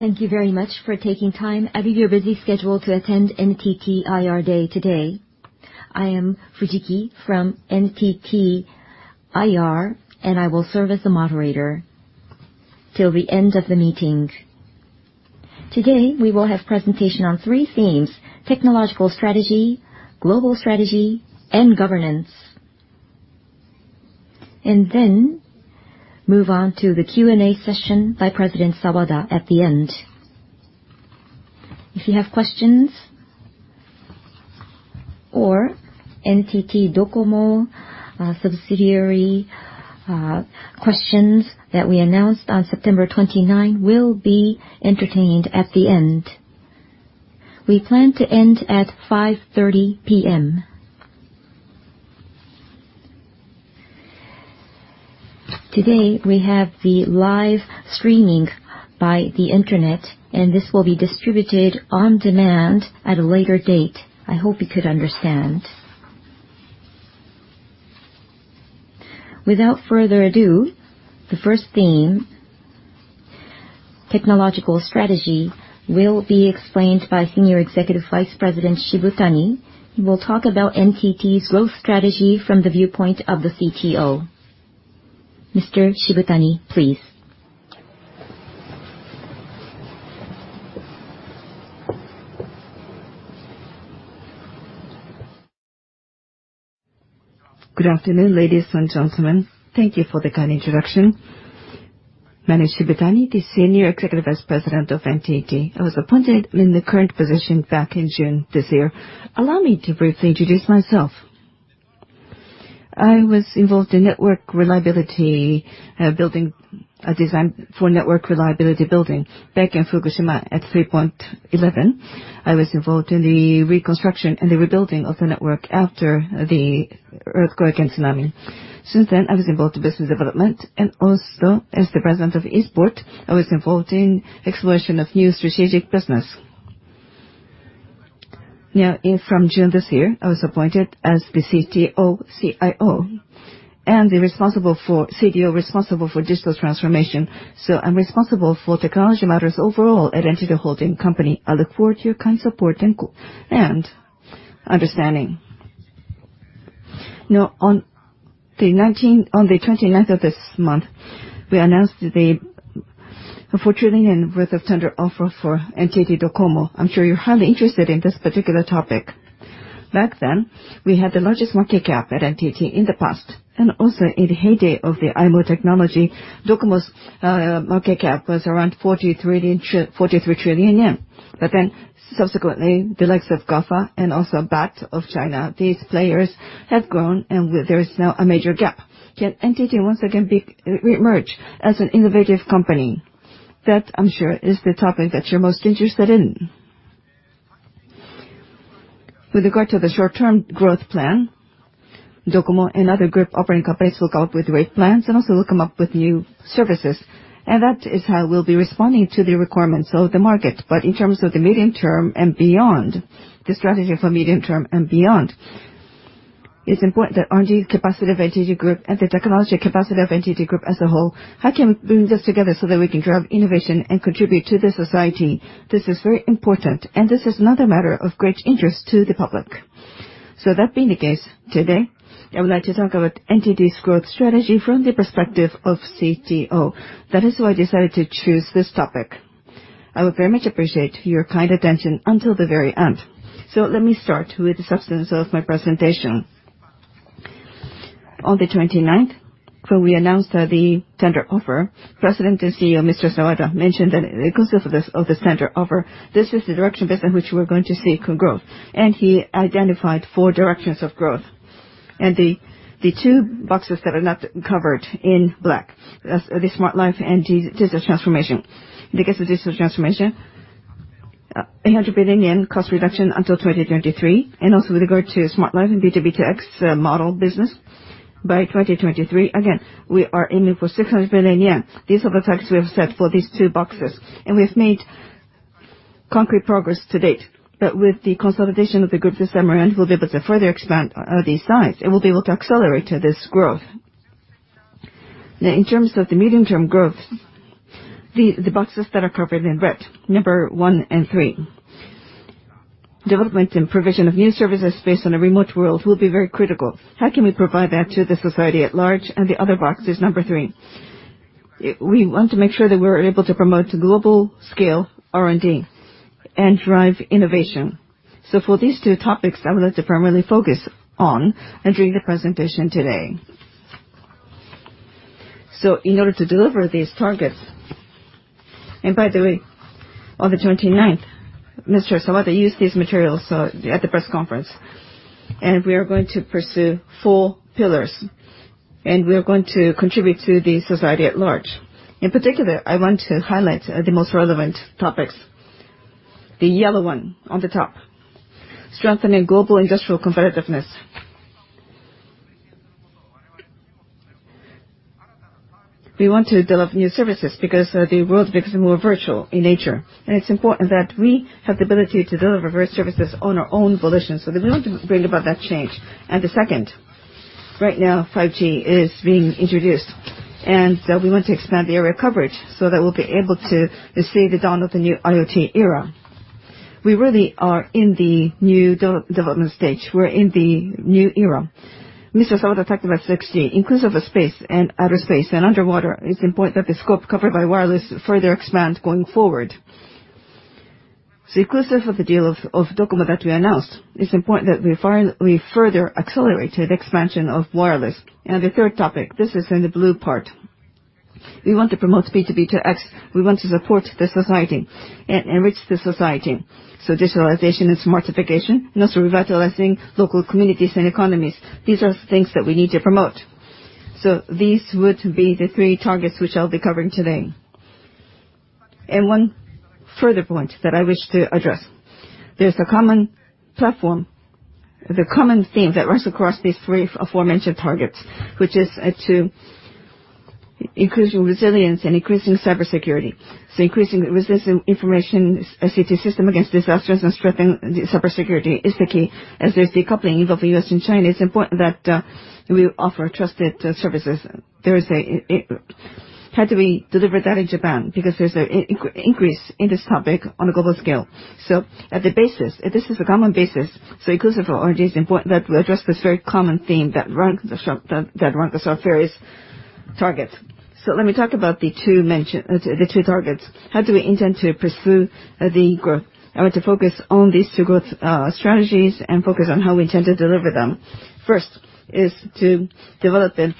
Thank you very much for taking time out of your busy schedule to attend NTT IR Day today. I am Fujiki from NTT IR, and I will serve as the moderator till the end of the meeting. Today, we will have presentation on three themes, technological strategy, global strategy, and governance. Then move on to the Q&A session by President Sawada at the end. If you have questions or NTT DOCOMO subsidiary questions that we announced on September 29 will be entertained at the end. We plan to end at 5:30 P.M. Today, we have the live streaming by the internet, and this will be distributed on demand at a later date. I hope you could understand. Without further ado, the first theme, technological strategy, will be explained by Senior Executive Vice President Shibutani, who will talk about NTT's growth strategy from the viewpoint of the CTO. Mr. Shibutani, please. Good afternoon, ladies and gentlemen. Thank you for the kind introduction. My name is Shibutani, the Senior Executive Vice President of NTT. I was appointed in the current position back in June this year. Allow me to briefly introduce myself. I was involved in network reliability, building a design for network reliability building back in Fukushima at 3/11. I was involved in the reconstruction and the rebuilding of the network after the earthquake and tsunami. I was involved in business development, and also as the President of NTT East, I was involved in exploration of new strategic business. From June this year, I was appointed as the CTO, CIO, and CTO responsible for digital transformation. I'm responsible for technology matters overall at NTT Holding Company. I look forward to your kind support and understanding. On the 29th of this month, we announced the JPY 4 trillion worth of tender offer for NTT DOCOMO. I'm sure you're highly interested in this particular topic. We had the largest market cap at NTT in the past, and also in the heyday of the i-mode technology, DOCOMO's market cap was around 43 trillion yen. Subsequently, the likes of GAFA and BAT of China, these players, have grown, and there is now a major gap. Can NTT once again reemerge as an innovative company? That, I'm sure, is the topic that you're most interested in. With regard to the short-term growth plan, DOCOMO and other group operating companies will come up with rate plans and also will come up with new services. That is how we'll be responding to the requirements of the market. In terms of the medium term and beyond, the strategy for medium term and beyond, it's important that R&D capacity of NTT Group and the technological capacity of NTT Group as a whole, how can we bring this together so that we can drive innovation and contribute to the society? This is very important, and this is another matter of great interest to the public. That being the case, today, I would like to talk about NTT's growth strategy from the perspective of CTO. That is why I decided to choose this topic. I would very much appreciate your kind attention until the very end. Let me start with the substance of my presentation. On the 29th, when we announced the tender offer, President and CEO, Mr. Sawada, mentioned that in the course of this tender offer, this is the direction based on which we're going to seek growth. He identified four directions of growth. The two boxes that are not covered in black, that's the Smart Life and Digital Transformation. In the case of Digital Transformation, 100 billion yen cost reduction until 2023, and also with regard to Smart Life and B2B2X model business. By 2023, again, we are aiming for 600 billion yen. These are the targets we have set for these two boxes, and we have made concrete progress to date. With the consolidation of the group this summer end, we'll be able to further expand these sides, and we'll be able to accelerate this growth. Now, in terms of the medium-term growth, the boxes that are covered in red, number 1 and 3. Development and provision of new services based on a remote world will be very critical. How can we provide that to the society at large? The other box is number 3. We want to make sure that we're able to promote global scale R&D and drive innovation. For these two topics, I would like to primarily focus on during the presentation today. In order to deliver these targets, and by the way, on the 29th, Mr. Sawada used these materials at the press conference. We are going to pursue four pillars, and we are going to contribute to the society at large. In particular, I want to highlight the most relevant topics. The yellow one on the top, strengthening global industrial competitiveness. We want to develop new services because the world is becoming more virtual in nature. It's important that we have the ability to deliver various services on our own volition. We want to bring about that change. The second. Right now, 5G is being introduced, we want to expand the area of coverage so that we'll be able to see the dawn of the new IoT era. We really are in the new development stage. We're in the new era. Mr. Sawada talked about 6G, inclusive of space and outer space and underwater. It's important that the scope covered by wireless further expand going forward. Inclusive of the deal of DOCOMO that we announced, it's important that we further accelerate the expansion of wireless. The third topic, this is in the blue part. We want to promote B2B2X. We want to support the society and enrich the society. Digitalization and smartification, revitalizing local communities and economies. These are things that we need to promote. These would be the three targets which I'll be covering today. One further point that I wish to address, there's a common platform, the common theme that runs across these three aforementioned targets, which is to increasing resilience and increasing cybersecurity. Increasing resilience information, ICT system against disasters and strengthening the cybersecurity is the key. As there's decoupling involving U.S. and China, it's important that we offer trusted services. How do we deliver that in Japan? There's an increase in this topic on a global scale. At the basis, this is a common basis, so inclusive for all, it is important that we address this very common theme that runs across various targets. Let me talk about the two targets. How do we intend to pursue the growth? I want to focus on these two growth strategies and focus on how we intend to deliver them. First is to develop and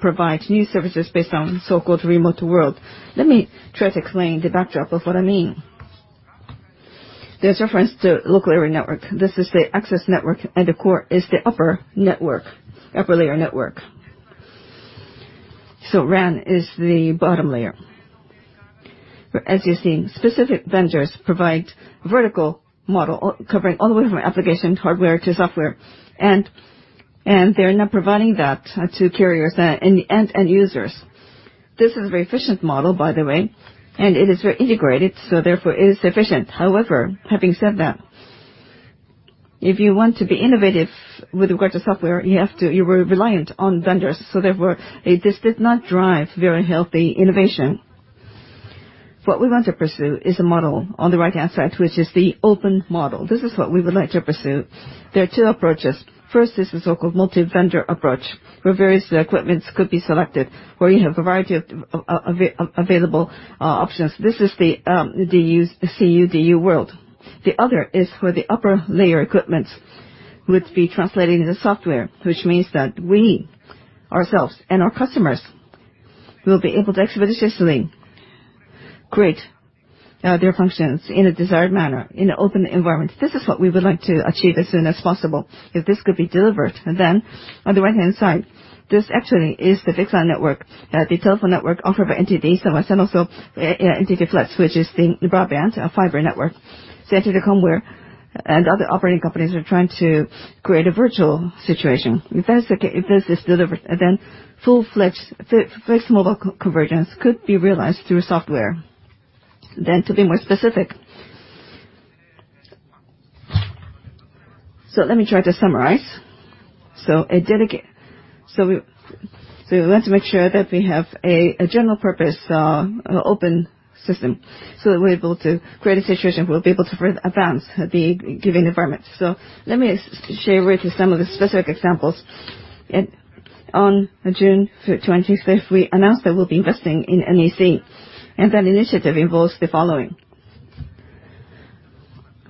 provide new services based on so-called remote world. Let me try to explain the backdrop of what I mean. There's reference to local area network. This is the access network, and the core is the upper layer network. RAN is the bottom layer. As you're seeing, specific vendors provide vertical model covering all the way from application hardware to software, and they're now providing that to carriers and end users. This is a very efficient model, by the way, and it is very integrated, so therefore it is efficient. However, having said that, if you want to be innovative with regard to software, you were reliant on vendors. Therefore, this did not drive very healthy innovation. What we want to pursue is a model on the right-hand side, which is the open model. This is what we would like to pursue. There are two approaches. First, this is so-called multi-vendor approach, where various equipments could be selected, where you have a variety of available options. This is the CU-DU world. The other is for the upper layer equipments, which we translated into software, which means that we ourselves and our customers will be able to exhibit agility, create their functions in a desired manner in an open environment. This is what we would like to achieve as soon as possible. If this could be delivered, then on the right-hand side, this actually is the fixed-line network, the telephone network offered by NTT. When I say also NTT FLET'S Hikari, which is the broadband, a fiber network. NTT Comware and other operating companies are trying to create a virtual situation. If that's the case, if that is delivered, full-fledged fixed mobile convergence could be realized through software. To be more specific. Let me try to summarize. We want to make sure that we have a general purpose open system so that we're able to create a situation where we'll be able to advance the given environment. Let me share with you some of the specific examples. On June 25th, we announced that we'll be investing in NEC, and that initiative involves the following.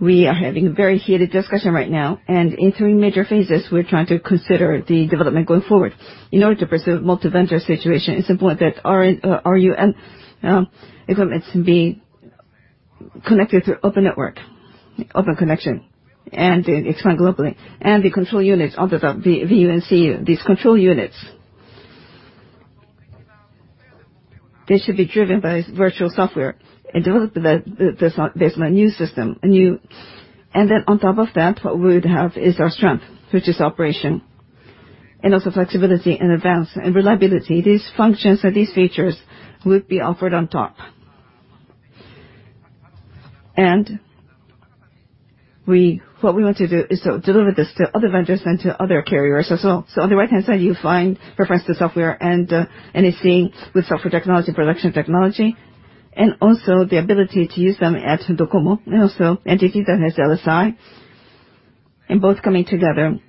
We are having a very heated discussion right now, and in 3 major phases, we're trying to consider the development going forward. In order to pursue multi-vendor situation, it's important that our RU equipments be connected through open network, open connection, and expand globally. The control units, all the vCU, these control units. They should be driven by virtual software and developed based on a new system. On top of that, what we would have is our strength, which is operation, and also flexibility and advance and reliability. These functions or these features would be offered on top. What we want to do is to deliver this to other vendors and to other carriers as well. On the right-hand side, you find reference to software and NEC with software technology, production technology, and also the ability to use them at DOCOMO and also NTT DATA as LSI. Both coming together,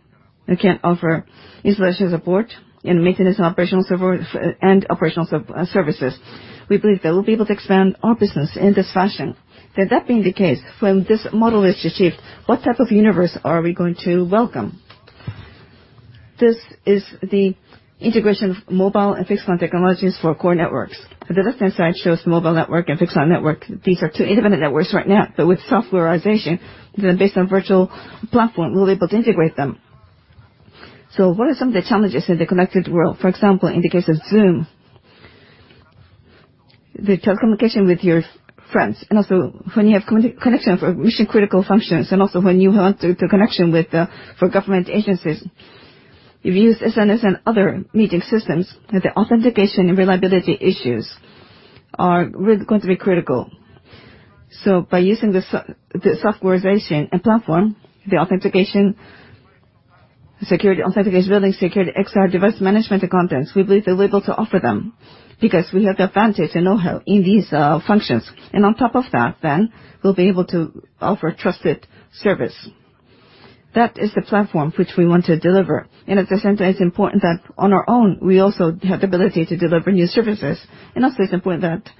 we can offer installation support and maintenance and operational services. We believe that we'll be able to expand our business in this fashion. That being the case, when this model is achieved, what type of universe are we going to welcome? This is the integration of mobile and fixed-line technologies for core networks. The left-hand side shows mobile network and fixed-line network. These are two independent networks right now, but with softwarization, then based on virtual platform, we'll be able to integrate them. What are some of the challenges in the connected world? For example, in the case of Zoom, the telecommunication with your friends, and also when you have connection for mission-critical functions, and also when you want the connection for government agencies. If you use SNS and other meeting systems, the authentication and reliability issues are really going to be critical. By using the softwarization and platform, the authentication, security authentication, building security, XR device management, and contents, we believe that we're able to offer them because we have the advantage and know-how in these functions. On top of that, we'll be able to offer trusted service. That is the platform which we want to deliver. At the same time, it's important that on our own, we also have the ability to deliver new services. Also, it's important that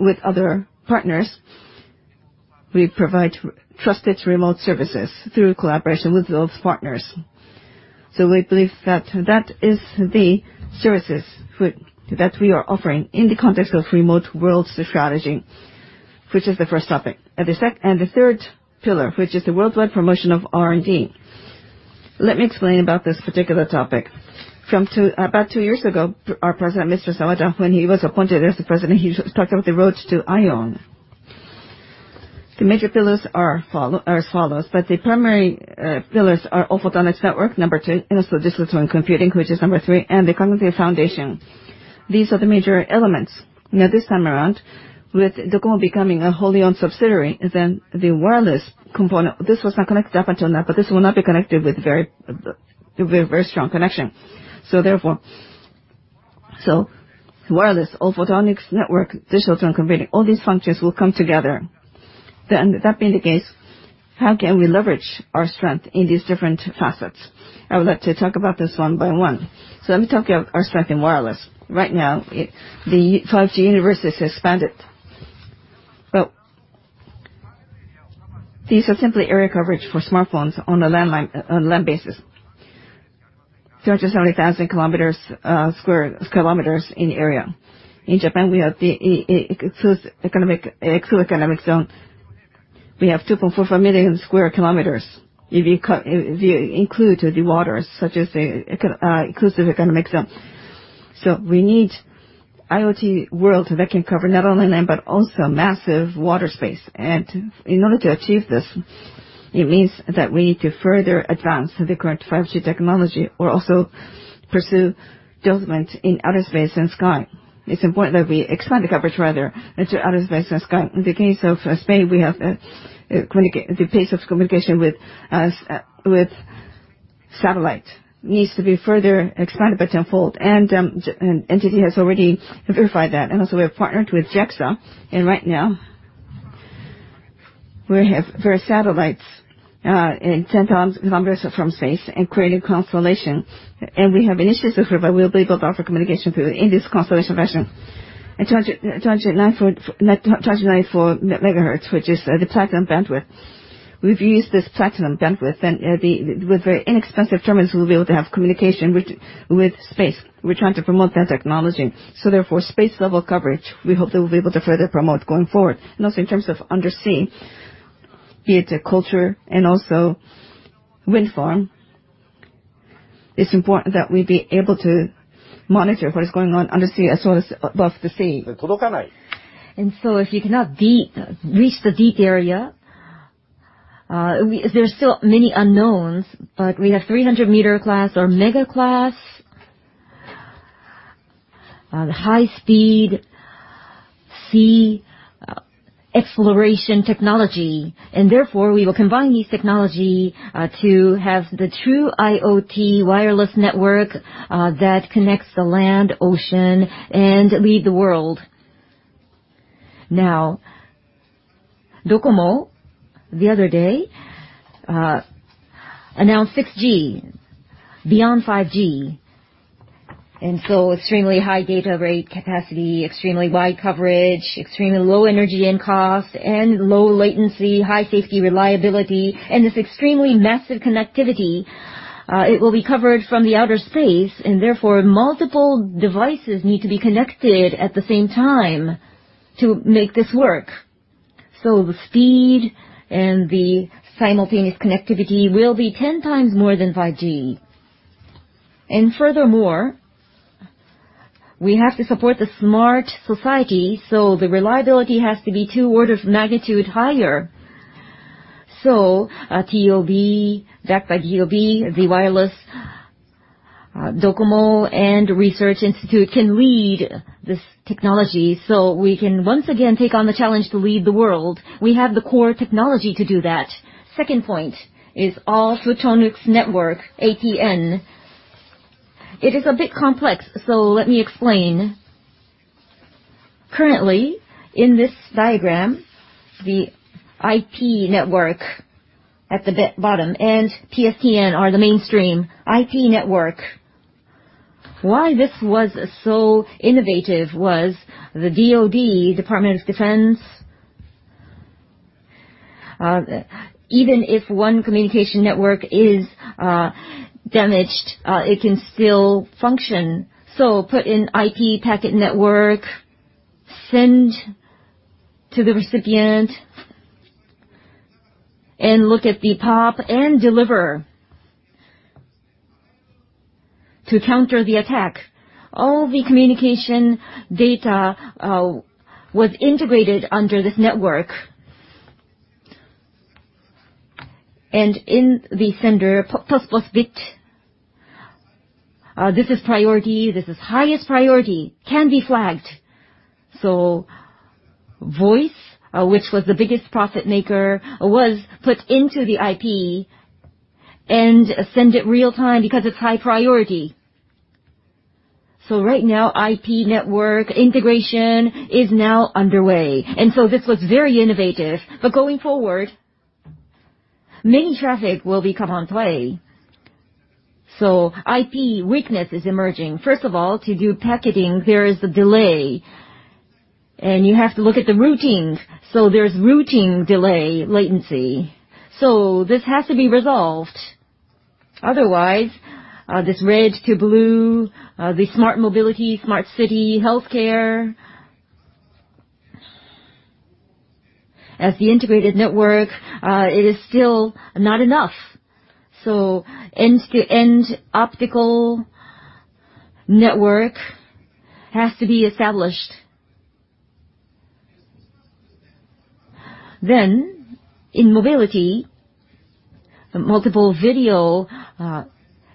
with other partners, we provide trusted remote services through collaboration with those partners. We believe that is the services that we are offering in the context of remote world strategy, which is the first topic. The third pillar, which is the worldwide promotion of R&D. Let me explain about this particular topic. From about two years ago, our president, Mr. Sawada, when he was appointed as the president, he talked about the road to IOWN. The major pillars are as follows, but the primary pillars are All-Photonics Network, number 2, and also Digital Twin Computing, which is number 3, and the Cognitive Foundation. These are the major elements. Now, this time around, with DOCOMO becoming a wholly owned subsidiary, then the wireless component, this was not connected up until now, but this will now be connected with a very strong connection. Therefore, wireless, All-Photonics Network, Digital Twin Computing, all these functions will come together. That being the case, how can we leverage our strength in these different facets? I would like to talk about this one by one. Let me talk about our strength in wireless. Right now, the 5G universe is expanded. These are simply area coverage for smartphones on a land basis. 370,000 sq km in area. In Japan, we have the exclusive economic zone. We have 2.45 million sq km if you include the waters, such as the exclusive economic zone. We need IoT world that can cover not only land, but also massive water space. In order to achieve this, it means that we need to further advance the current 5G technology or also pursue deployment in outer space and sky. It's important that we expand the coverage rather into outer space and sky. In the case of space, we have the pace of communication with satellite needs to be further expanded but tenfold. NTT has already verified that. We have partnered with JAXA, and right now we have various satellites, 10,000 numbers from space, and creating constellation. We have initiatives where we will be able to offer communication through in this constellation version, at 294 MHz, which is the platinum bandwidth. We've used this platinum bandwidth, and with very inexpensive terminals, we'll be able to have communication with space. We're trying to promote that technology. Space-level coverage, we hope that we'll be able to further promote going forward. In terms of under sea, be it aquaculture and also wind farm, it's important that we be able to monitor what is going on under sea as well as above the sea. If you cannot reach the deep area, there's still many unknowns, but we have 300-meter class or mega class, the high-speed sea exploration technology, and therefore we will combine this technology to have the true IoT wireless network that connects the land, ocean, and lead the world. DOCOMO, the other day, announced 6G, beyond 5G, and so extremely high data rate capacity, extremely wide coverage, extremely low energy and cost, and low latency, high safety, reliability, and this extremely massive connectivity, it will be covered from the outer space, and therefore multiple devices need to be connected at the same time to make this work. The speed and the simultaneous connectivity will be 10 times more than 5G. Furthermore, we have to support the smart society, so the reliability has to be 2 orders of magnitude higher. Backed by TOB, Z-Wireless, DOCOMO and Research Institute can lead this technology so we can once again take on the challenge to lead the world. We have the core technology to do that. Second point is All-Photonics Network, APN. It is a bit complex, so let me explain. Currently, in this diagram, the IP network at the bottom and PSTN are the mainstream IP network. Why this was so innovative was the DoD, Department of Defense. Even if one communication network is damaged, it can still function. Put in IP packet network, send to the recipient, and look at the POP and deliver. To counter the attack, all the communication data was integrated under this network. In the sender, plus bit, this is priority, this is highest priority, can be flagged. Voice, which was the biggest profit maker, was put into the IP and send it real-time because it's high priority. Right now IP network integration is now underway, this was very innovative. Going forward, many traffic will become end-to-end. IP weakness is emerging. First of all, to do packaging, there is a delay, and you have to look at the routing. There's routing delay latency. This has to be resolved. Otherwise, this red to blue, the smart mobility, smart city healthcare, as the integrated network, it is still not enough. End-to-end optical network has to be established. In mobility, multiple video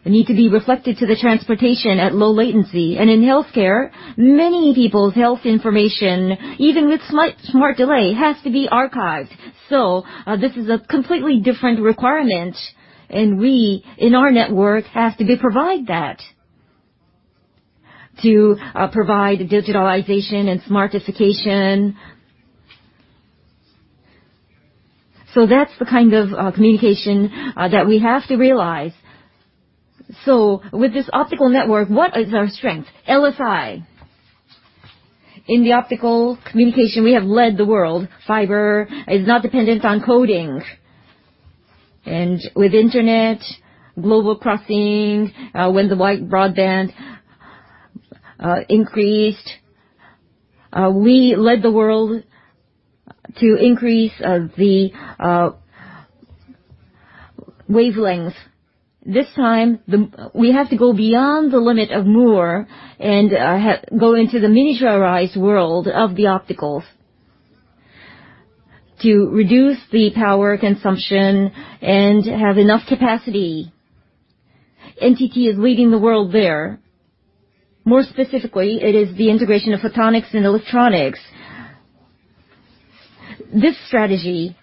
need to be reflected to the transportation at low latency. In healthcare, many people's health information, even with slight smart delay, has to be archived. This is a completely different requirement, and we, in our network, has to provide that to provide digitalization and smartification. That's the kind of communication that we have to realize. With this optical network, what is our strength? LSI. In the optical communication, we have led the world. Fiber is not dependent on coding. With Internet, Global Crossing, when the widespread broadband increased, we led the world to increase the wavelengths. This time, we have to go beyond the limit of Moore and go into the miniaturized world of the opticals to reduce the power consumption and have enough capacity. NTT is leading the world there. More specifically, it is the integration of photonics and electronics. This strategy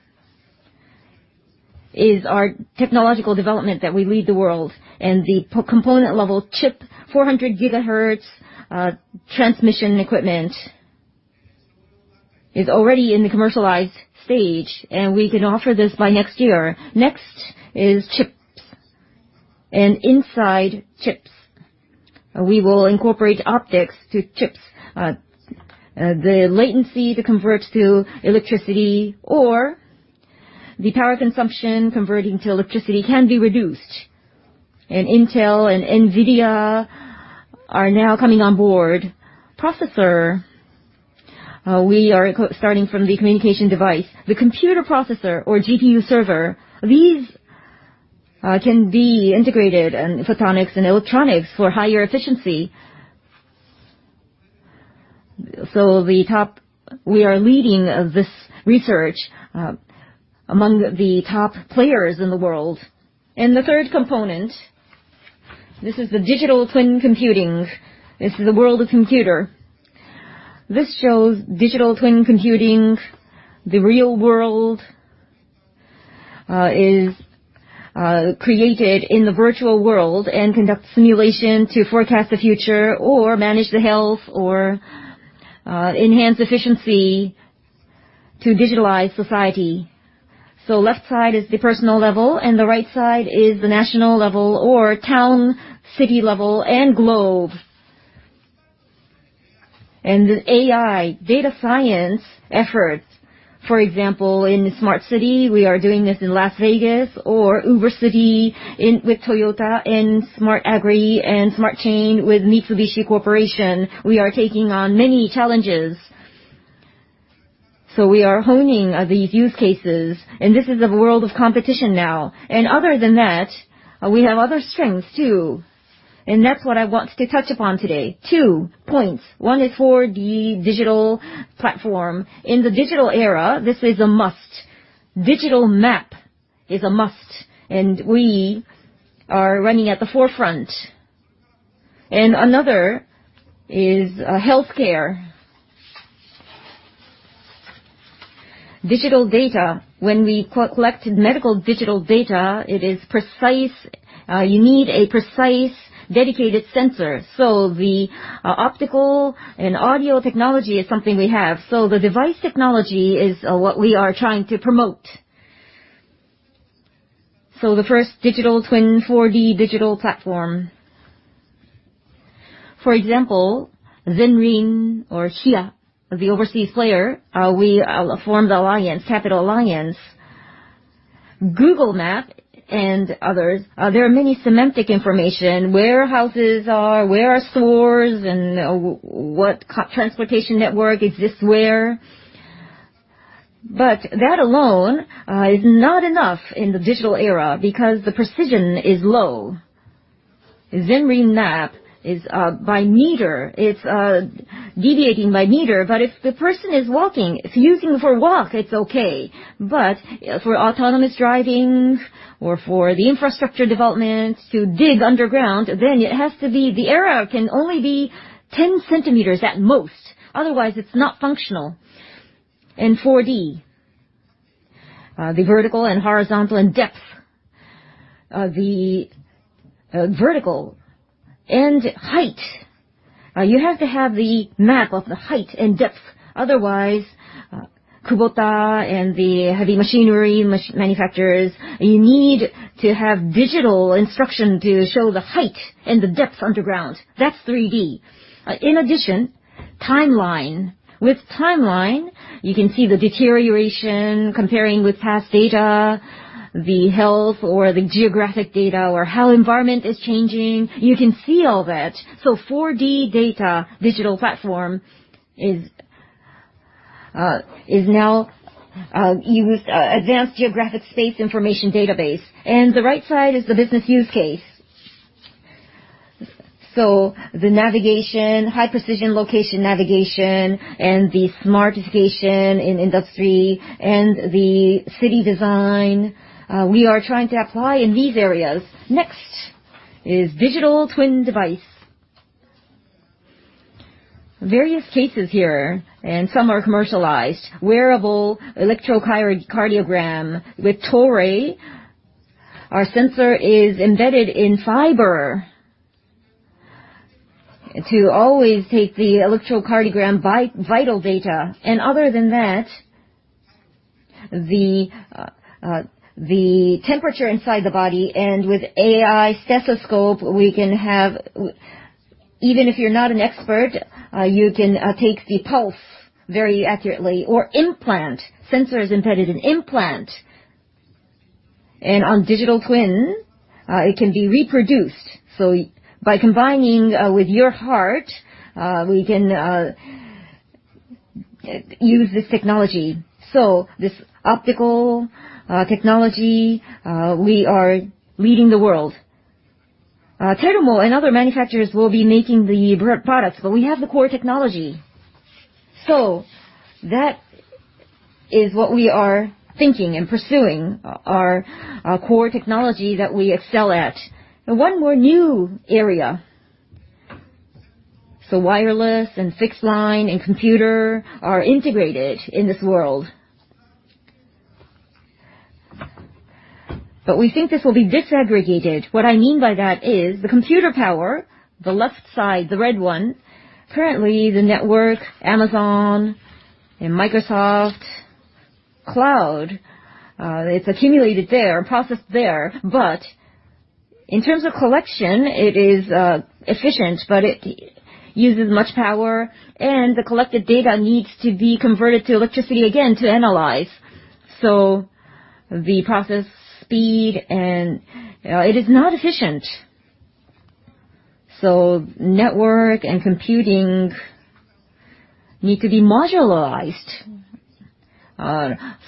is our technological development that we lead the world, and the component level chip 400 GHz transmission equipment is already in the commercialized stage, and we can offer this by next year. Next is chips. Inside chips, we will incorporate optics to chips. The latency to convert to electricity or the power consumption converting to electricity can be reduced. Intel and NVIDIA are now coming on board. Processor, we are starting from the communication device. The computer processor or GPU server, these can be integrated in photonics and electronics for higher efficiency. We are leading this research among the top players in the world. The third component, this is the Digital Twin Computing. This is the world of computer. This shows Digital Twin Computing. The real world is created in the virtual world and conducts simulation to forecast the future or manage the health or enhance efficiency to digitalize society. Left side is the personal level, and the right side is the national level or town, city level, and globe. The AI data science efforts, for example, in the Smart City, we are doing this in Las Vegas or Woven City with Toyota in Smart Agri and Smart Chain with Mitsubishi Corporation. We are taking on many challenges. We are honing these use cases, and this is the world of competition now. Other than that, we have other strengths too, and that's what I want to touch upon today. Two points. One is for the digital platform. In the digital era, this is a must. Digital map is a must, and we are running at the forefront. Another is healthcare. Digital data. When we collect medical digital data, it is precise. You need a precise, dedicated sensor. The optical and audio technology is something we have. The device technology is what we are trying to promote. The first digital twin 4D digital platform. For example, Zenrin or HERE, the overseas player, we formed alliance, capital alliance, Google Maps, and others. There are many semantic information, where houses are, where are stores, and what transportation network exists where. That alone is not enough in the digital era because the precision is low. Zenrin map is by meter. It's deviating by meter, but if the person is walking, it's using for walk, it's okay. For autonomous driving or for the infrastructure development to dig underground, then it has to be the error can only be 10 cm at most, otherwise it's not functional. 4D, the vertical and horizontal and depth. The vertical and height. You have to have the map of the height and depth, otherwise Kubota and the heavy machinery manufacturers, you need to have digital instruction to show the height and the depth underground. That's 3D. In addition, timeline. With timeline, you can see the deterioration comparing with past data, the health or the geographic data, or how environment is changing. You can see all that. 4D data digital platform is now used advanced geographic space information database. The right side is the business use case. The navigation, high precision location navigation, and the smartification in industry, and the city design, we are trying to apply in these areas. Next is digital twin device. Various cases here, and some are commercialized. Wearable electrocardiogram with Toray. Our sensor is embedded in fiber to always take the electrocardiogram vital data. Other than that, the temperature inside the body, and with AI stethoscope, we can have Even if you're not an expert, you can take the pulse very accurately. Implant, sensor is embedded in implant. On digital twin, it can be reproduced. By combining with your heart, we can use this technology. This optical technology, we are leading the world. Terumo and other manufacturers will be making the products, but we have the core technology. That is what we are thinking and pursuing, our core technology that we excel at. Now, one more new area. Wireless and fixed line and computer are integrated in this world. We think this will be disaggregated. What I mean by that is the computer power, the left side, the red one, currently the network, Amazon and Microsoft Cloud, it's accumulated there and processed there. In terms of collection, it is efficient, but it uses much power and the collected data needs to be converted to electricity again to analyze. The process speed and it is not efficient. Network and computing need to be modularized.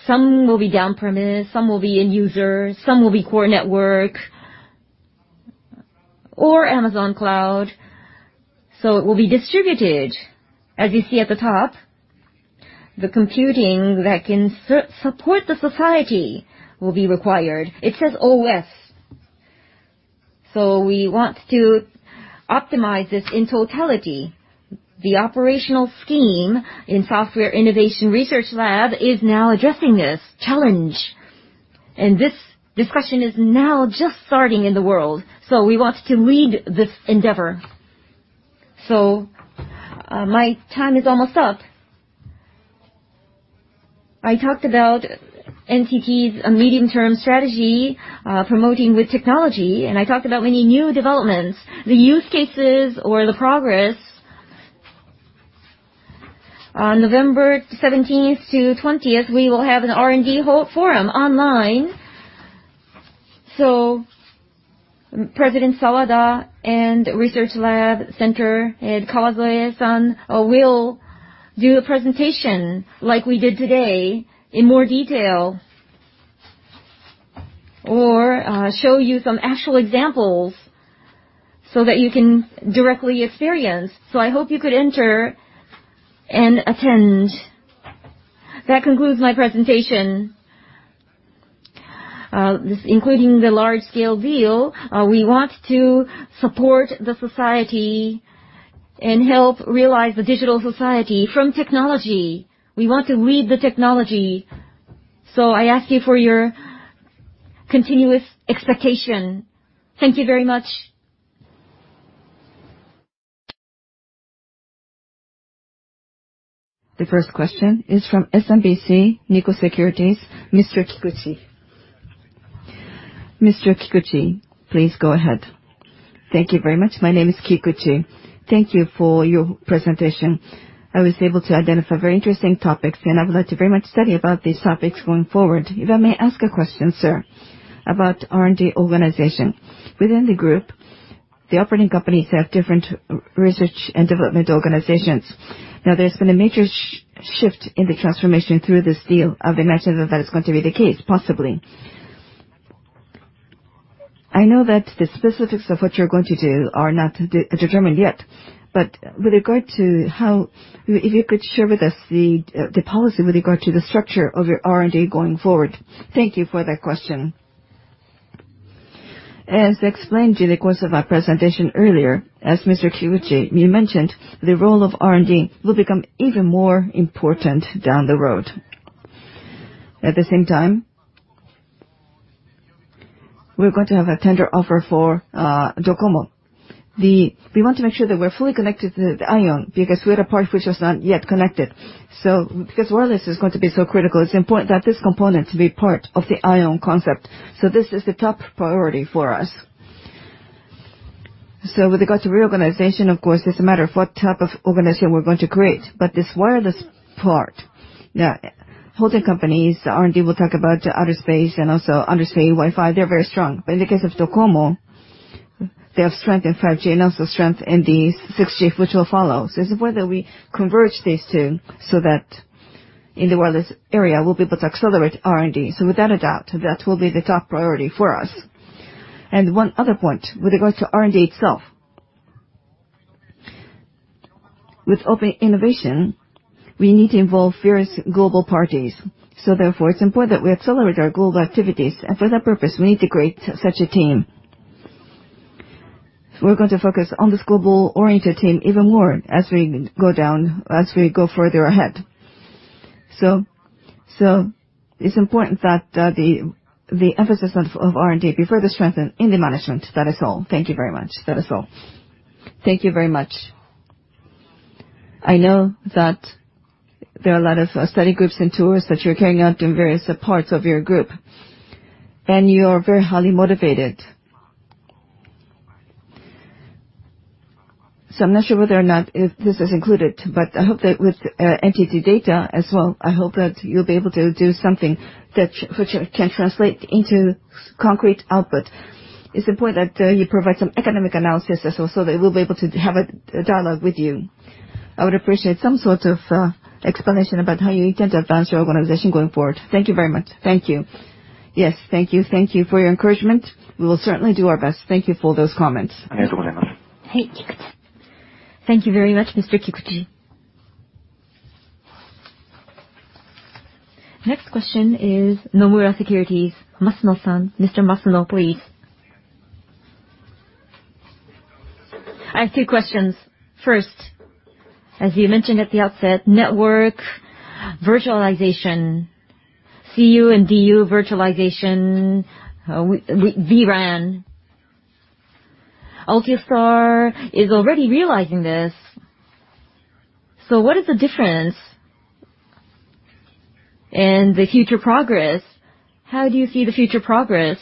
Some will be on-premise, some will be end users, some will be core network or Amazon Cloud. It will be distributed. As you see at the top, the computing that can support the society will be required. It says OS. We want to optimize this in totality. The operational scheme in NTT Software Innovation Center is now addressing this challenge. This discussion is now just starting in the world. We want to lead this endeavor. My time is almost up. I talked about NTT's medium-term strategy, promoting with technology, and I talked about many new developments, the use cases or the progress. On November 17th to 20th, we will have an R&D forum online. President Sawada and Research Lab Center, Kawazoe-san, will do a presentation like we did today in more detail. Show you some actual examples so that you can directly experience. I hope you could enter and attend. That concludes my presentation. Including the large scale deal, we want to support the society and help realize the digital society from technology. We want to lead the technology. I ask you for your continuous expectation. Thank you very much. The first question is from SMBC Nikko Securities, Mr. Kikuchi. Mr. Kikuchi, please go ahead. Thank you very much. My name is Kikuchi. Thank you for your presentation. I was able to identify very interesting topics, and I would like to very much study about these topics going forward. If I may ask a question, sir, about R&D organization. Within the group, the operating companies have different research and development organizations. Now there's been a major shift in the transformation through this deal. I would imagine that that is going to be the case, possibly. I know that the specifics of what you're going to do are not determined yet, but if you could share with us the policy with regard to the structure of your R&D going forward. Thank you for that question. As explained in the course of our presentation earlier, as Mr. Kikuchi, you mentioned, the role of R&D will become even more important down the road. At the same time, we're going to have a tender offer for DOCOMO. We want to make sure that we're fully connected to the IOWN, because we had a part which was not yet connected. Because wireless is going to be so critical, it's important that this component be part of the IOWN concept. This is the top priority for us. With regards to reorganization, of course, it's a matter of what type of organization we're going to create. This wireless part, holding companies, R&D will talk about outer space and also undersea Wi-Fi, they're very strong. In the case of DOCOMO, they have strength in 5G and also strength in the 6G, which will follow. It's whether we converge these two so that in the wireless area, we'll be able to accelerate R&D. Without a doubt, that will be the top priority for us. One other point, with regards to R&D itself. With open innovation, we need to involve various global parties. Therefore, it's important that we accelerate our global activities, and for that purpose, we need to create such a team. We're going to focus on this global-oriented team even more as we go further ahead. It's important that the emphasis of R&D be further strengthened in the management. That is all. Thank you very much. That is all. Thank you very much. I know that there are a lot of study groups and tours that you're carrying out in various parts of your group, and you are very highly motivated. I'm not sure whether or not this is included, but I hope that with NTT Data as well, I hope that you'll be able to do something that can translate into concrete output. It's important that you provide some economic analysis as well, so that we'll be able to have a dialogue with you. I would appreciate some sort of explanation about how you intend to advance your organization going forward. Thank you very much. Thank you. Yes. Thank you. Thank you for your encouragement. We will certainly do our best. Thank you for those comments. Thank you very much, Mr. Kikuchi. Next question is Nomura Securities, Masuno-san. Mr. Masuno, please. I have two questions. First, as you mentioned at the outset, network virtualization, CU/DU virtualization, vRAN. Altiostar is already realizing this. What is the difference and the future progress? How do you see the future progress?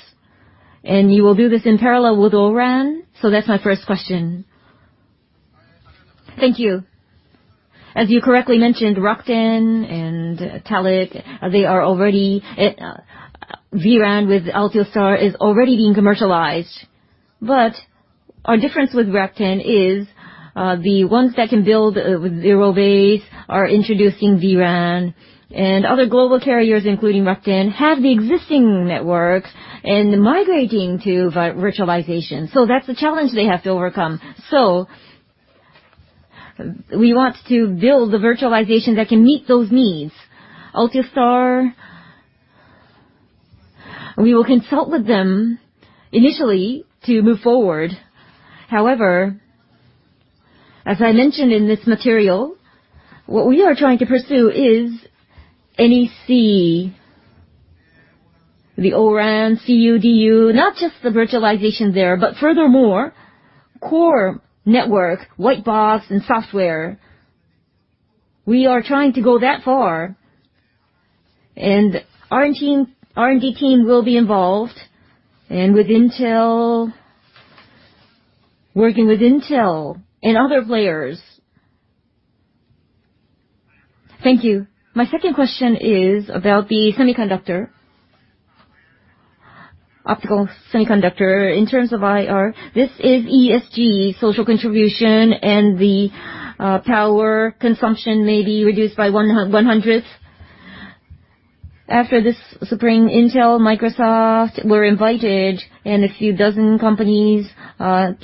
You will do this in parallel with O-RAN? That's my first question. Thank you. As you correctly mentioned, Rakuten and Telit, vRAN with Altiostar is already being commercialized. Our difference with Rakuten is the ones that can build with zero base are introducing vRAN, and other global carriers, including Rakuten, have the existing networks and migrating to virtualization. That's the challenge they have to overcome. We want to build the virtualization that can meet those needs. Altiostar, we will consult with them initially to move forward. However, as I mentioned in this material, what we are trying to pursue is NEC, the O-RAN, CU/DU, not just the virtualization there, but furthermore, core network, white box, and software. We are trying to go that far. Our R&D team will be involved, and with Intel, working with Intel and other players. Thank you. My second question is about the semiconductor, optical semiconductor. In terms of IR, this is ESG social contribution. The power consumption may be reduced by 100th. After this spring, Intel, Microsoft were invited. A few dozen companies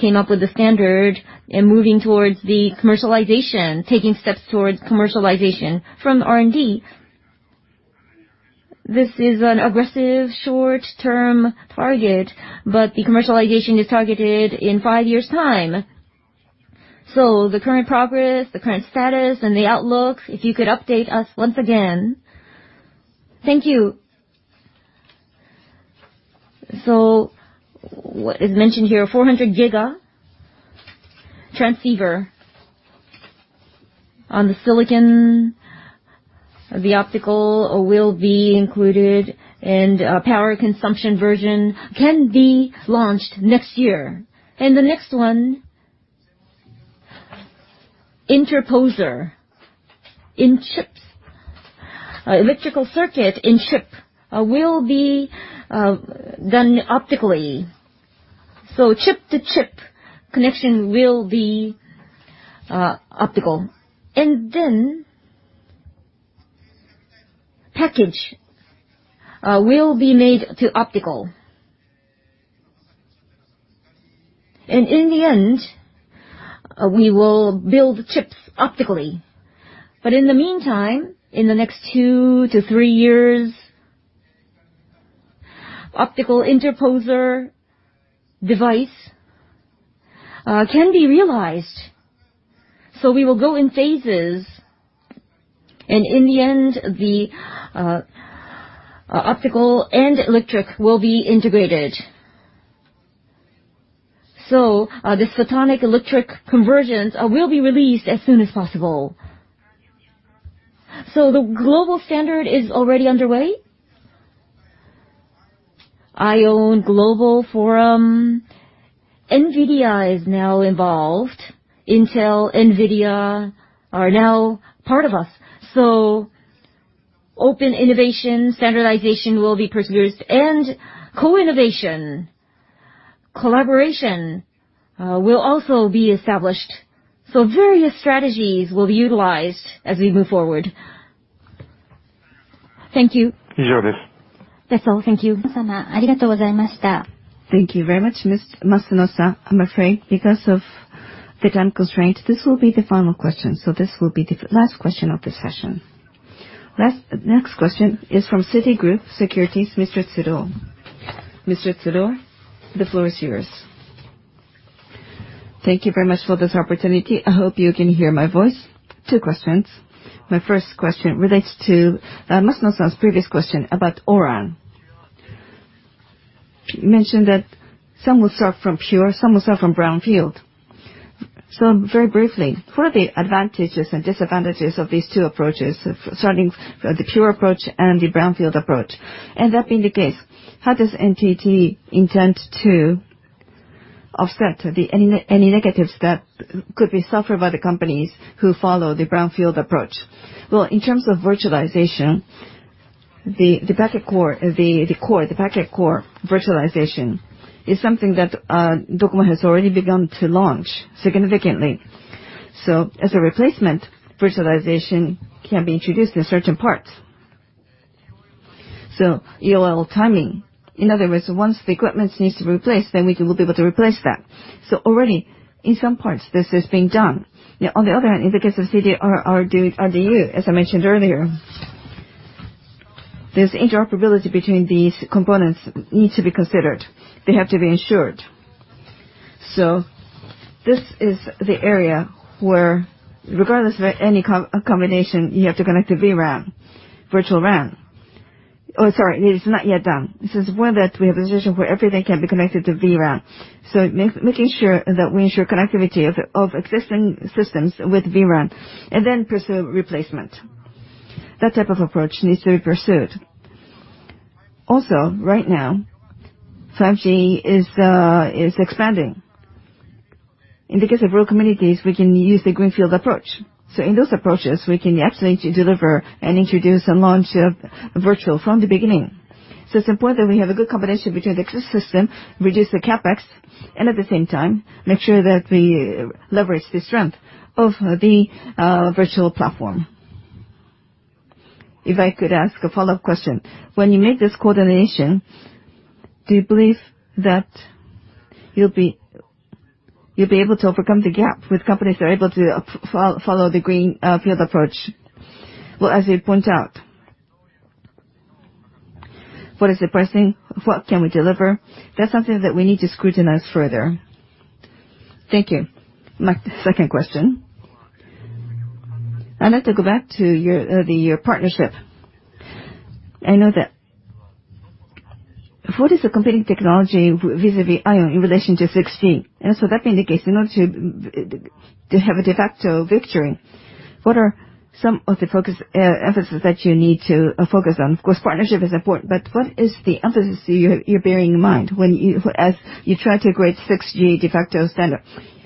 came up with the standard and moving towards the commercialization, taking steps towards commercialization from R&D. This is an aggressive short-term target. The commercialization is targeted in five years' time. The current progress, the current status, and the outlook, if you could update us once again. Thank you. What is mentioned here, 400 giga transceiver. On the silicon, the optical will be included, and a power consumption version can be launched next year. The next one, interposer. In chips, electrical circuit in chip will be done optically. Chip-to-chip connection will be optical. Package will be made to optical. In the end, we will build chips optically. In the meantime, in the next two to three years, optical interposer device can be realized. We will go in phases, and in the end, the optical and electric will be integrated. This photonic electric convergence will be released as soon as possible. The global standard is already underway. IOWN Global Forum, NVIDIA is now involved. Intel, NVIDIA are now part of us. Open innovation standardization will be pursued, and co-innovation, collaboration will also be established. Various strategies will be utilized as we move forward. Thank you. That's all. Thank you. Thank you very much, Mr. Masuno. I'm afraid because of the time constraint, this will be the final question. This will be the last question of the session. Next question is from Citigroup Securities, Mr. Tsuruo. Mr. Tsuruo, the floor is yours. Thank you very much for this opportunity. I hope you can hear my voice. Two questions. My first question relates to Masuno's previous question about O-RAN. You mentioned that some will start from pure, some will start from brownfield. Very briefly, what are the advantages and disadvantages of these two approaches, starting the pure approach and the brownfield approach? That being the case, how does NTT intend to offset any negatives that could be suffered by the companies who follow the brownfield approach? In terms of virtualization, the packet core virtualization is something that DOCOMO has already begun to launch significantly. As a replacement, virtualization can be introduced in certain parts. EOL timing. In other words, once the equipment needs to be replaced, then we will be able to replace that. Already in some parts, this is being done. On the other hand, in the case of CU/DU, RU/DU, as I mentioned earlier, this interoperability between these components need to be considered. They have to be ensured. This is the area where regardless of any combination, you have to connect to vRAN, virtual RAN. Sorry, it is not yet done. This is one that we have a decision where everything can be connected to vRAN. Making sure that we ensure connectivity of existing systems with vRAN, and then pursue replacement. That type of approach needs to be pursued. Right now, 5G is expanding. In the case of rural communities, we can use the greenfield approach. In those approaches, we can actually deliver and introduce and launch virtual from the beginning. It's important we have a good combination between the existing system, reduce the CapEx, and at the same time, make sure that we leverage the strength of the virtual platform. If I could ask a follow-up question. When you make this coordination, do you believe that you'll be able to overcome the gap with companies that are able to follow the greenfield approach? Well, as you point out, what is the pricing? What can we deliver? That's something that we need to scrutinize further. Thank you. My second question. I'd like to go back to your partnership. I know that. What is the competing technology vis-a-vis IOWN in relation to 6G? That being the case, in order to have a de facto victory, what are some of the focus, emphasis that you need to focus on? Of course, partnership is important, but what is the emphasis you're bearing in mind when you, as you try to create 6G de facto standard?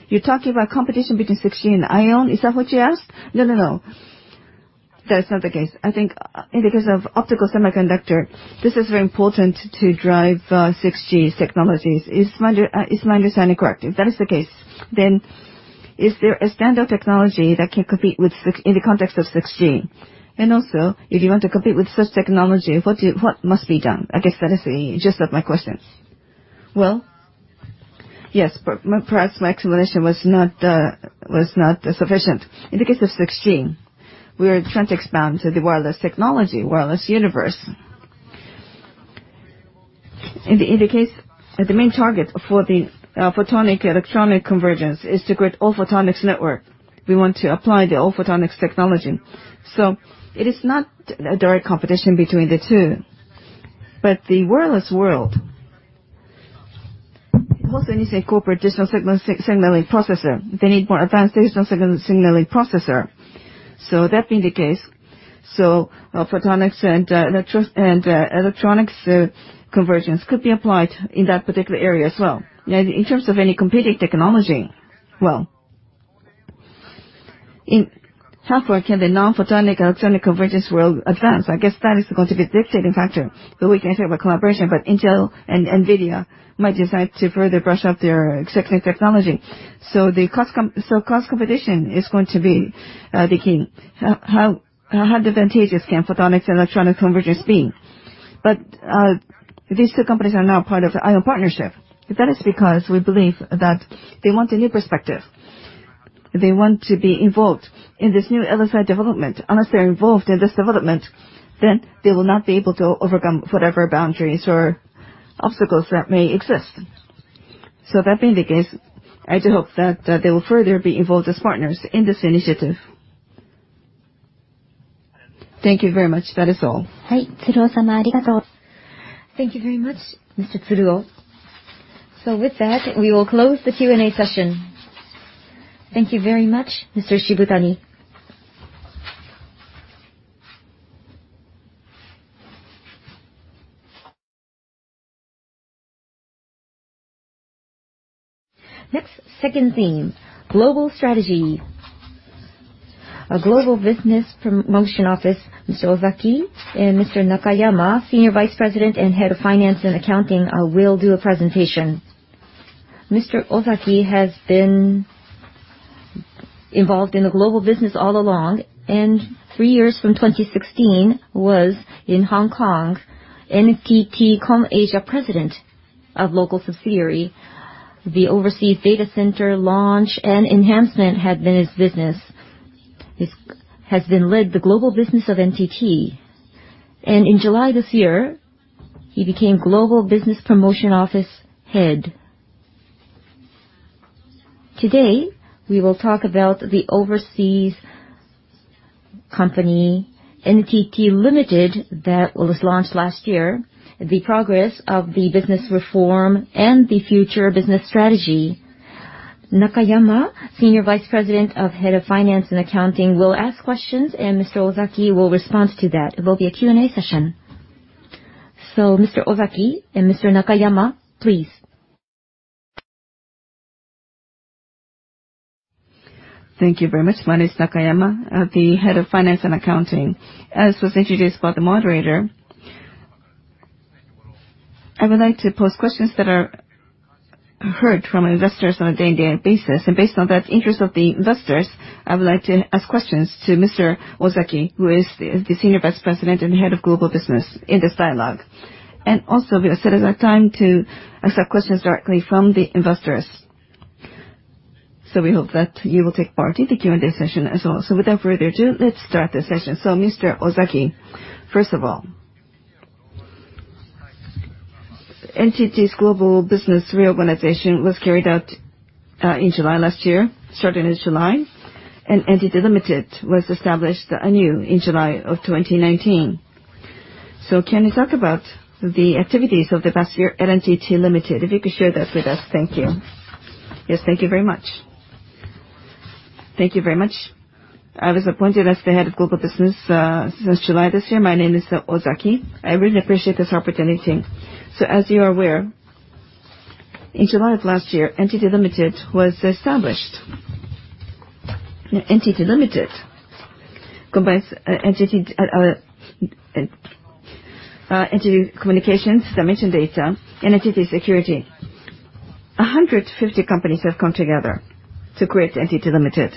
You're talking about competition between 6G and IOWN? Is that what you asked? No, no. That's not the case. I think in the case of optical semiconductor, this is very important to drive 6G technologies. Is my understanding correct? If that is the case, then is there a standard technology that can compete in the context of 6G? If you want to compete with such technology, what must be done? I guess that is just that my questions. Yes, perhaps my explanation was not sufficient. In the case of 6G, we are trying to expand to the wireless technology, wireless universe. In the case, the main target for the photonic electronic convergence is to create All-Photonics Network. We want to apply the All-Photonics technology. It is not a direct competition between the two, but the wireless world also needs to incorporate digital signali processor. They need more advanced digital signal processor. That being the case, so photonics and electronics convergence could be applied in that particular area as well. In terms of any competing technology, well, how far can the non-photonic electronic convergence world advance? I guess that is going to be dictating factor. We can say about collaboration, but Intel and NVIDIA might decide to further brush up their existing technology. Class competition is going to be the key. How advantageous can photonics electronic convergence be? These two companies are now part of the IOWN partnership. That is because we believe that they want a new perspective. They want to be involved in this new LSI development. Unless they're involved in this development, then they will not be able to overcome whatever boundaries or obstacles that may exist. That being the case, I do hope that they will further be involved as partners in this initiative. Thank you very much. That is all. Thank you very much, Mr. Tsuruo. With that, we will close the Q&A session. Thank you very much, Mr. Shibutani. Next, second theme, global strategy. Global business promotion office, Mr. Ozaki, and Mr. Nakayama, Senior Vice President and Head of Finance and Accounting, will do a presentation. Mr. Ozaki has been involved in the global business all along, and three years from 2016, was in Hong Kong, NTT Com Asia President of local subsidiary. The overseas data center launch and enhancement had been his business. He has led the global business of NTT. In July this year, he became Global Business Promotion Office Head. Today, we will talk about the overseas company, NTT Ltd., that was launched last year, the progress of the business reform, and the future business strategy. Nakayama, Senior Vice President of Head of Finance and Accounting, will ask questions, and Mr. Ozaki will respond to that. It will be a Q&A session. Mr. Ozaki and Mr. Nakayama, please. Thank you very much. My name is Nakayama, the Head of Finance and Accounting. As was introduced by the moderator, I would like to pose questions that are heard from investors on a day-to-day basis. Based on that interest of the investors, I would like to ask questions to Mr. Ozaki, who is the Senior Vice President and Head of Global Business, in this dialogue. Also, we will set aside time to accept questions directly from the investors. We hope that you will take part in the Q&A session as well. Without further ado, let's start the session. Mr. Ozaki, first of all, NTT's global business reorganization was carried out in July last year, starting in July, and NTT Ltd. was established anew in July of 2019. Can you talk about the activities of last year at NTT Ltd.? If you could share that with us. Thank you. Yes, thank you very much. Thank you very much. I was appointed as the Head of Global Business since July this year. My name is Ozaki. I really appreciate this opportunity. As you are aware, in July of last year, NTT Ltd. was established. NTT Ltd. combines NTT Communications, Dimension Data, and NTT Security. 150 companies have come together to create NTT Ltd.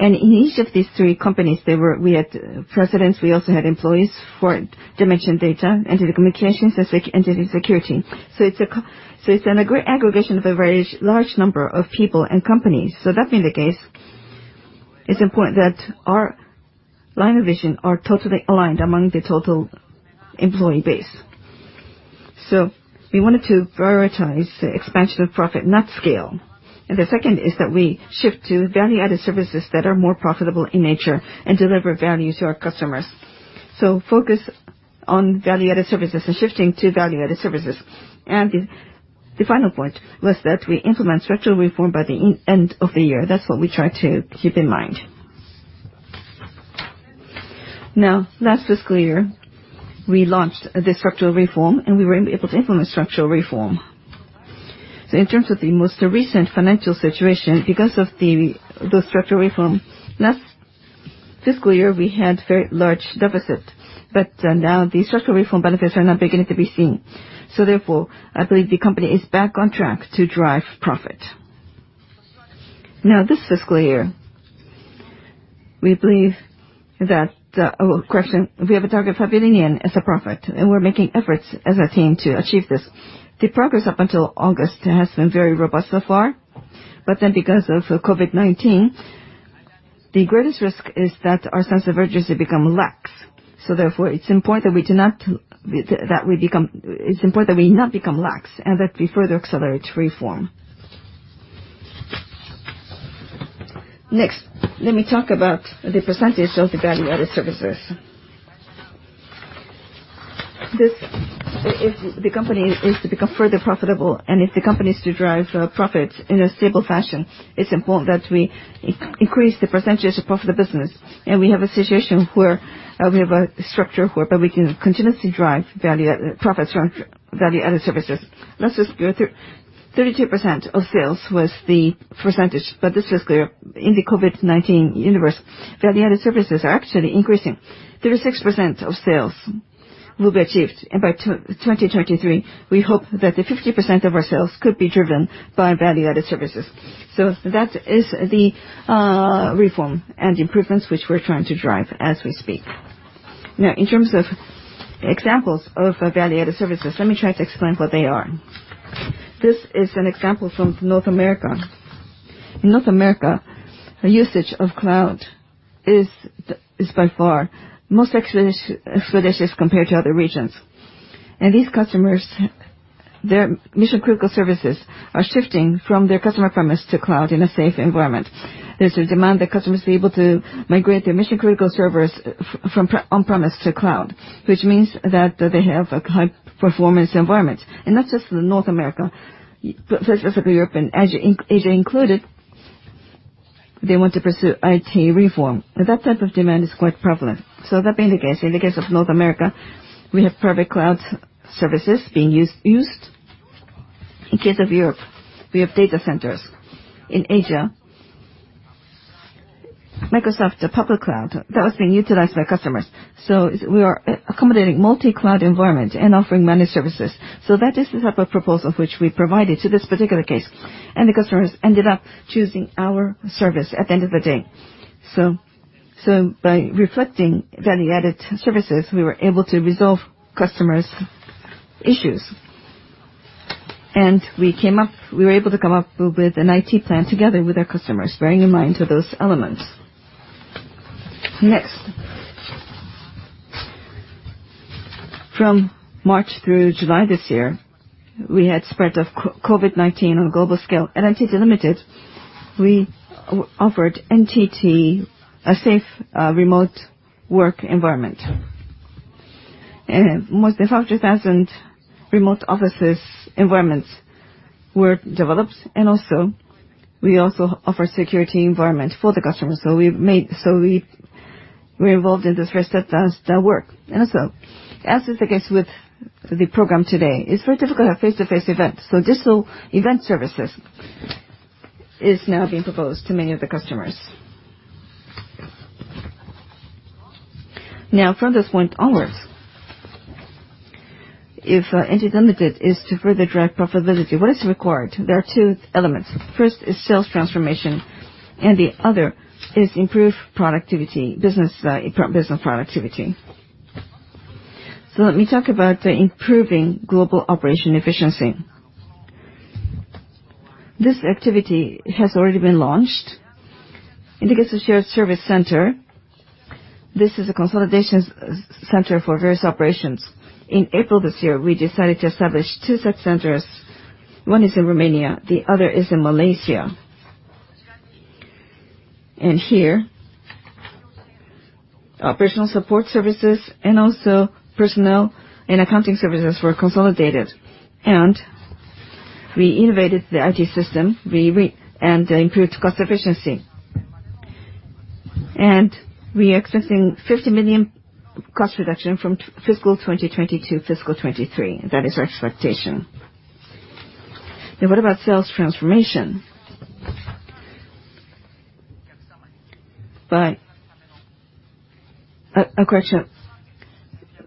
In each of these three companies, we had presidents, we also had employees for Dimension Data, NTT Communications, and NTT Security. It's been a great aggregation of a very large number of people and companies. That being the case, it's important that our line of vision are totally aligned among the total employee base. We wanted to prioritize expansion of profit, not scale. The second is that we shift to value-added services that are more profitable in nature and deliver value to our customers. Focus on value-added services and shifting to value-added services. The final point was that we implement structural reform by the end of the year. That's what we try to keep in mind. Last fiscal year, we launched the structural reform, and we were able to implement structural reform. In terms of the most recent financial situation, because of the structural reform, last fiscal year, we had very large deficit, but now the structural reform benefits are now beginning to be seen. Therefore, I believe the company is back on track to drive profit. This fiscal year, we have a target of JPY 5 billion as a profit, and we're making efforts as a team to achieve this. The progress up until August has been very robust so far. Because of COVID-19, the greatest risk is that our sense of urgency become lax. It's important that we not become lax, and that we further accelerate reform. Let me talk about the percentage of the value-added services. If the company is to become further profitable, and if the company is to drive profit in a stable fashion, it's important that we increase the percentage of profitable business, and we have a situation where we have a structure where we can continuously drive profits from value-added services. Last fiscal year, 32% of sales was the percentage, this fiscal year, in the COVID-19 universe, value-added services are actually increasing. 36% of sales will be achieved, by 2023, we hope that 50% of our sales could be driven by value-added services. That is the reform and improvements which we're trying to drive as we speak. In terms of examples of value-added services, let me try to explain what they are. This is an example from North America. In North America, the usage of cloud is by far most expeditious compared to other regions. These customers, their mission-critical services are shifting from their customer premise to cloud in a safe environment. There's a demand that customers be able to migrate their mission-critical servers from on-premise to cloud, which means that they have a high-performance environment. Not just in North America, but specifically Europe and Asia included, they want to pursue IT reform. That type of demand is quite prevalent. That being the case, in the case of North America, we have private cloud services being used. In case of Europe, we have data centers. In Asia, Microsoft Azure that was being utilized by customers. We are accommodating multi-cloud environment and offering managed services. That is the type of proposal which we provided to this particular case, and the customers ended up choosing our service at the end of the day. By reflecting value-added services, we were able to resolve customers' issues. We were able to come up with an IT plan together with our customers, bearing in mind for those elements. Next. From March through July this year, we had spread of COVID-19 on a global scale. At NTT Ltd., we offered NTT a safe remote work environment. More than 5,000 remote offices environments were developed, also we offer security environment for the customers. We're involved in this work. As is the case with the program today, it's very difficult to have face-to-face events, so digital event services is now being proposed to many of the customers. From this point onwards, if NTT Limited is to further drive profitability, what is required? There are two elements. First is sales transformation, and the other is improved business productivity. Let me talk about improving global operation efficiency. This activity has already been launched. It is a shared service center. This is a consolidation center for various operations. In April this year, we decided to establish two such centers. One is in Romania, the other is in Malaysia. Here, operational support services and also personnel and accounting services were consolidated. We innovated the IT system and improved cost efficiency. We are expecting 50 million cost reduction from fiscal 2022 to fiscal 2023. That is our expectation. What about sales transformation? A question.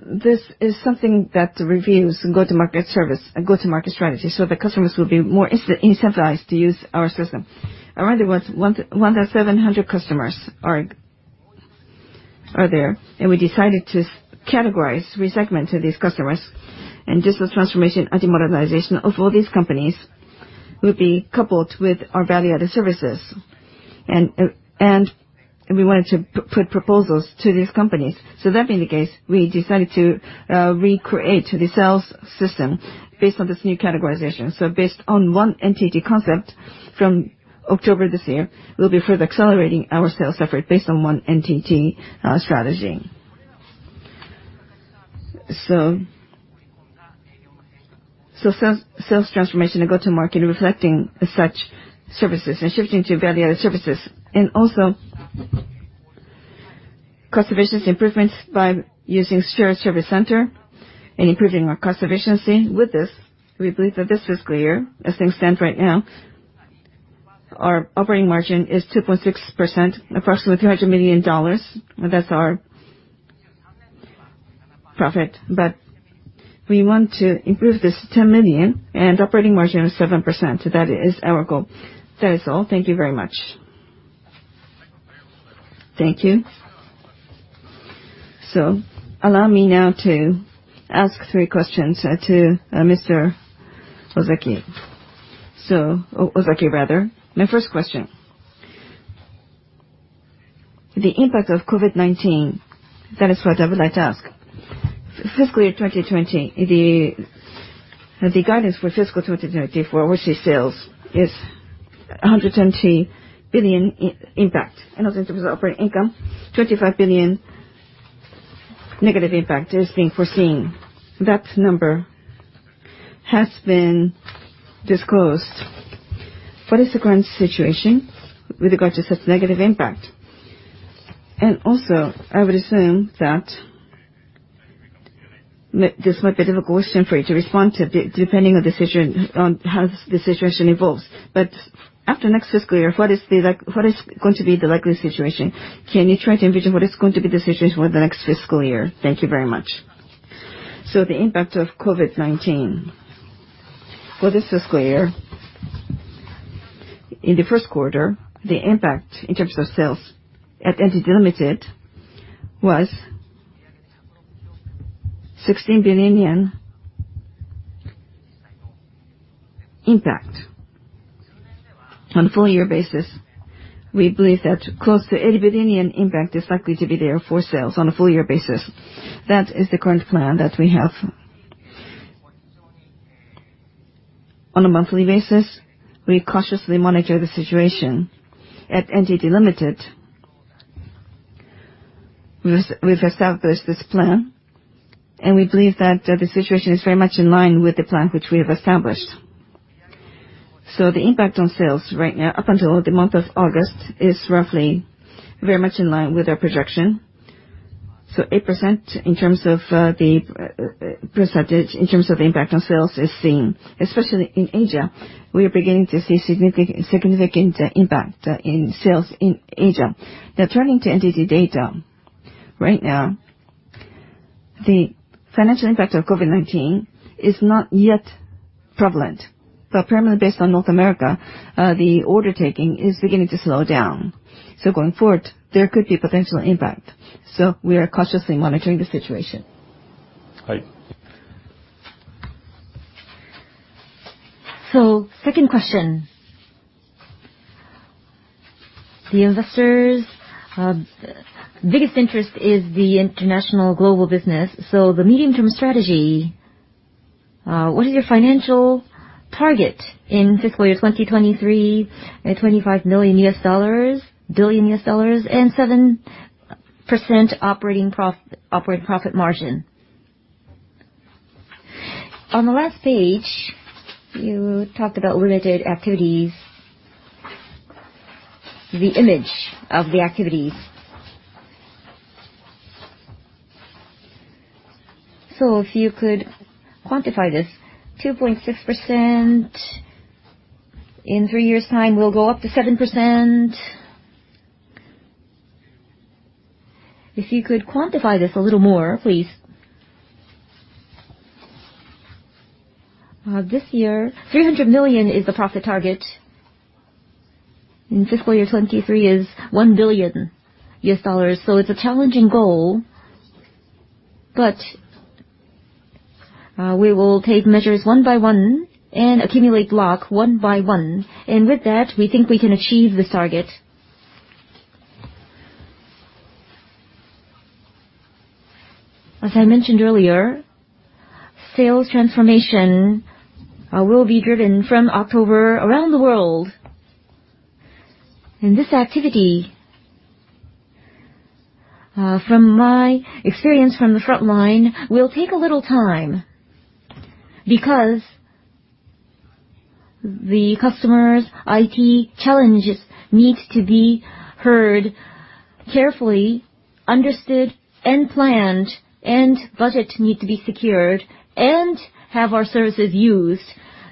This is something that reviews go-to-market service and go-to-market strategy, the customers will be more incentivized to use our system. Around 1,700 customers are there, we decided to categorize, re-segment these customers. Digital transformation, IT modernization of all these companies will be coupled with our value-added services. We wanted to put proposals to these companies. That being the case, we decided to recreate the sales system based on this new categorization. Based on One NTT concept from October this year, we'll be further accelerating our sales effort based on One NTT strategy. Sales transformation and go to market, reflecting such services and shifting to value-added services. Also cost efficiency improvements by using shared service center and improving our cost efficiency. With this, we believe that this fiscal year, as things stand right now, our operating margin is 2.6%, approximately JPY 300 million. That's our profit. We want to improve this to 10 million, and operating margin of 7%. That is our goal. That is all. Thank you very much. Thank you. Allow me now to ask three questions to Mr. Ozaki. Ozaki, rather. My first question, the impact of COVID-19, that is what I would like to ask. Fiscal year 2020, the guidance for fiscal 2020 for overseas sales is 120 billion impact. Also in terms of operating income, 25 billion negative impact is being foreseen. That number has been disclosed. What is the current situation with regard to such negative impact? Also, I would assume that this might be a difficult question for you to respond to, depending on how the situation evolves. After next fiscal year, what is going to be the likely situation? Can you try to envision what is going to be the situation for the next fiscal year? Thank you very much. The impact of COVID-19. For this fiscal year, in the first quarter, the impact in terms of sales at NTT Ltd. was JPY 16 billion impact. On a full year basis, we believe that close to 80 billion impact is likely to be there for sales on a full year basis. That is the current plan that we have. On a monthly basis, we cautiously monitor the situation. At NTT Ltd., we've established this plan, and we believe that the situation is very much in line with the plan which we have established. The impact on sales right now, up until the month of August, is roughly very much in line with our projection. 8% in terms of the percentage, in terms of the impact on sales is seen, especially in Asia. We are beginning to see significant impact in sales in Asia. Now, turning to NTT Data. Right now, the financial impact of COVID-19 is not yet prevalent. Primarily based on North America, the order taking is beginning to slow down. Going forward, there could be potential impact. We are cautiously monitoring the situation. Right. Second question. The investors' biggest interest is the international global business. The medium-term strategy, what is your financial target in fiscal year 2023 at $25 billion, and 7% operating profit margin. On the last page, you talked about related activities, the image of the activities. If you could quantify this, 2.6% in three years' time will go up to 7%. If you could quantify this a little more, please. This year, $300 million is the profit target. In fiscal year 2023 is $1 billion. It's a challenging goal, but we will take measures one by one and accumulate block one by one. With that, we think we can achieve this target. As I mentioned earlier, sales transformation will be driven from October around the world. This activity, from my experience from the front line, will take a little time because the customer's IT challenges need to be heard carefully, understood and planned, and budget need to be secured and have our services used.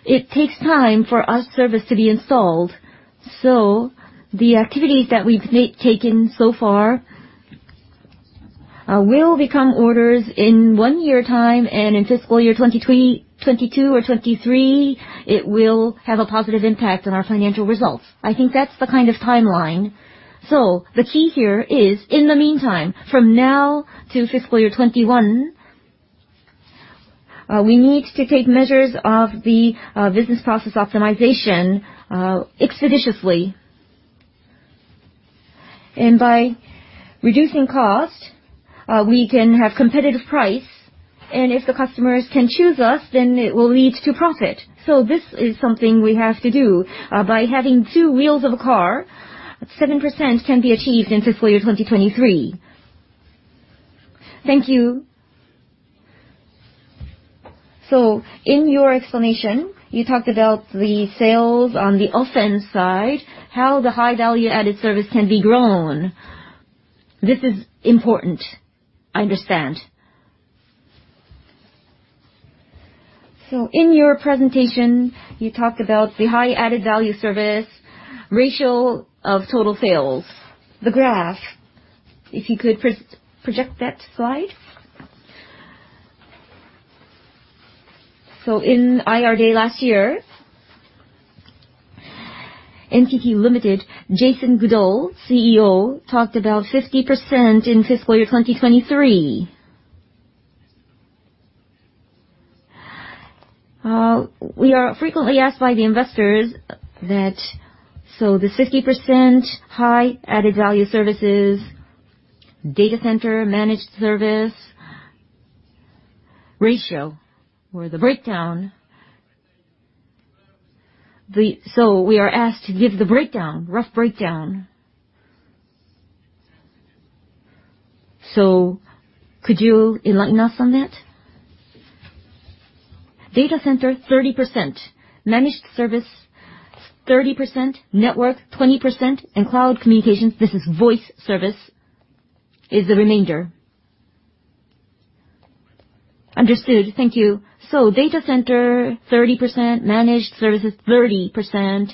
It takes time for our service to be installed. The activities that we've taken so far will become orders in one year time, and in fiscal year 2022 or 2023, it will have a positive impact on our financial results. I think that's the kind of timeline. The key here is, in the meantime, from now to fiscal year 2021, we need to take measures of the business process optimization expeditiously. By reducing cost, we can have competitive price. If the customers can choose us, then it will lead to profit. This is something we have to do. By having two wheels of a car, 7% can be achieved in fiscal year 2023. Thank you. In your explanation, you talked about the sales on the offense side, how the high-value-added service can be grown. This is important, I understand. In your presentation, you talked about the high-value-added service ratio of total sales. The graph, if you could project that slide. In IR Day last year, NTT Ltd., Jason Goodall, CEO, talked about 50% in fiscal year 2023. We are frequently asked by the investors that the 50% high-value-added services, data center, managed service ratio, or the breakdown. We are asked to give the breakdown, rough breakdown. Could you enlighten us on that? Data center, 30%, managed service, 30%, network, 20%, and cloud communications, this is voice service, is the remainder. Understood. Thank you. Data center, 30%, managed services, 30%.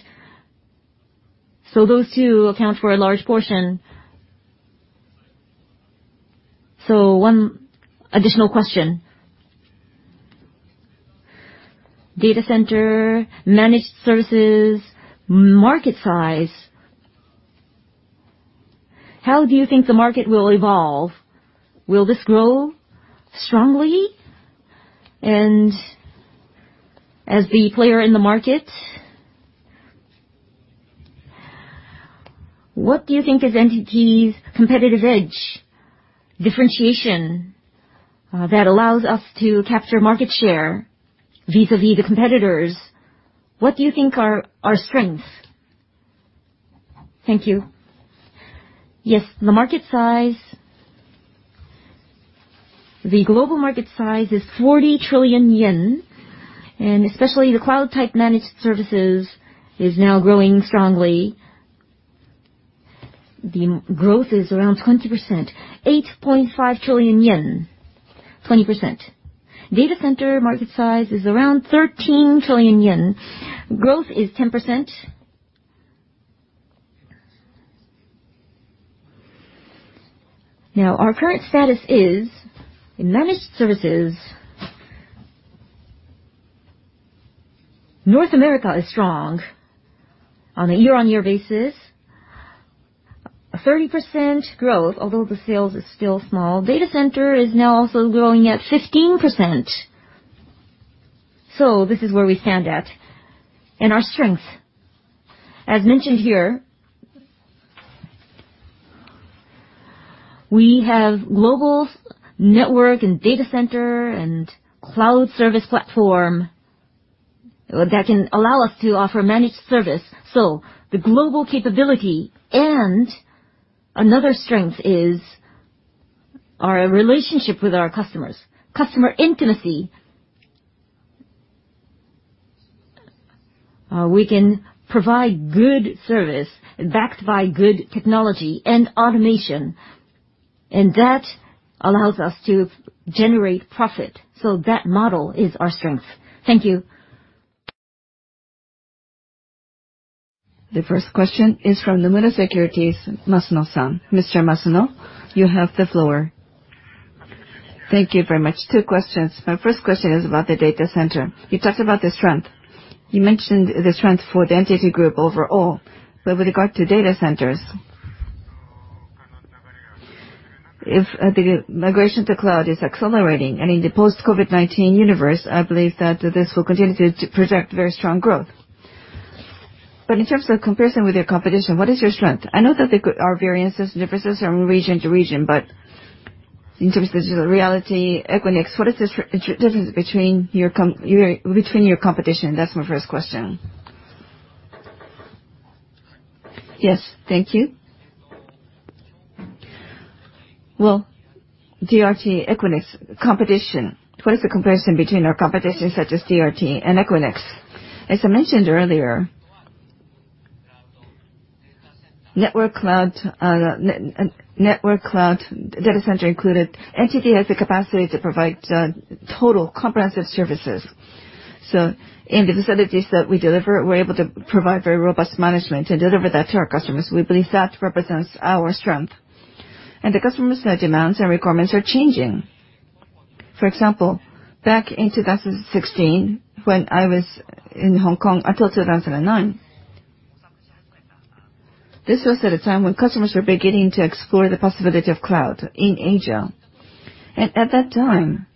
Those two account for a large portion. One additional question. Data center, managed services, market size. How do you think the market will evolve? Will this grow strongly? As the player in the market, what do you think is NTT's competitive edge, differentiation that allows us to capture market share vis-a-vis the competitors? What do you think are our strengths? Thank you. Yes. The market size. The global market size is 40 trillion yen. Especially the cloud type managed services is now growing strongly. The growth is around 20%, 8.5 trillion yen, 20%. Data center market size is around 13 trillion yen. Growth is 10%. Our current status is, in managed services, North America is strong on a year-on-year basis. 30% growth, although the sales is still small. Data center is now also growing at 15%. This is where we stand at. Our strength, as mentioned here, we have global network and data center and cloud service platform that can allow us to offer managed service. The global capability. Another strength is our relationship with our customers, customer intimacy. We can provide good service backed by good technology and automation, and that allows us to generate profit. That model is our strength. Thank you. The first question is from Nomura Securities, Masuno-san. Mr. Masuno, you have the floor. Thank you very much. Two questions. My first question is about the data center. You talked about the strength. You mentioned the strength for the NTT Group overall. With regard to data centers, if the migration to cloud is accelerating, and in the post-COVID-19 universe, I believe that this will continue to project very strong growth. In terms of comparison with your competition, what is your strength? I know that there are variances and differences from region to region, but in terms of Digital Realty Trust, Equinix, what is the difference between your competition? That's my first question. Yes. Thank you. Well, DRT, Equinix competition. What is the comparison between our competition such as DRT and Equinix? As I mentioned earlier, network cloud data center included, NTT has the capacity to provide total comprehensive services. In the facilities that we deliver, we're able to provide very robust management and deliver that to our customers. We believe that represents our strength. The customers' demands and requirements are changing. For example, back in 2016, when I was in Hong Kong until 2009, this was at a time when customers were beginning to explore the possibility of cloud in Asia. At that time,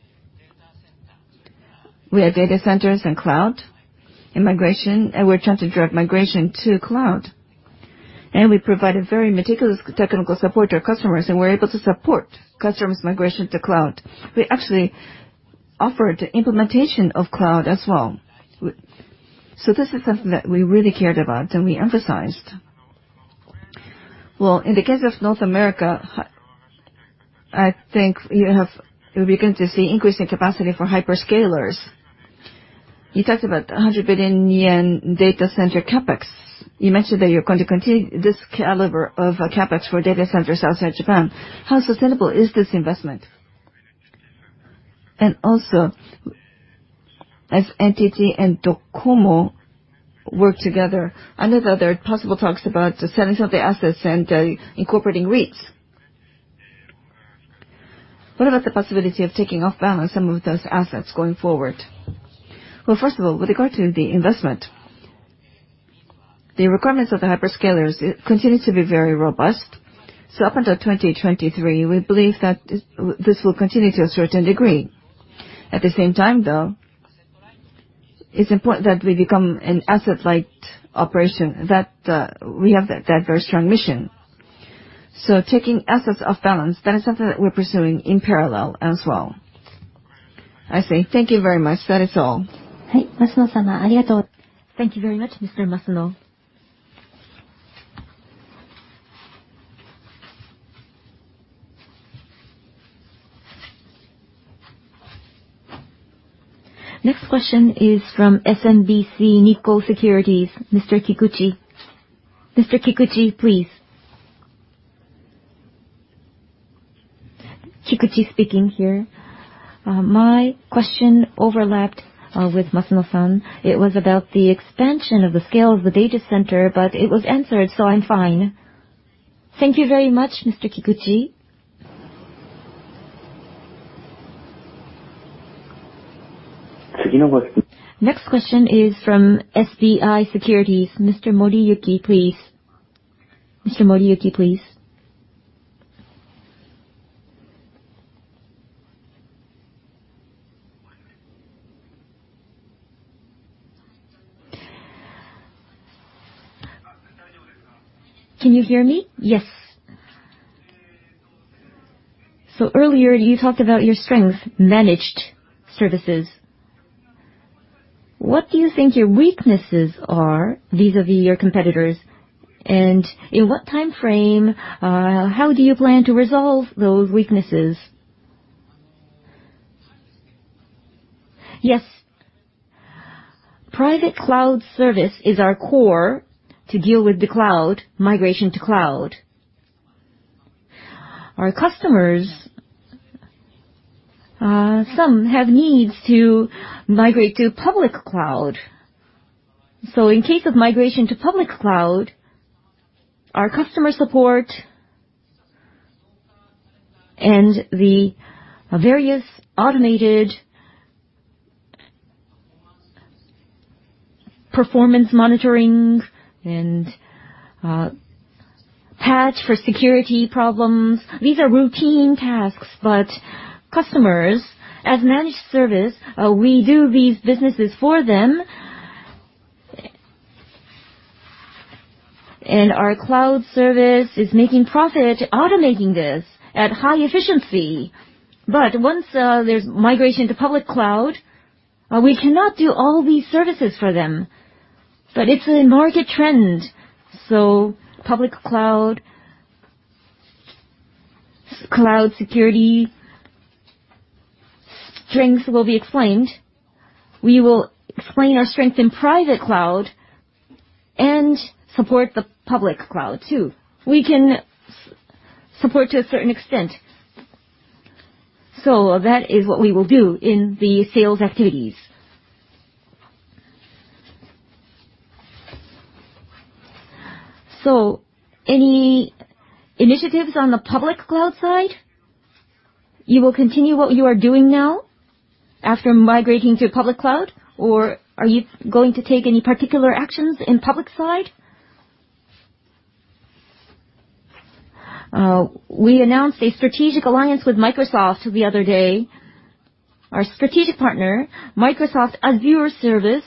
we had data centers and cloud migration, and we were trying to drive migration to cloud. We provided very meticulous technical support to our customers, and we were able to support customers' migration to cloud. We actually offered the implementation of cloud as well. This is something that we really cared about and we emphasized. Well, in the case of North America, I think you'll begin to see increasing capacity for hyperscalers. You talked about 100 billion yen data center CapEx. You mentioned that you're going to continue this caliber of CapEx for data centers outside Japan. How sustainable is this investment? Also, as NTT and DOCOMO work together, I know that there are possible talks about selling some of the assets and incorporating REITs. What about the possibility of taking off balance some of those assets going forward? Well, first of all, with regard to the investment, the requirements of the hyperscalers continue to be very robust. Up until 2023, we believe that this will continue to a certain degree. At the same time, though, it's important that we become an asset-light operation, that we have that very strong mission. Taking assets off balance, that is something that we're pursuing in parallel as well. I see. Thank you very much. That is all. Thank you very much, Mr. Masuno. Next question is from SMBC Nikko Securities, Mr. Kikuchi. Mr. Kikuchi, please. Kikuchi speaking here. My question overlapped with Masuno-san. It was about the expansion of the scale of the data center, but it was answered, so I'm fine. Thank you very much, Mr. Kikuchi. Next question is from SBI Securities. Mr. Moriyuki, please. Can you hear me? Yes. Earlier, you talked about your strength, managed services. What do you think your weaknesses are vis-a-vis your competitors? In what time frame, how do you plan to resolve those weaknesses? Yes. Private cloud service is our core to deal with the cloud, migration to cloud. Our customers, some have needs to migrate to public cloud. In case of migration to public cloud, our customer support and the various automated performance monitoring and patch for security problems, these are routine tasks. Customers, as managed service, we do these businesses for them. Our cloud service is making profit automating this at high efficiency. Once there's migration to public cloud, we cannot do all these services for them. It's a market trend, so public cloud security strengths will be explained. We will explain our strength in private cloud and support the public cloud too. We can support to a certain extent. That is what we will do in the sales activities. Any initiatives on the public cloud side? You will continue what you are doing now after migrating to public cloud, or are you going to take any particular actions in public cloud? We announced a strategic alliance with Microsoft the other day. Our strategic partner, Microsoft Azure service,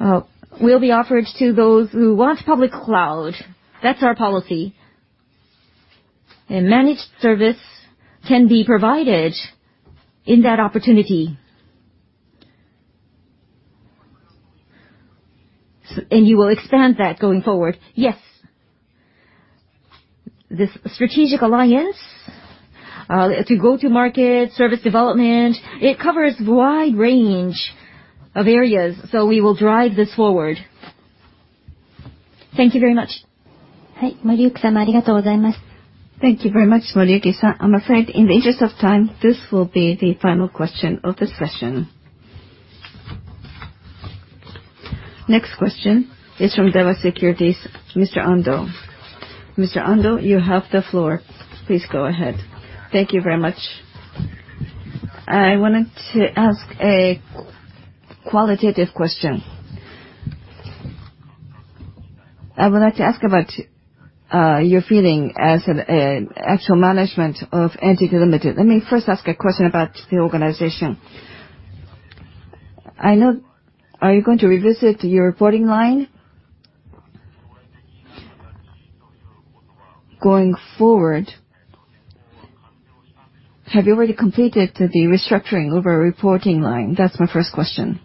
will be offered to those who want public cloud. That's our policy. A managed service can be provided in that opportunity. You will expand that going forward? Yes. This strategic alliance, to go to market, service development, it covers a wide range of areas, so we will drive this forward. Thank you very much. Thank you very much, Moriyuki-san. I'm afraid in the interest of time, this will be the final question of the session. Next question is from Daiwa Securities, Mr. Ando. Mr. Ando, you have the floor. Please go ahead. Thank you very much. I wanted to ask a qualitative question. I would like to ask about your feeling as an actual management of NTT Ltd. Let me first ask a question about the organization. Are you going to revisit your reporting line going forward? Have you already completed the restructuring of a reporting line? That's my first question.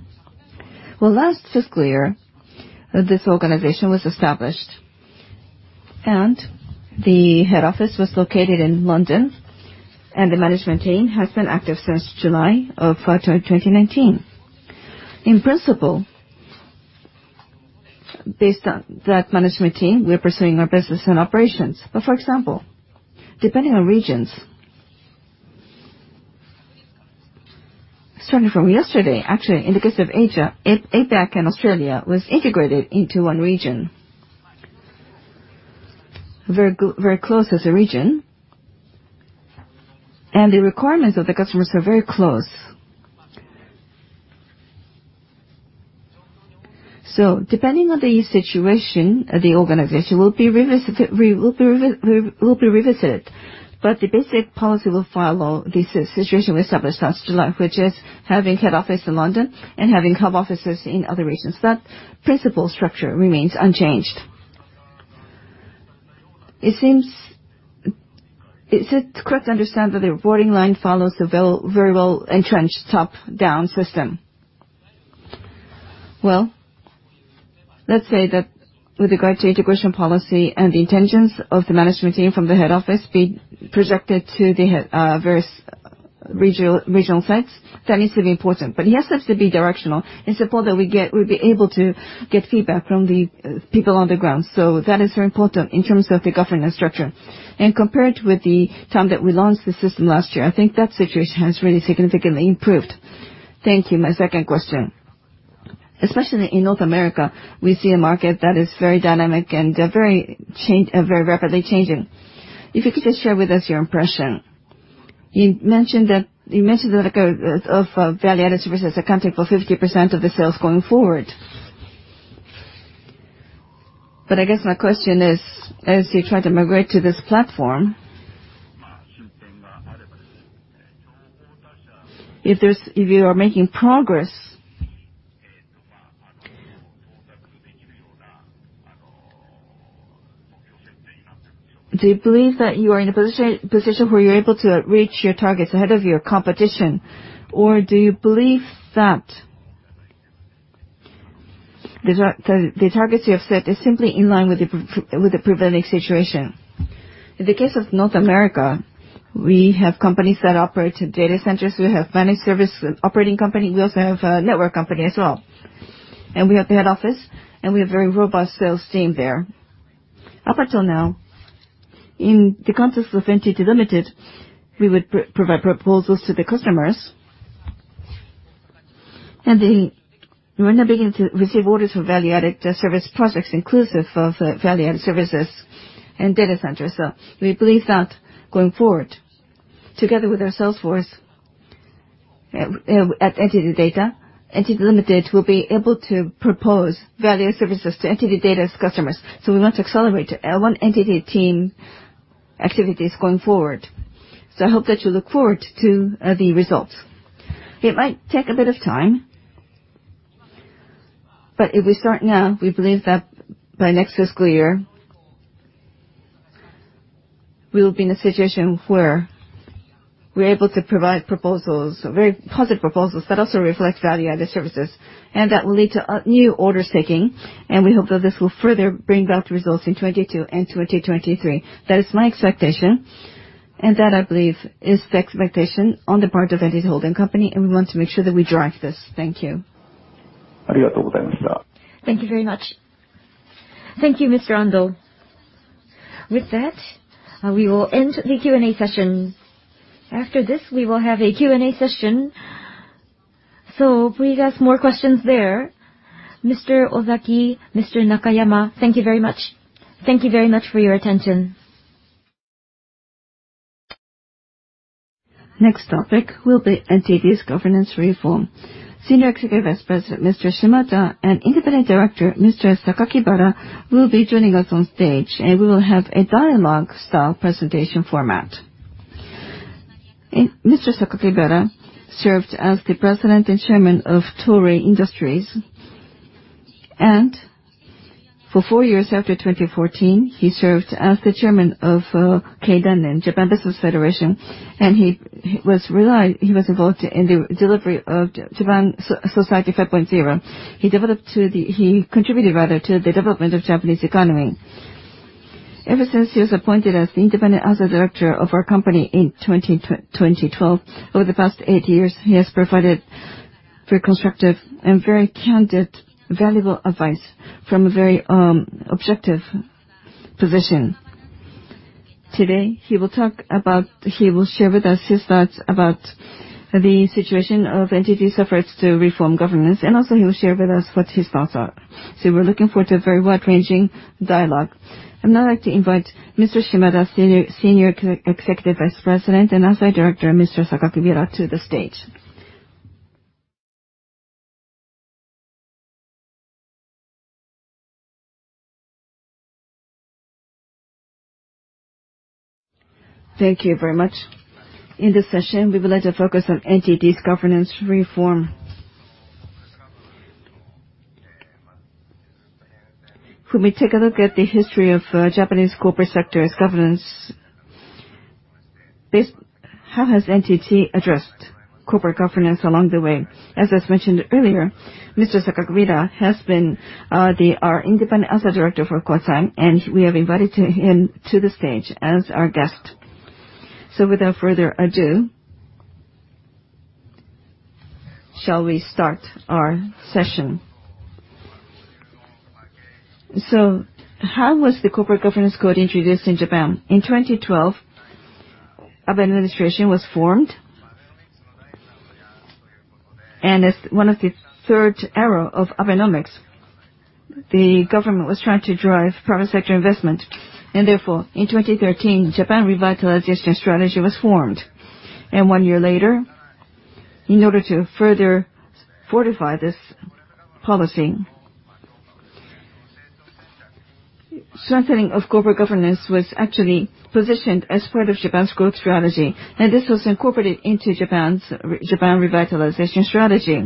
Last fiscal year, this organization was established, the head office was located in London, the management team has been active since July of 2019. In principle, based on that management team, we're pursuing our business and operations. For example, depending on regions, starting from yesterday, actually, in the case of APAC and Australia, was integrated into one region. Very close as a region. The requirements of the customers are very close. Depending on the situation, the organization will be revisited, but the basic policy will follow the situation we established last July, which is having head office in London and having hub offices in other regions. That principle structure remains unchanged. Is it correct to understand that the reporting line follows a very well-entrenched top-down system? Well, let's say that with regard to integration policy and the intentions of the management team from the head office be projected to the various regional sites, that needs to be important. Yes, it has to be directional in support that we get, we'll be able to get feedback from the people on the ground. That is very important in terms of the governing structure. Compared with the time that we launched the system last year, I think that situation has really significantly improved. Thank you. My second question. Especially in North America, we see a market that is very dynamic and very rapidly changing. If you could just share with us your impression. You mentioned that value-added services accounting for 50% of the sales going forward. I guess my question is, as you try to migrate to this platform, if you are making progress, do you believe that you are in a position where you're able to reach your targets ahead of your competition? Do you believe that the targets you have set are simply in line with the prevailing situation? In the case of North America, we have companies that operate data centers, we have managed service operating company, we also have a network company as well. We have the head office, and we have a very robust sales team there. Up until now, in the context of NTT Ltd., we would provide proposals to the customers. We are now beginning to receive orders for value-added service projects, inclusive of value-added services and data centers. We believe that going forward, together with our sales force at NTT Data, NTT Ltd. will be able to propose value-added services to NTT DATA's customers. We want to accelerate One NTT team activities going forward. I hope that you look forward to the results. It might take a bit of time, but if we start now, we believe that by next fiscal year, we'll be in a situation where we're able to provide very positive proposals that also reflect value-added services. That will lead to new order taking, and we hope that this will further bring about results in 2022 and 2023. That is my expectation, and that, I believe, is the expectation on the part of NTT Holding Company, and we want to make sure that we drive this. Thank you. Thank you very much. Thank you, Mr. Ando. With that, we will end the Q&A session. After this, we will have a Q&A session, so please ask more questions there. Mr. Ozaki, Mr. Nakayama, thank you very much. Thank you very much for your attention. Next topic will be NTT's governance reform. Senior Executive Vice President, Mr. Shimada, and Independent Director, Mr. Sakakibara, will be joining us on stage, and we will have a dialogue-style presentation format. Mr. Sakakibara served as the President and Chairman of Toray Industries. For four years after 2014, he served as the Chairman of Keidanren, Japan Business Federation. He was involved in the delivery of Japan Society 5.0. He contributed to the development of Japanese economy. Ever since he was appointed as the Independent Outside Director of our company in 2012, over the past eight years, he has provided very constructive and very candid, valuable advice from a very objective position. Today, he will share with us his thoughts about the situation of NTT's efforts to reform governance, and also he will share with us what his thoughts are. We're looking forward to a very wide-ranging dialogue. I'd now like to invite Mr. Shimada, Senior Executive Vice President, and Outside Director, Mr. Sakakibara, to the stage. Thank you very much. In this session, we would like to focus on NTT's governance reform. When we take a look at the history of Japanese corporate sector's governance, how has NTT addressed corporate governance along the way? As I mentioned earlier, Mr. Sakakibara has been our Independent Outside Director for quite some time, and we have invited him to the stage as our guest. Without further ado, shall we start our session? How was the corporate governance code introduced in Japan? In 2012, Abe administration was formed. As one of the third era of Abenomics, the government was trying to drive private sector investment. Therefore, in 2013, Japan Revitalization Strategy was formed. One year later, in order to further fortify this policy, strengthening of corporate governance was actually positioned as part of Japan's growth strategy. This was incorporated into Japan Revitalization Strategy.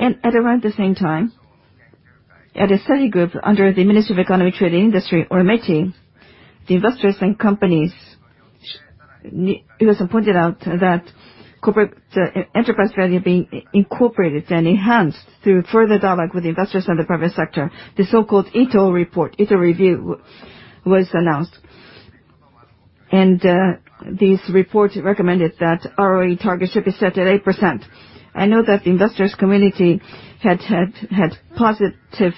At around the same time, at a study group under the Ministry of Economy, Trade and Industry, or METI, the investors and companies, it was pointed out that enterprise value being incorporated and enhanced through further dialogue with the investors and the private sector. The so-called Ito Report, Ito review, was announced. This report recommended that ROE target should be set at 8%. I know that the investors community had positive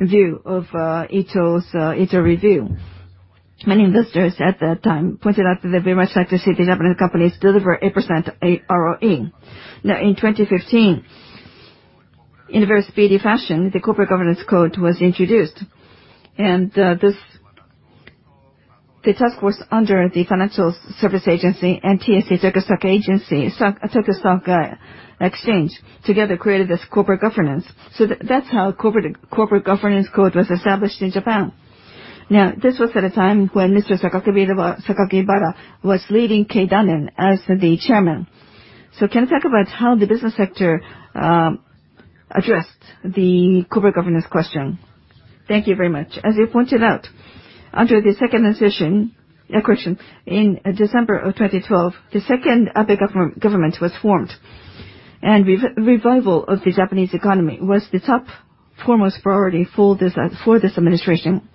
view of Ito's review. Many investors at that time pointed out that they very much like to see the Japanese companies deliver 8% ROE. In 2015, in a very speedy fashion, the corporate governance code was introduced. The task force under the Financial Services Agency and TSE, Tokyo Stock Exchange, together created this corporate governance. That's how corporate governance code was established in Japan. This was at a time when Mr. Sakakibara was leading Keidanren as the chairman. Can you talk about how the business sector addressed the corporate governance question? Thank you very much. As you pointed out, under the second question, in December of 2012, the second Abe government was formed, and revival of the Japanese economy was the top foremost priority for this administration.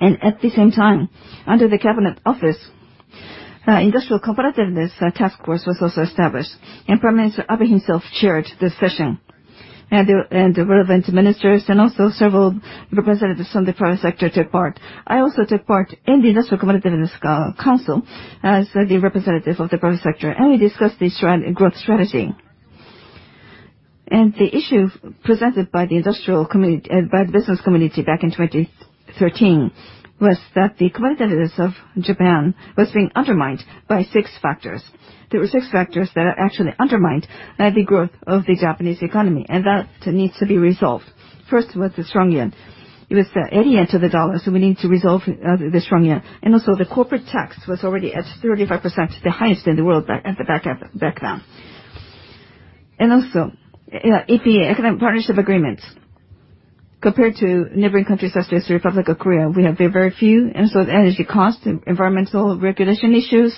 At the same time, under the Cabinet Office, Industrial Competitiveness Task Force was also established, and Prime Minister Abe himself chaired this session. The relevant ministers and also several representatives from the private sector took part. I also took part in the Industrial Competitiveness Council as the representative of the private sector, and we discussed the growth strategy. The issue presented by the business community back in 2013 was that the competitiveness of Japan was being undermined by six factors. There were six factors that actually undermined the growth of the Japanese economy, that needs to be resolved. First was the strong yen. It was the 80 yen to the dollar, we need to resolve the strong yen. Also the corporate tax was already at 35%, the highest in the world back then. Also, EPA, Economic Partnership Agreements. Compared to neighboring countries such as the Republic of Korea, we have very few. Also the energy cost, environmental regulation issues,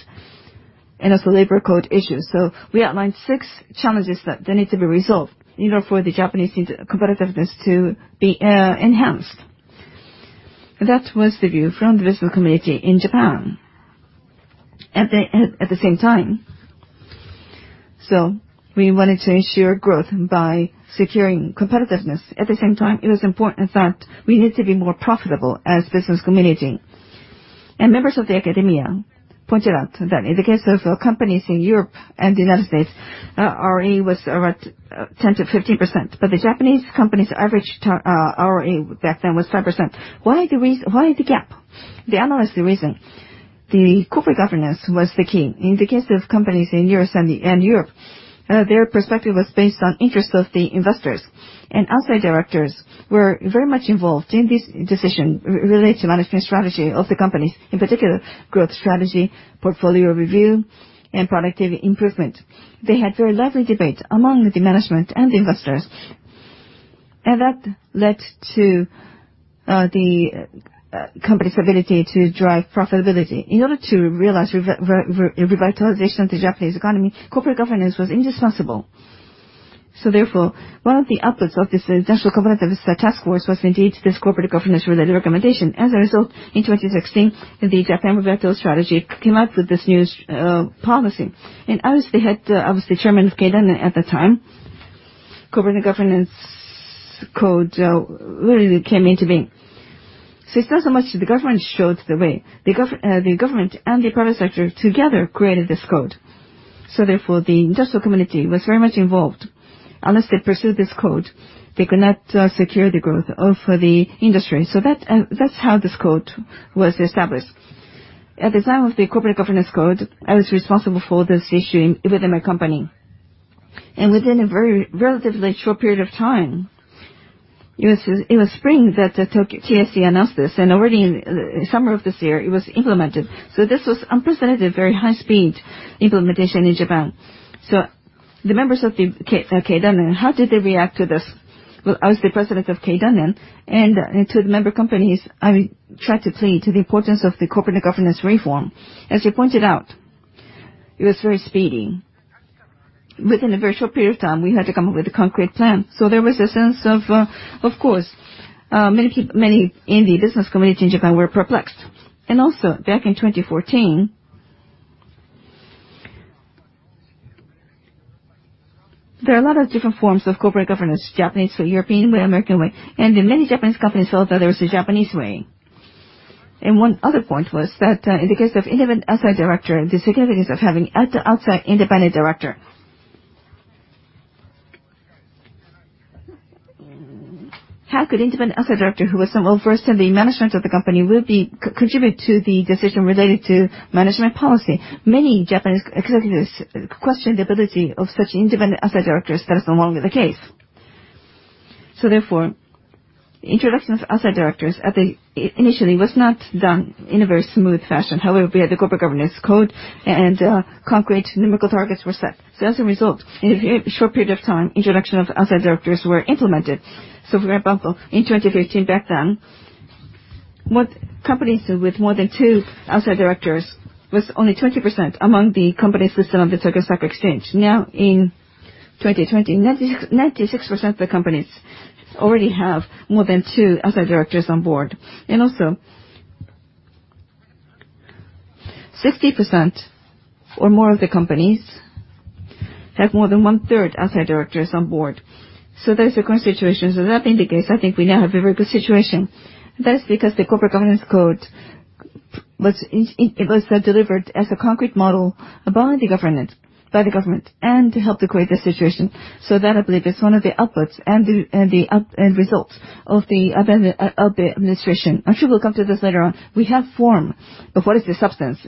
and also labor code issues. We outlined six challenges that they need to be resolved in order for the Japanese competitiveness to be enhanced. That was the view from the business community in Japan. At the same time, we wanted to ensure growth by securing competitiveness. At the same time, it was important that we need to be more profitable as business community. Members of the academia pointed out that in the case of companies in Europe and the United States, ROE was around 10%-15%, but the Japanese companies' average ROE back then was 5%. Why the gap? They analyzed the reason. The corporate governance was the key. In the case of companies in Europe, their perspective was based on interest of the investors. Outside directors were very much involved in this decision related to management strategy of the companies, in particular, growth strategy, portfolio review, and productivity improvement. They had very lively debate among the management and investors, and that led to the company's ability to drive profitability. In order to realize revitalization of the Japanese economy, corporate governance was indispensable. Therefore, one of the outputs of this Industrial Competitiveness Task Force was indeed this corporate governance related recommendation. In 2016, the Japan Revitalization Strategy came up with this new policy. I was the chairman of Keidanren at the time corporate governance code really came into being. It's not so much the government showed the way. The government and the private sector together created this code. The industrial community was very much involved. Unless they pursue this code, they could not secure the growth of the industry. That's how this code was established. At the time of the corporate governance code, I was responsible for this issue within my company. Within a very relatively short period of time, it was spring that TSE announced this, and already in summer of this year, it was implemented. This was unprecedented, very high-speed implementation in Japan. The members of the Keidanren, how did they react to this? Well, I was the president of Keidanren, and to the member companies, I tried to plea to the importance of the corporate governance reform. As you pointed out, it was very speedy. Within a very short period of time, we had to come up with a concrete plan. There was a sense of course, many in the business community in Japan were perplexed. Also back in 2014, there are a lot of different forms of corporate governance, Japanese way, European way, American way. Many Japanese companies felt that there was a Japanese way. One other point was that in the case of independent outside director, the significance of having outside independent director. How could independent outside director who was not well-versed in the management of the company contribute to the decision related to management policy? Many Japanese executives questioned the ability of such independent outside directors. That is no longer the case. Therefore, introduction of outside directors initially was not done in a very smooth fashion. However, we had the corporate governance code, and concrete numerical targets were set. As a result, in a very short period of time, introduction of outside directors were implemented. For example, in 2015 back then, companies with more than two outside directors was only 20% among the companies listed on the Tokyo Stock Exchange. Now in 2020, 96% of the companies already have more than two outside directors on board. Also, 60% or more of the companies have more than one-third outside directors on board. There is the current situation. That indicates, I think we now have a very good situation. That is because the corporate governance code, it was delivered as a concrete model by the government and to help equate the situation. That, I believe, is one of the outputs and results of the administration. I'm sure we'll come to this later on. We have form, but what is the substance?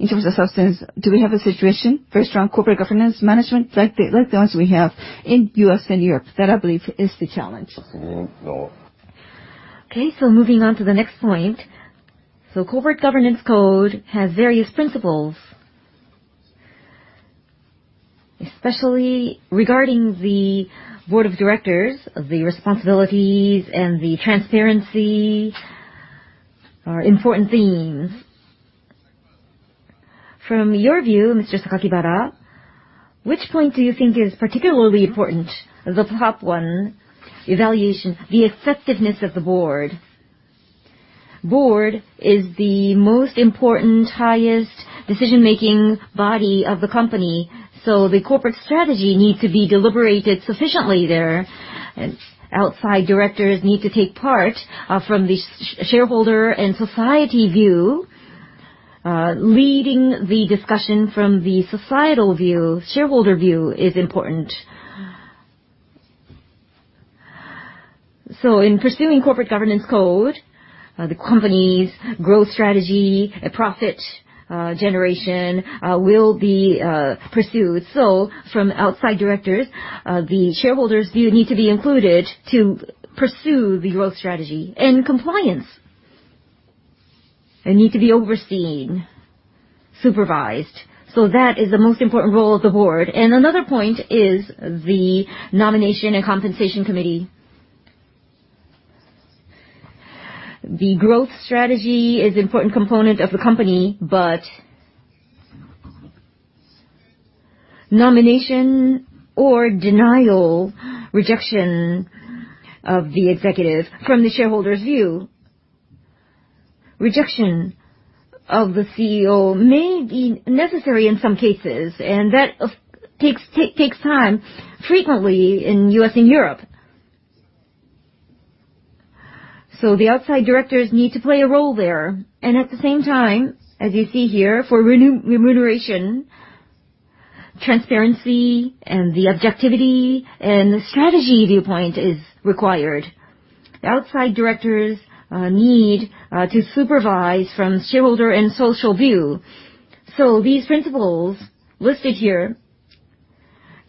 In terms of substance, do we have a situation for strong corporate governance management like the ones we have in U.S. and Europe? That, I believe, is the challenge. Okay. Moving on to the next point. Corporate Governance Code has various principles. Especially regarding the board of directors, the responsibilities and the transparency are important themes. From your view, Mr. Sakakibara, which point do you think is particularly important? T he top one is evaluation, the effectiveness of the board. The board is the most important, highest decision-making body of the company. The corporate strategy needs to be deliberated sufficiently there, and outside directors need to take part from the shareholder and society view. Leading the discussion from the societal view, shareholder view is important. In pursuing Corporate Governance Code, the company's growth strategy, profit generation will be pursued. From outside directors, the shareholder's view needs to be included to pursue the growth strategy. Compliance, it needs to be overseen, supervised. That is the most important role of the board. Another point is the nomination and compensation committee. The growth strategy is an important component of the company, but nomination or denial, rejection of the executive from the shareholder's view. Rejection of the CEO may be necessary in some cases, and that takes time frequently in U.S. and Europe. The outside directors need to play a role there. At the same time, as you see here, for remuneration, transparency and the objectivity and the strategy viewpoint is required. The outside directors need to supervise from shareholder and social view. These principles listed here,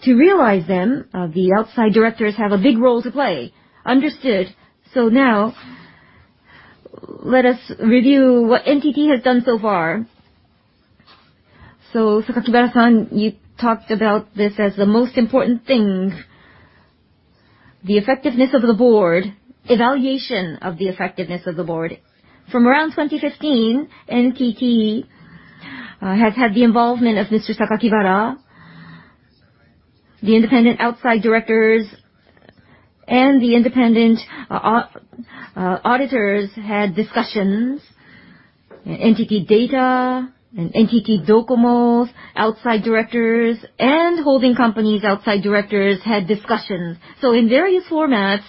to realize them, the outside directors have a big role to play. Understood. Now let us review what NTT has done so far. Sakakibara-san, you talked about this as the most important thing, the effectiveness of the board, evaluation of the effectiveness of the board. From around 2015, NTT has had the involvement of Mr. Sakakibara. The independent outside directors and the independent auditors had discussions. NTT DATA and NTT DOCOMO's outside directors and holding companies' outside directors had discussions. In various formats,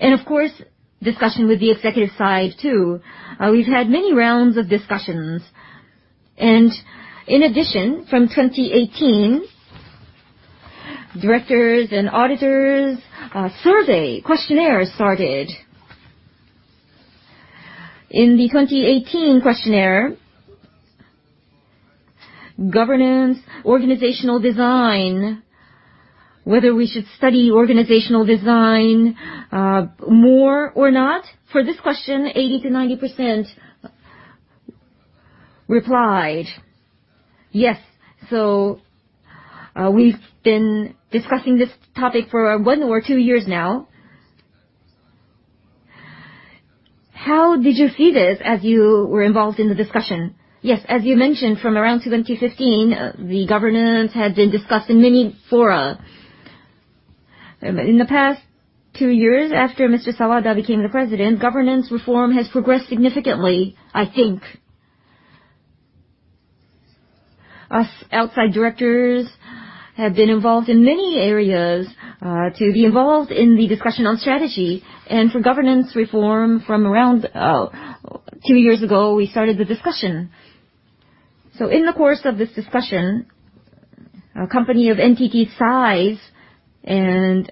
of course, discussion with the executive side too. We've had many rounds of discussions. In addition, from 2018, directors and auditors survey questionnaire started. In the 2018 questionnaire, governance, organizational design, whether we should study organizational design more or not. For this question, 80%-90% replied yes. We've been discussing this topic for one or two years now. How did you see this as you were involved in the discussion? Yes. As you mentioned, from around 2015, the governance had been discussed in many fora. In the past two years after Mr. Sawada became the president, governance reform has progressed significantly, I think. Us outside directors have been involved in many areas to be involved in the discussion on strategy. For governance reform from around 2 years ago, we started the discussion. In the course of this discussion, a company of NTT's size and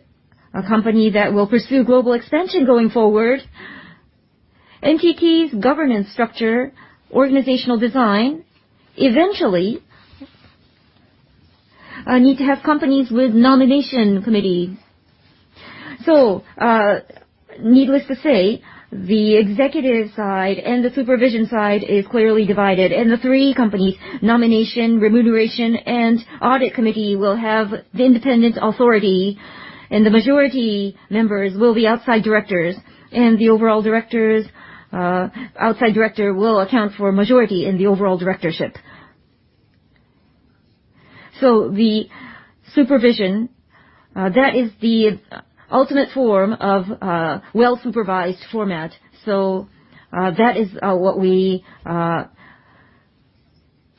a company that will pursue global expansion going forward, NTT's governance structure, organizational design, eventually need to have companies with nomination committees. Needless to say, the executive side and the supervision side is clearly divided. The 3 companies, nomination, remuneration, and audit committee, will have the independent authority, and the majority members will be outside directors. The overall outside director will account for a majority in the overall directorship. The supervision, that is the ultimate form of well-supervised format. That is what we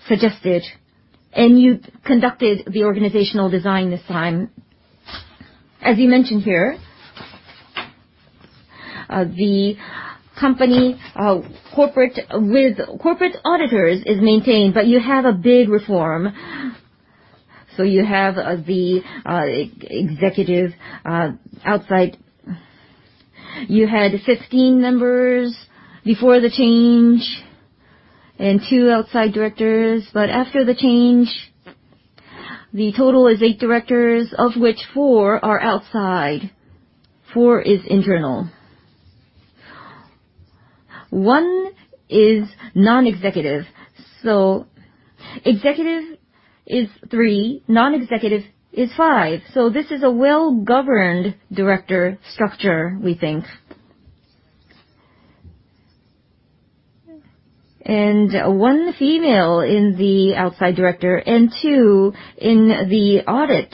suggested. You conducted the organizational design this time. As you mentioned here, the company with corporate auditors is maintained, but you have a big reform. You have the executive outside. You had 15 members before the change and two outside directors. After the change, the total is eight directors, of which four are outside, four is internal. One is non-executive. Executive is three, non-executive is five. This is a well-governed director structure, we think. One female in the outside director and two in the audit.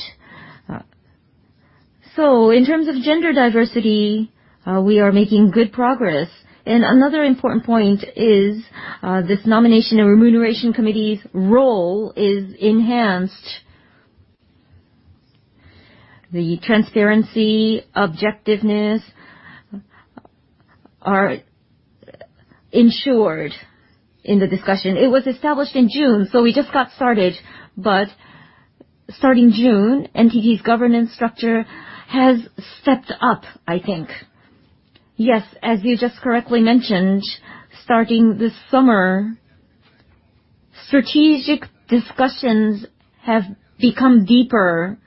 In terms of gender diversity, we are making good progress. Another important point is this nomination and remuneration committee's role is enhanced. The transparency, objectiveness are ensured in the discussion. It was established in June, so we just got started. Starting June, NTT's governance structure has stepped up, I think. Yes. As you just correctly mentioned, starting this summer, strategic discussions have become deeper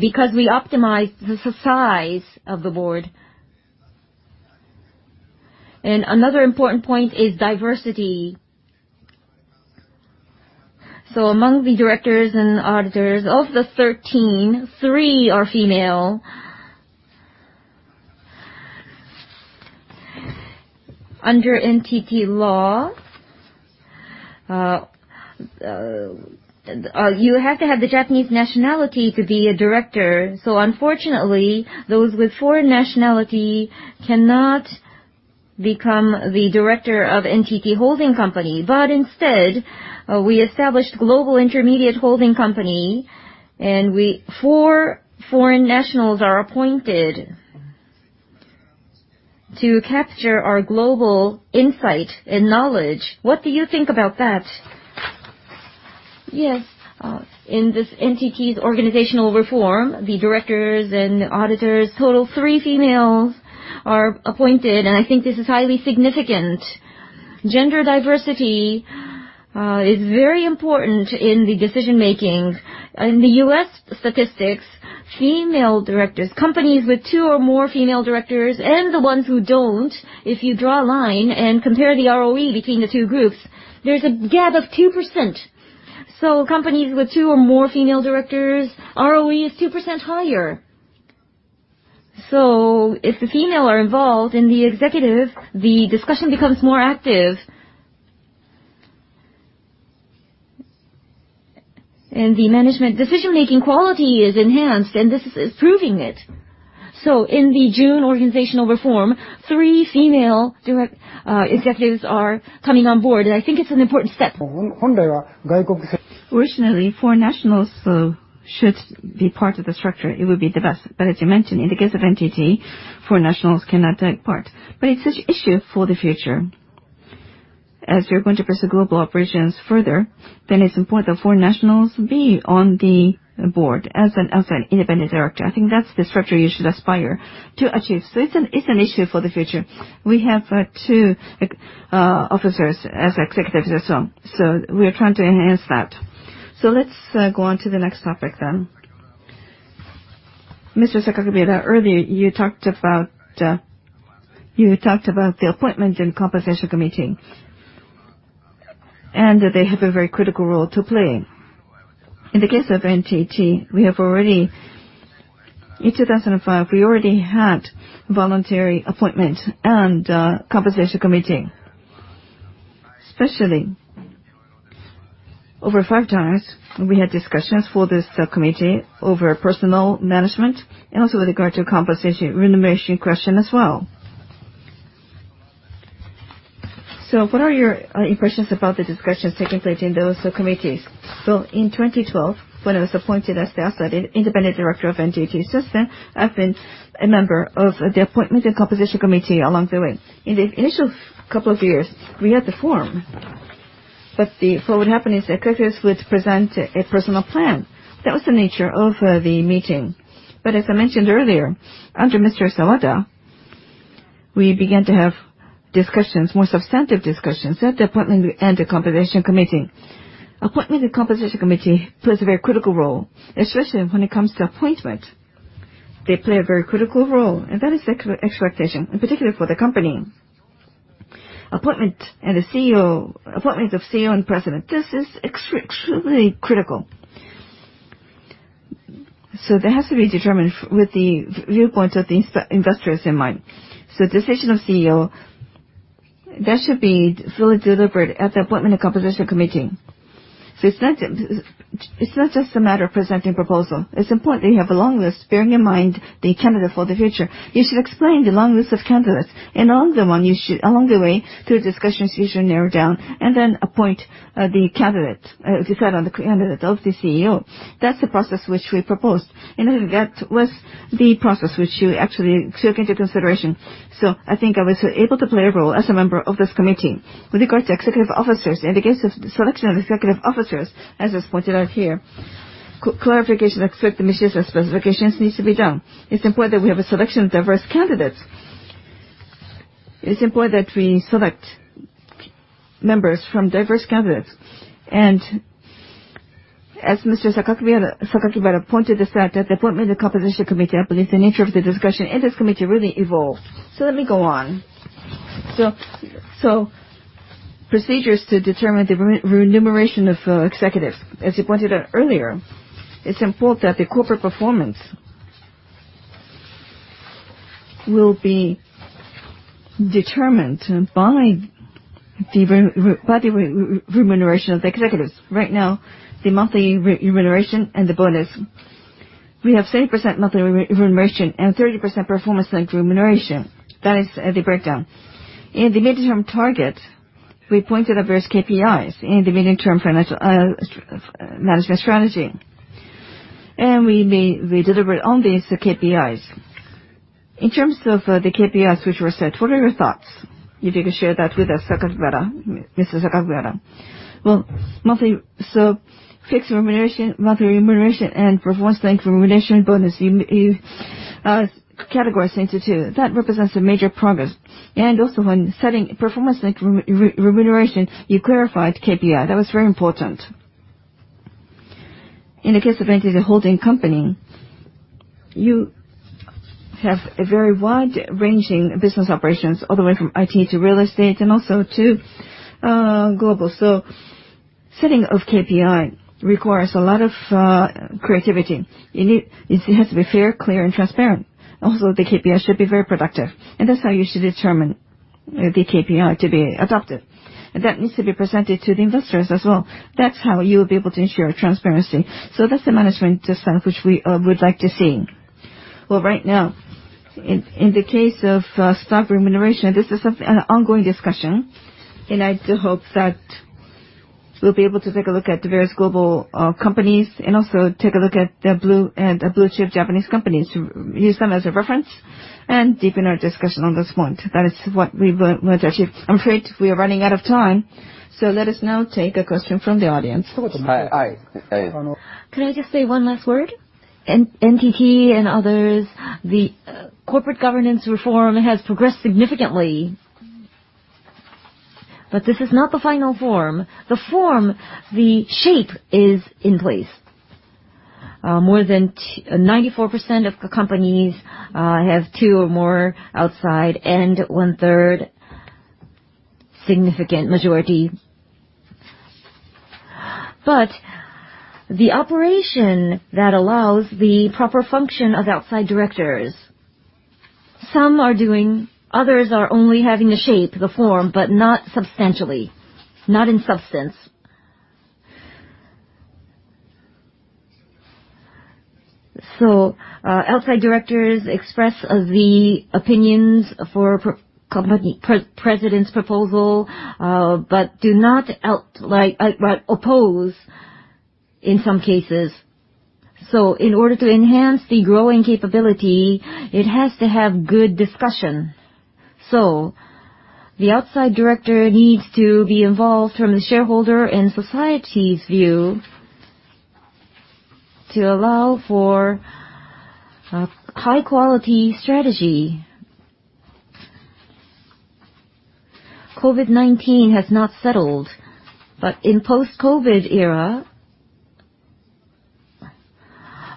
because we optimized the size of the board. Another important point is diversity. Among the directors and auditors, of the 13, three are female. Under NTT Law, you have to have the Japanese nationality to be a director. Unfortunately, those with foreign nationality cannot become the director of NTT holding company. Instead, we established global intermediate holding company, and four foreign nationals are appointed to capture our global insight and knowledge. What do you think about that? Yes. In this NTT's organizational reform, the directors and auditors, total three females are appointed. I think this is highly significant. Gender diversity is very important in the decision-making. In the U.S. statistics, female directors, companies with two or more female directors and the ones who don't, if you draw a line and compare the ROE between the two groups, there's a gap of 2%. Companies with two or more female directors, ROE is 2% higher. If the female are involved in the executive, the discussion becomes more active. The management decision-making quality is enhanced, and this is proving it. In the June organizational reform, three female executives are coming on board. I think it's an important step. Originally, foreign nationals should be part of the structure. It would be the best. As you mentioned, in the case of NTT, foreign nationals cannot take part. It's such an issue for the future. As we are going to pursue global operations further, then it's important that foreign nationals be on the board as an independent director. I think that's the structure you should aspire to achieve. It's an issue for the future. We have two officers as executives as well, so we are trying to enhance that. Let's go on to the next topic then. Mr. Sakakibara, earlier you talked about the appointments and compensation committees, and that they have a very critical role to play. In the case of NTT, in 2005, we already had voluntary appointment and compensation committee. Especially over five times, we had discussions for this subcommittee over personal management, and also with regard to compensation remuneration question as well. What are your impressions about the discussions taking place in those subcommittees? In 2012, when I was appointed as the outside independent director of NTT, I've been a member of the appointment and compensation committee along the way. In the initial couple of years, we had the forum. What would happen is executives would present a personal plan. That was the nature of the meeting. As I mentioned earlier, under Mr. Sawada, we began to have more substantive discussions at the appointment and the compensation committee. Appointment and compensation committee plays a very critical role, especially when it comes to appointment. They play a very critical role, and that is the expectation, in particular for the company. Appointment of CEO and President, this is extremely critical. That has to be determined with the viewpoint of the investors in mind. Decision of CEO, that should be fully deliberate at the appointment and compensation committee. It's not just a matter of presenting proposal. It's important that you have a long list, bearing in mind the candidate for the future. You should explain the long list of candidates. Along the way, through discussions, you should narrow down, then appoint the candidate. If you settle on the candidate of the CEO, that's the process which we proposed. In any event, that was the process which you actually took into consideration. I think I was able to play a role as a member of this committee. With regards to executive officers, in the case of selection of executive officers, as was pointed out here, clarification with respect to missions and specifications needs to be done. It's important that we have a selection of diverse candidates. It's important that we select members from diverse candidates. As Mr. Sakakibara pointed this out, at the appointment and compensation committee, I believe the nature of the discussion in this committee really evolved. Let me go on. Procedures to determine the remuneration of executives. As you pointed out earlier, it's important that the corporate performance will be determined by the remuneration of the executives. Right now, the monthly remuneration and the bonus, we have 30% monthly remuneration and 30% performance-linked remuneration. That is the breakdown. In the midterm target, we pointed out various KPIs in the medium-term financial management strategy. We deliberate on these KPIs. In terms of the KPIs which were set, what are your thoughts? If you could share that with us, Mr. Sakakibara. Well, fixed remuneration, monthly remuneration, and performance-linked remuneration bonus, you categorized into two. That represents a major progress. Also when setting performance-linked remuneration, you clarified KPI. That was very important. In the case of NTT Holding Company, you have a very wide-ranging business operations, all the way from IT to real estate, and also to global. Setting of KPI requires a lot of creativity. It has to be fair, clear, and transparent. Also, the KPI should be very productive, that's how you should determine the KPI to be adopted. That needs to be presented to the investors as well. That's how you'll be able to ensure transparency. That's the management design which we would like to see. Well, right now, in the case of stock remuneration, this is an ongoing discussion, and I do hope that we'll be able to take a look at various global companies and also take a look at blue-chip Japanese companies to use them as a reference and deepen our discussion on this point. That is what we would like to achieve. I'm afraid we are running out of time, so let us now take a question from the audience. Can I just say one last word? NTT and others, the corporate governance reform has progressed significantly. This is not the final form. The form, the shape is in place. More than 94% of companies have two or more outside, one-third significant majority. The operation that allows the proper function of outside directors, some are doing, others are only having the shape, the form, but not substantially, not in substance. Outside directors express the opinions for president's proposal, but do not oppose in some cases. In order to enhance the growing capability, it has to have good discussion. The outside director needs to be involved from the shareholder and society's view to allow for a high-quality strategy. COVID-19 has not settled, but in post-COVID era,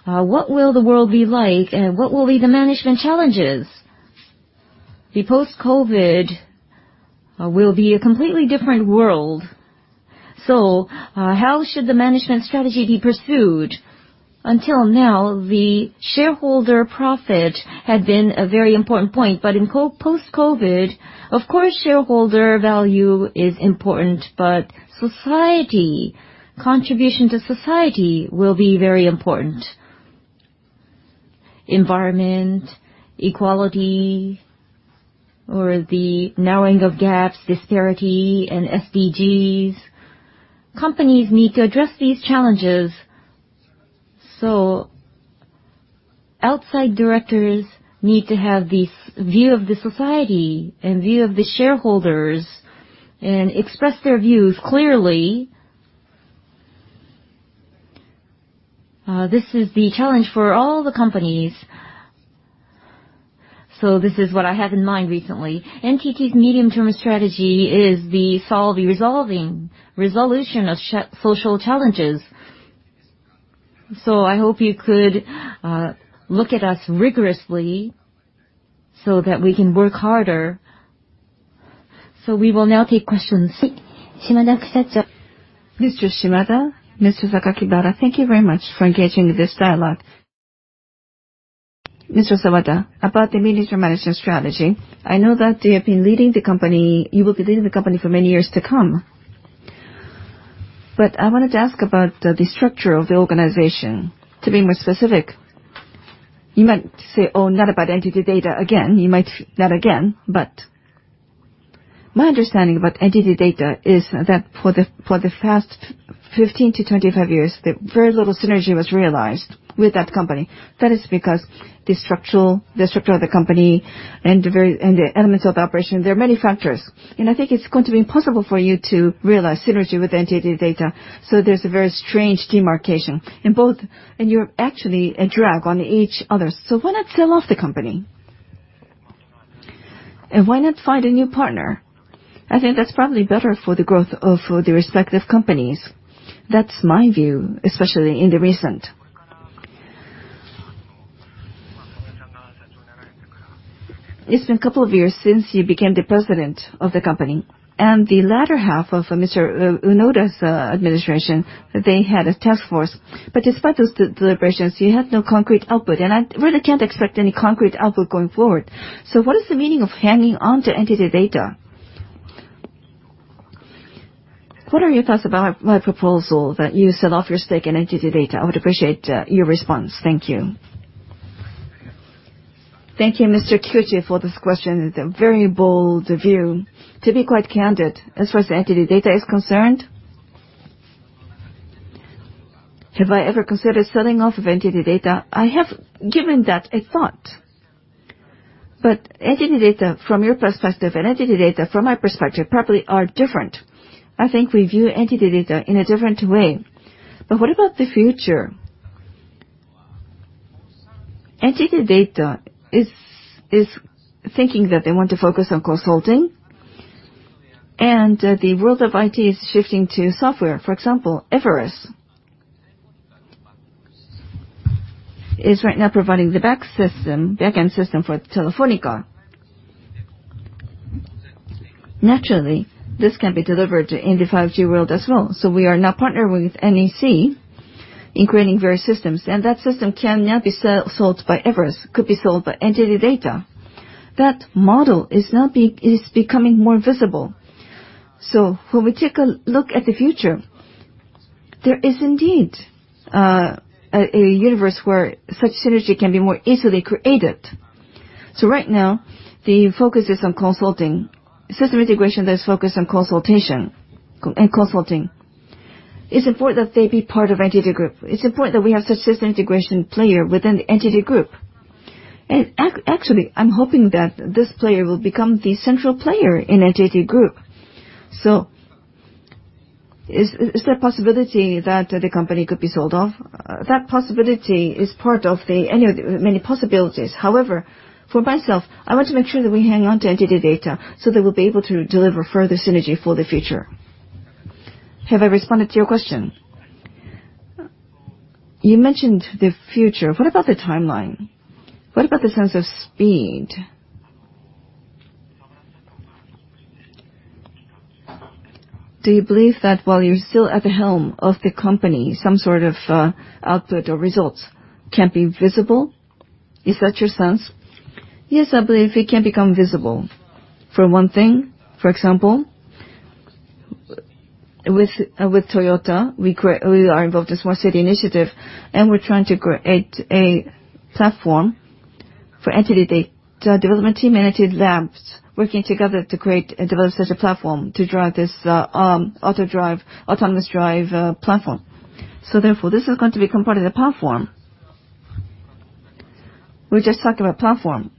what will the world be like? What will be the management challenges? The post-COVID will be a completely different world. How should the management strategy be pursued? Until now, the shareholder profit had been a very important point, in post-COVID, of course, shareholder value is important, but society, contribution to society, will be very important. Environment, equality, or the narrowing of gaps, disparity, and SDGs. Companies need to address these challenges. Outside directors need to have the view of the society and view of the shareholders, and express their views clearly. This is the challenge for all the companies. This is what I have in mind recently. NTT's medium-term strategy is the resolution of social challenges. I hope you could look at us rigorously so that we can work harder. We will now take questions. Mr. Shimada, Mr. Sakakibara, thank you very much for engaging this dialogue. Mr. Sawada, about the management strategy, I know that you will be leading the company for many years to come. I wanted to ask about the structure of the organization. To be more specific, you might say, "Oh, not about NTT Data again." You might, not again, but my understanding about NTT Data is that for the past 15 to 25 years, very little synergy was realized with that company. That is because the structure of the company, and the elements of the operation, there are many factors. I think it's going to be impossible for you to realize synergy with NTT Data, so there's a very strange demarcation in both, and you're actually a drag on each other. Why not sell off the company? Why not find a new partner? I think that's probably better for the growth of the respective companies. That's my view, especially in the recent. It's been a couple of years since you became the president of the company. The latter half of Mr. Unoura's administration, they had a task force. Despite those deliberations, you have no concrete output, and I really can't expect any concrete output going forward. What is the meaning of hanging on to NTT DATA? What are your thoughts about my proposal that you sell off your stake in NTT DATA? I would appreciate your response. Thank you. Thank you, Mr. Kikuchi, for this question. It's a very bold view. To be quite candid, as far as NTT DATA is concerned, have I ever considered selling off of NTT DATA? I have given that a thought. NTT Data from your perspective, and NTT Data from my perspective, probably are different. I think we view NTT Data in a different way. What about the future? NTT Data is thinking that they want to focus on consulting, and the world of IT is shifting to software. For example, Everis is right now providing the back end system for Telefónica. Naturally, this can be delivered in the 5G world as well. We are now partnering with NEC in creating various systems. That system can now be sold by Everis, could be sold by NTT Data. That model is becoming more visible. When we take a look at the future, there is indeed a universe where such synergy can be more easily created. Right now, the focus is on consulting. System integration that is focused on consultation and consulting. It's important that they be part of NTT Group. It's important that we have such system integration player within the NTT Group. Actually, I'm hoping that this player will become the central player in NTT Group. Is there a possibility that the company could be sold off? That possibility is part of the many possibilities. However, for myself, I want to make sure that we hang on to NTT Data, so that we'll be able to deliver further synergy for the future. Have I responded to your question? You mentioned the future. What about the timeline? What about the sense of speed? Do you believe that while you're still at the helm of the company, some sort of output or results can be visible? Is that your sense? Yes, I believe it can become visible. For one thing, for example, with Toyota, we are involved in Smart City initiative. We're trying to create a platform for NTT Data development team, NTT Labs, working together to create and develop such a platform to drive this autonomous drive platform. This is going to become part of the platform. We just talked about platform.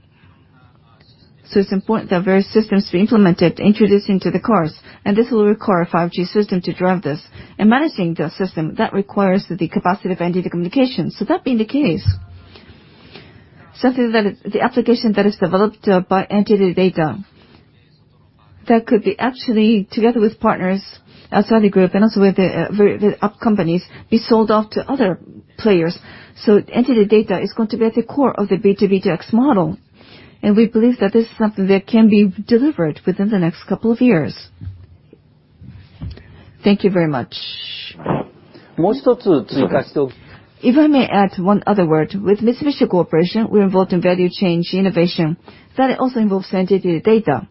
It's important that various systems be implemented, introduced into the course, and this will require 5G system to drive this. Managing the system, that requires the capacity of NTT Communications. That being the case, the application that is developed by NTT Data, that could be actually, together with partners outside the group and also with the app companies, be sold off to other players. NTT Data is going to be at the core of the B2B2X model, and we believe that this is something that can be delivered within the next couple of years. Thank you very much. If I may add one other word. With Mitsubishi Corporation, we're involved in value chain innovation. That also involves NTT Data.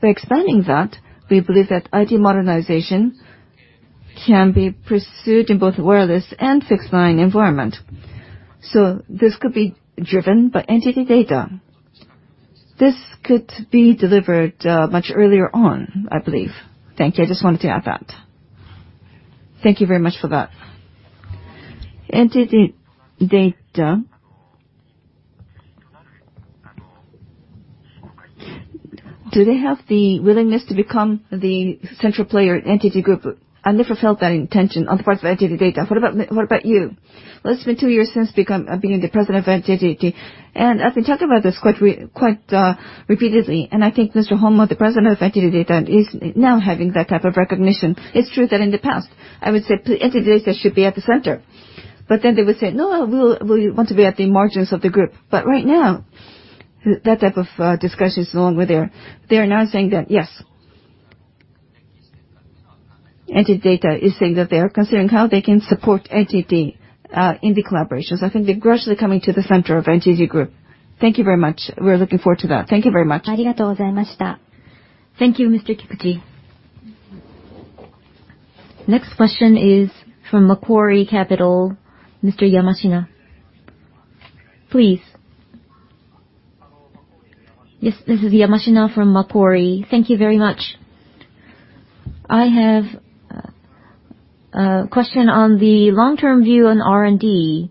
By expanding that, we believe that IT modernization can be pursued in both wireless and fixed line environment. This could be driven by NTT Data. This could be delivered much earlier on, I believe. Thank you. I just wanted to add that. Thank you very much for that. NTT Data, do they have the willingness to become the central player in NTT Group? I never felt that intention on the part of NTT Data. What about you? Well, it's been two years since being the president of NTT, I've been talking about this quite repeatedly. I think Mr. Honma, the president of NTT Data, is now having that type of recognition. It's true that in the past, I would say NTT Data should be at the center. They would say, "No, we want to be at the margins of the group." Right now, that type of discussion is no longer there. They are now saying that, yes. NTT DATA is saying that they are considering how they can support NTT in the collaborations. I think they're gradually coming to the center of NTT Group. Thank you very much. We're looking forward to that. Thank you very much. Thank you, Mr. Kikuchi. Next question is from Macquarie Capital, Mr. Yamashina. Please. Yes, this is Yamashina from Macquarie. Thank you very much. I have a question on the long-term view on R&D.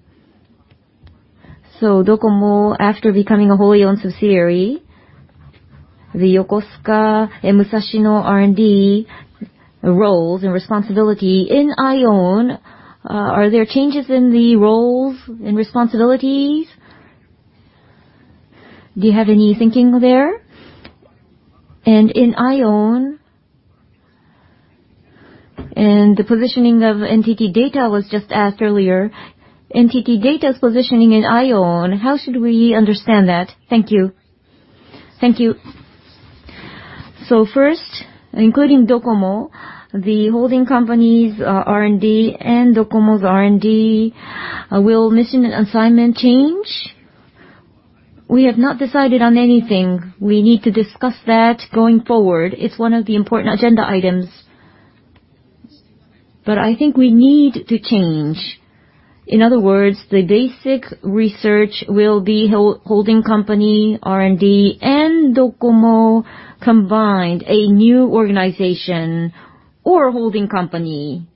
DOCOMO, after becoming a wholly owned subsidiary, the Yokosuka and Musashino R&D roles and responsibility in IOWN, are there changes in the roles and responsibilities? Do you have any thinking there? In IOWN, and the positioning of NTT DATA was just asked earlier, NTT DATA's positioning in IOWN, how should we understand that? Thank you. Thank you. First, including Docomo, the holding company's R&D and Docomo's R&D, will mission and assignment change? We have not decided on anything. We need to discuss that going forward. It's one of the important agenda items. I think we need to change. In other words, the basic research will be holding company R&D and Docomo combined, a new organization or holding company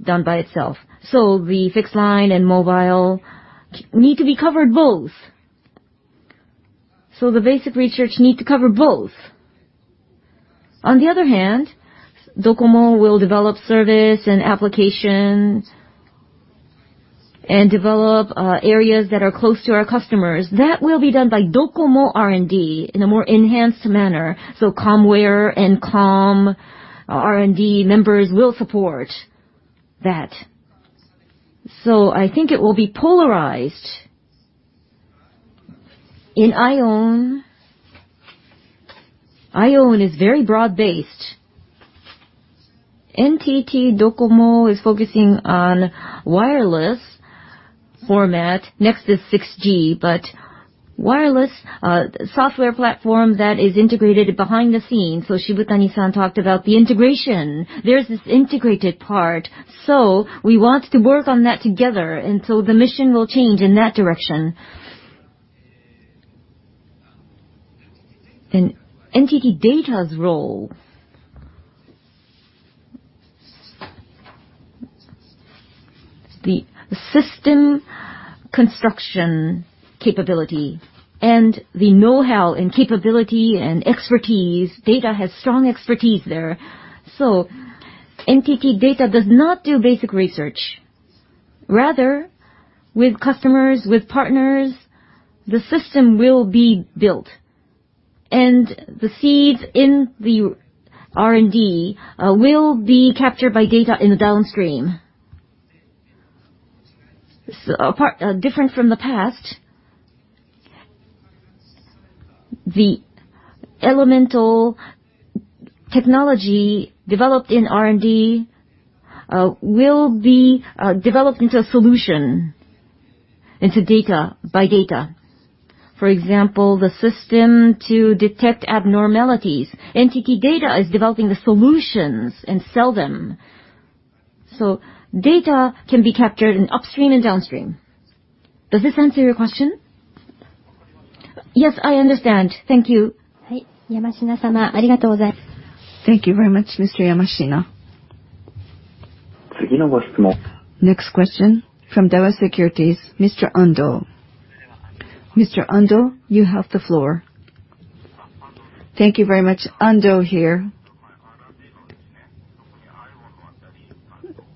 done by itself. The fixed line and mobile need to be covered both. The basic research need to cover both. On the other hand, Docomo will develop service and applications, and develop areas that are close to our customers. That will be done by Docomo R&D in a more enhanced manner. NTT Comware and NTT Com R&D members will support that. I think it will be polarized. In IOWN is very broad-based. NTT DOCOMO is focusing on wireless format, next is 6G, but wireless software platform that is integrated behind the scenes. Shibutani-san talked about the integration. There is this integrated part. We want to work on that together, the mission will change in that direction. NTT Data's role, the system construction capability and the know-how and capability and expertise, Data has strong expertise there. NTT Data does not do basic research. Rather, with customers, with partners, the system will be built. The seeds in the R&D will be captured by Data in the downstream. Different from the past, the elemental technology developed in R&D will be developed into a solution, into data, by Data. For example, the system to detect abnormalities. NTT Data is developing the solutions and sell them. data can be captured in upstream and downstream. Does this answer your question? Yes, I understand. Thank you. Thank you very much, Mr. Yamaguchi. Next question from Daiwa Securities, Mr. Ando. Mr. Ando, you have the floor. Thank you very much. Ando here.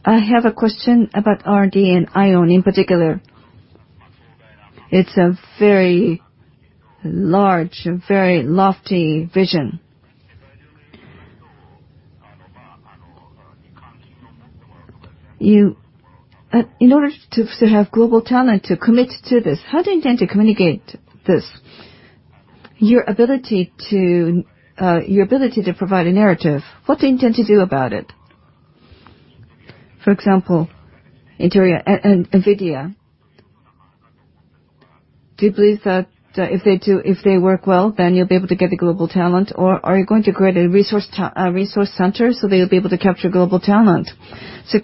I have a question about R&D and IOWN in particular. It's a very large and very lofty vision. In order to have global talent to commit to this, how do you intend to communicate this? Your ability to provide a narrative, what do you intend to do about it? For example, NVIDIA. Do you believe that if they work well, then you'll be able to get the global talent? Are you going to create a resource center so that you'll be able to capture global talent?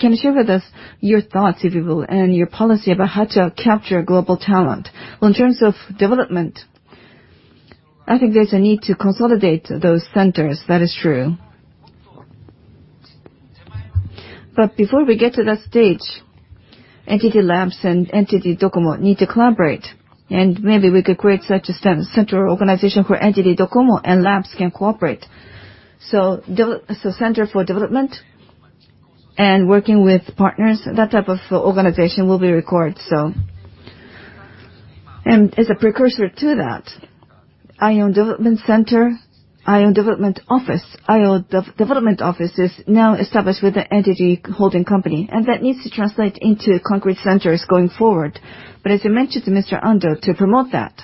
Can you share with us your thoughts, if you will, and your policy about how to capture global talent? Well, in terms of development, I think there's a need to consolidate those centers. That is true. Before we get to that stage, NTT Laboratories and NTT DOCOMO need to collaborate, and maybe we could create such a central organization where NTT DOCOMO and Labs can cooperate. Center for development and working with partners, that type of organization will be required. As a precursor to that, IOWN Development Center, IOWN Development Office. IOWN Development Office is now established with an entity holding company. That needs to translate into concrete centers going forward. As you mentioned, Mr. Ando, to promote that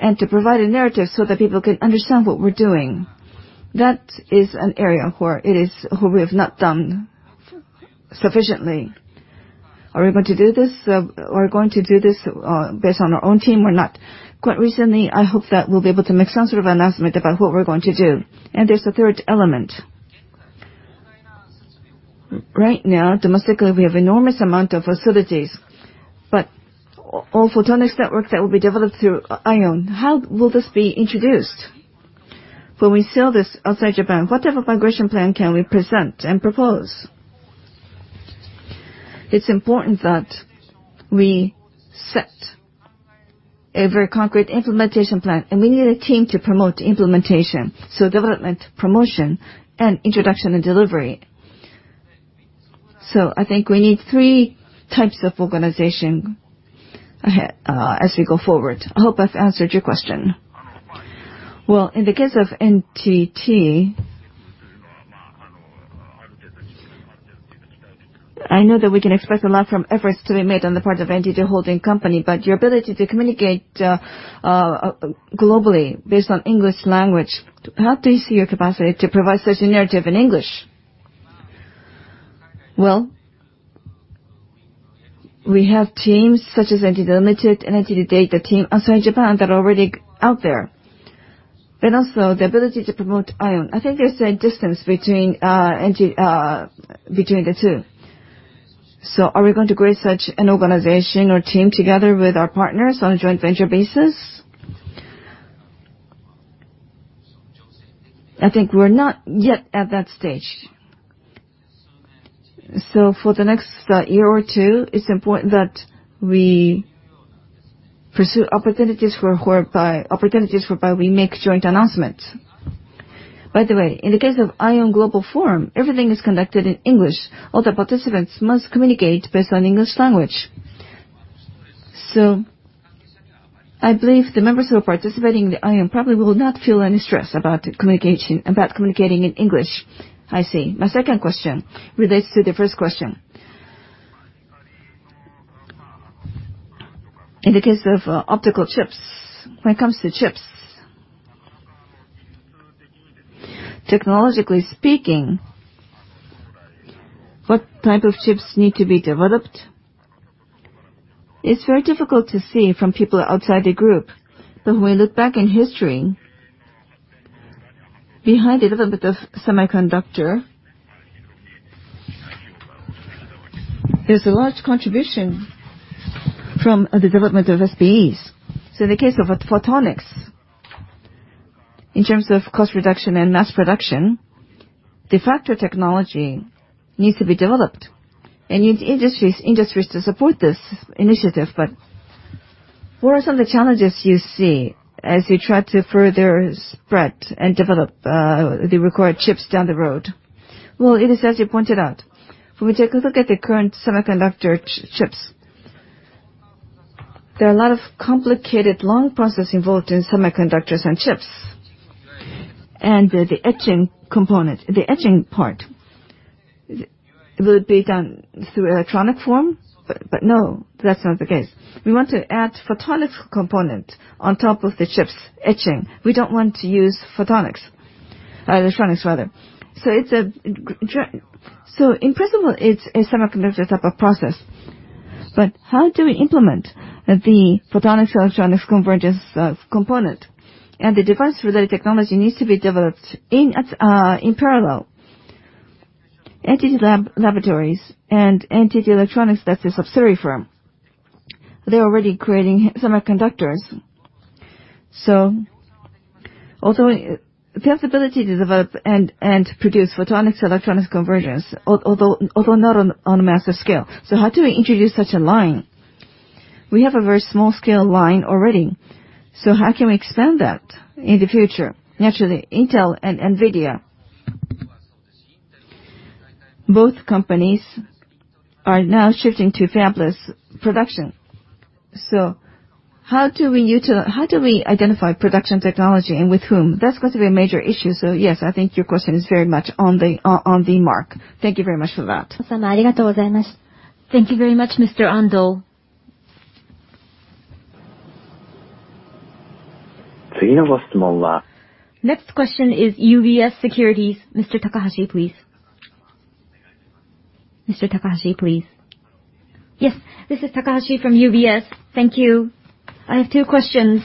and to provide a narrative so that people can understand what we're doing, that is an area where we have not done sufficiently. Are we going to do this? We're going to do this based on our own team or not? Quite recently, I hope that we'll be able to make some sort of announcement about what we're going to do. There's a third element. Right now, domestically, we have enormous amount of facilities, but All-Photonics Network that will be developed through IOWN, how will this be introduced? When we sell this outside Japan, what type of migration plan can we present and propose? It's important that we set a very concrete implementation plan, and we need a team to promote implementation. Development, promotion, and introduction and delivery. I think we need 3 types of organization ahead, as we go forward. I hope I've answered your question. Well, in the case of NTT, I know that we can expect a lot from efforts to be made on the part of NTT holding company, but your ability to communicate globally based on English language, how do you see your capacity to provide such a narrative in English? Well, we have teams such as NTT Ltd., NTT DATA team also in Japan that are already out there. Also, the ability to promote IOWN. I think there's a distance between the two. Are we going to create such an organization or team together with our partners on a joint venture basis? I think we're not yet at that stage. For the next year or two, it's important that we pursue opportunities whereby we make joint announcements. By the way, in the case of IOWN Global Forum, everything is conducted in English. All the participants must communicate based on English language. I believe the members who are participating in the IOWN probably will not feel any stress about communicating in English. I see. My second question relates to the first question. In the case of optical chips, when it comes to chips, technologically speaking, what type of chips need to be developed? It's very difficult to see from people outside the group. When we look back in history, behind the development of semiconductor, there's a large contribution from the development of SPEs. In the case of photonics, in terms of cost reduction and mass production, de facto technology needs to be developed and need industries to support this initiative. What are some of the challenges you see as you try to further spread and develop the required chips down the road? It is as you pointed out. When we take a look at the current semiconductor chips, there are a lot of complicated, long process involved in semiconductors and chips. The etching component, the etching part will be done through electronic form. No, that's not the case. We want to add photonics component on top of the chips etching. We don't want to use photonics, electronics rather. In principle, it's a semiconductor type of process. How do we implement the photonics-electronics convergence of component? The device for the technology needs to be developed in parallel. NTT Laboratories and NTT Electronics, that is a subsidiary firm, they're already creating semiconductors. Although we have the ability to develop and produce photonics-electronics convergence, although not on a massive scale. How do we introduce such a line? We have a very small-scale line already. How can we expand that in the future? Naturally, Intel and NVIDIA, both companies are now shifting to fabless production. How do we identify production technology and with whom? That's going to be a major issue. Yes, I think your question is very much on the mark. Thank you very much for that. Thank you very much, Mr. Ando. Next question is UBS Securities. Mr. Takahashi, please. Yes, this is Takahashi from UBS. Thank you. I have two questions.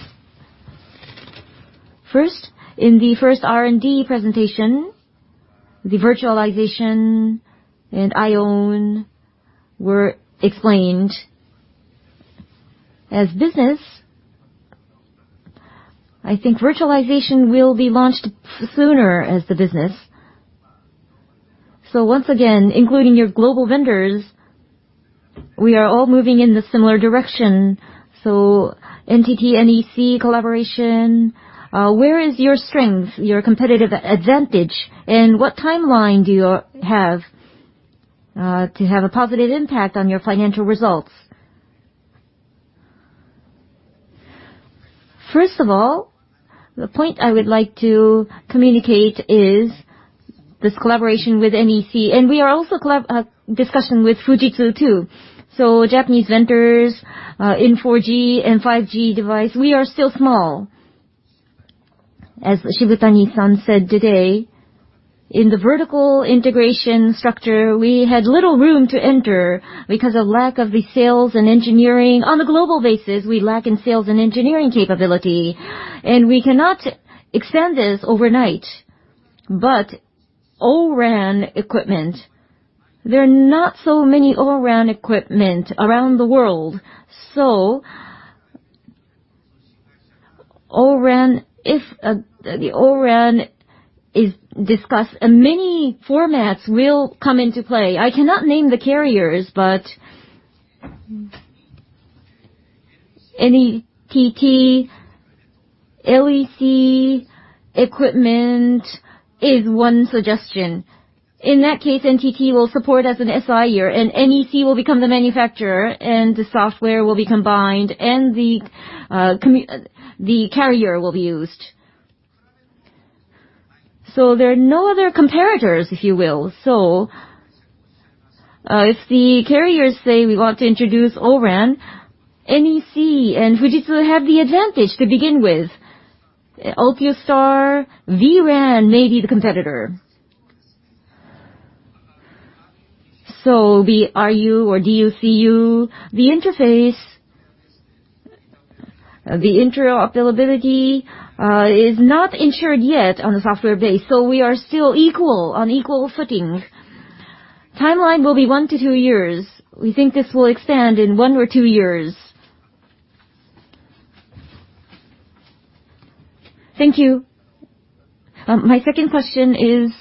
First, in the first R&D presentation, the virtualization and IOWN were explained. As business, I think virtualization will be launched sooner as the business. Once again, including your global vendors, we are all moving in the similar direction. NTT, NEC collaboration, where is your strength, your competitive advantage, and what timeline do you have? To have a positive impact on your financial results. The point I would like to communicate is this collaboration with NEC, and we are also in discussion with Fujitsu too. Japanese vendors in 4G and 5G device, we are still small. As Shibutani said today, in the vertical integration structure, we had little room to enter because of lack of the sales and engineering. On a global basis, we lack in sales and engineering capability, and we cannot expand this overnight. O-RAN equipment, there are not so many O-RAN equipment around the world. If the O-RAN is discussed, many formats will come into play. I cannot name the carriers, NTT equipment is one suggestion. In that case, NTT will support as an SIer, and NEC will become the manufacturer, and the software will be combined, and the carrier will be used. There are no other comparators, if you will. If the carriers say, "We want to introduce O-RAN," NEC and Fujitsu have the advantage to begin with. Altiostar vRAN may be the competitor. The RU or CU/DU, the interface, the interoperability is not ensured yet on a software base, so we are still on equal footing. Timeline will be one to two years. We think this will expand in one or two years. Thank you. My second question is,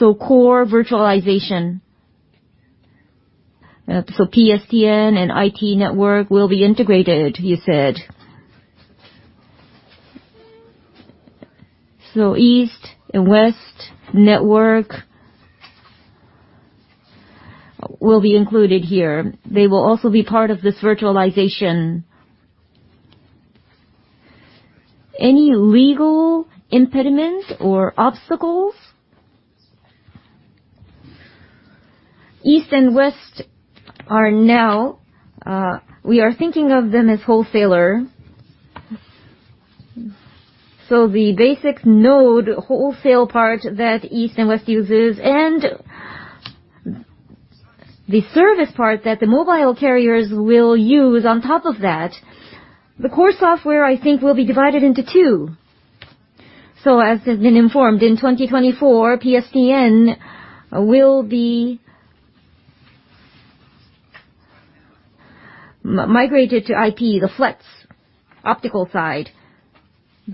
core virtualization. PSTN and IT network will be integrated, you said. East and West network will be included here. They will also be part of this virtualization. Any legal impediments or obstacles? East and West are now, we are thinking of them as wholesaler. The basic node wholesale part that East and West uses, and the service part that the mobile carriers will use on top of that, the core software, I think, will be divided into two. As has been informed, in 2024, PSTN will be migrated to IP, the FLET's optical side.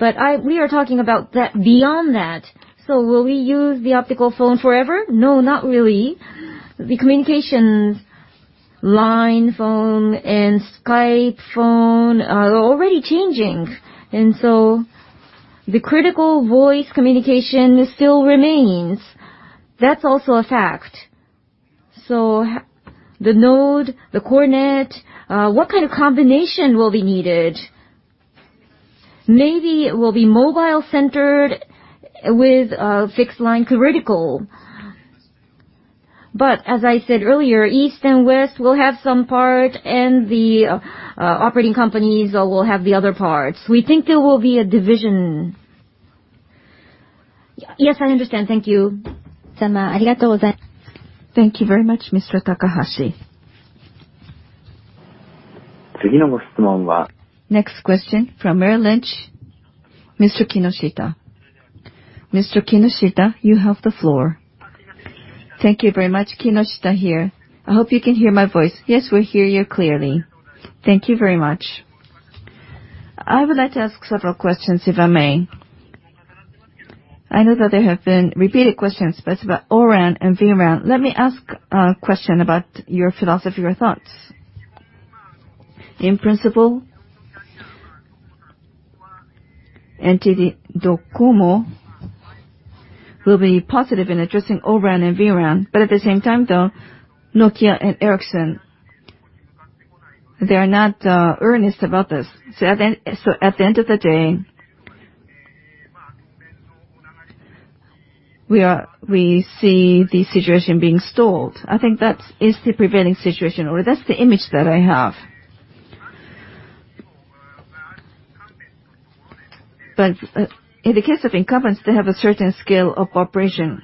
We are talking about beyond that. Will we use the optical phone forever? No, not really. The communications Line phone and Skype phone are already changing. The critical voice communication still remains. That's also a fact. The node, the core net, what kind of combination will be needed? Maybe it will be mobile-centered with a fixed line critical. As I said earlier, East and West will have some part and the operating companies will have the other parts. We think there will be a division. Yes, I understand. Thank you. Thank you very much, Mr. Takahashi. Next question from Merrill Lynch, Mr. Kinoshita. Mr. Kinoshita, you have the floor. Thank you very much. Kinoshita here. I hope you can hear my voice. Yes, we hear you clearly. Thank you very much. I would like to ask several questions, if I may. I know that there have been repeated questions about O-RAN and vRAN. Let me ask a question about your philosophy or thoughts. In principle, NTT DOCOMO will be positive in addressing O-RAN and vRAN, but at the same time, though, Nokia and Ericsson, they are not earnest about this. At the end of the day, we see the situation being stalled. I think that is the prevailing situation, or that's the image that I have. In the case of incumbents, they have a certain scale of operation.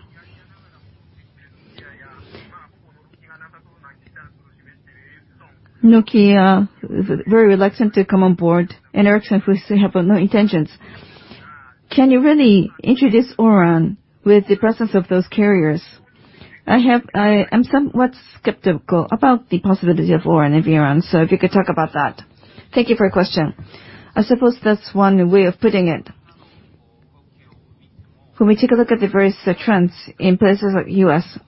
Nokia is very reluctant to come on board, and Ericsson seems to have no intentions. Can you really introduce O-RAN with the presence of those carriers? I'm somewhat skeptical about the possibility of O-RAN and vRAN, so if you could talk about that. Thank you for your question. I suppose that's one way of putting it. When we take a look at the various trends in places like U.S.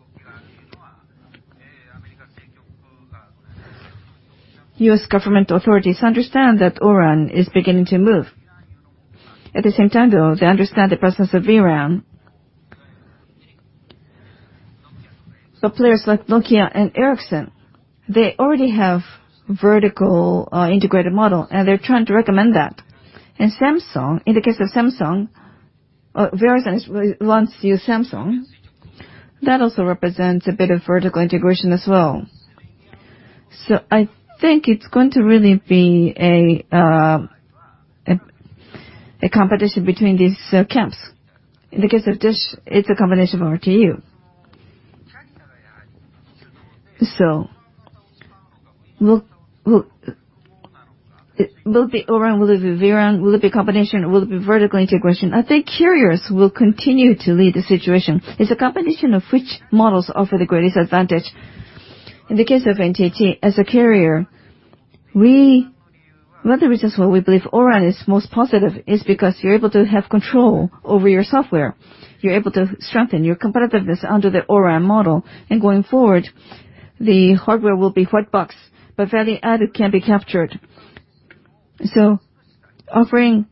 U.S. government authorities understand that O-RAN is beginning to move. At the same time, though, they understand the presence of vRAN. Players like Nokia and Ericsson, they already have vertically integrated model, and they're trying to recommend that. In the case of Samsung, Verizon wants to use Samsung. That also represents a bit of vertical integration as well. I think it's going to really be a competition between these camps. In the case of DISH, it's a combination of RU. Will it be O-RAN, will it be vRAN, will it be a combination, will it be vertical integration? I think carriers will continue to lead the situation. It's a competition of which models offer the greatest advantage. In the case of NTT, as a carrier, one of the reasons why we believe O-RAN is most positive is because you're able to have control over your software. You're able to strengthen your competitiveness under the O-RAN model. Going forward, the hardware will be white box, but value added can be captured. Offering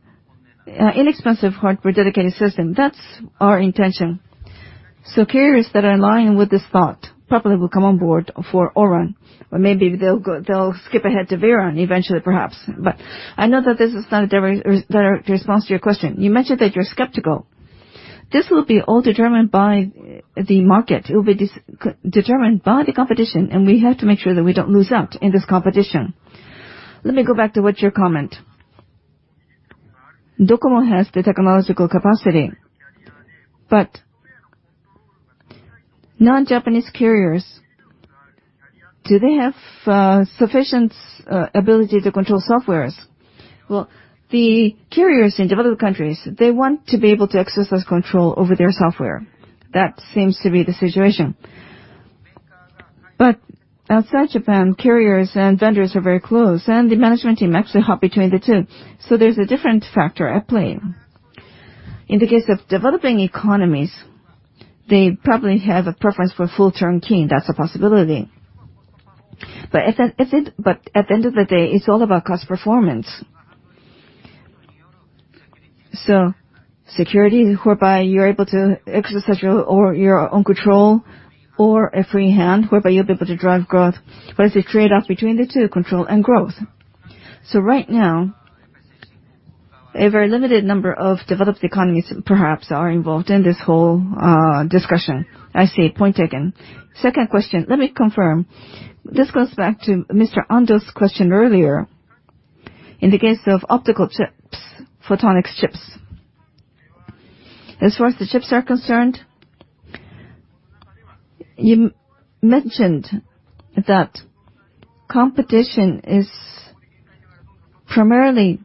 inexpensive hardware dedicated system, that's our intention. Carriers that are in line with this thought probably will come on board for O-RAN, or maybe they'll skip ahead to vRAN eventually perhaps. I know that this is not a direct response to your question. You mentioned that you're skeptical. This will be all determined by the market, it will be determined by the competition, and we have to make sure that we don't lose out in this competition. Let me go back to what your comment. DOCOMO has the technological capacity, but non-Japanese carriers, do they have sufficient ability to control softwares? The carriers in developed countries, they want to be able to exercise control over their software. That seems to be the situation. Outside Japan, carriers and vendors are very close, and the management team actually hop between the two. There's a different factor at play. In the case of developing economies, they probably have a preference for full turnkey, and that's a possibility. At the end of the day, it's all about cost performance. Security, whereby you're able to exercise your own control or a free hand, whereby you'll be able to drive growth. It's a trade-off between the two, control and growth. Right now, a very limited number of developed economies, perhaps, are involved in this whole discussion. I see. Point taken. Second question, let me confirm. This goes back to Mr. Ando's question earlier. In the case of optical chips, photonics chips. As far as the chips are concerned, you mentioned that competition is primarily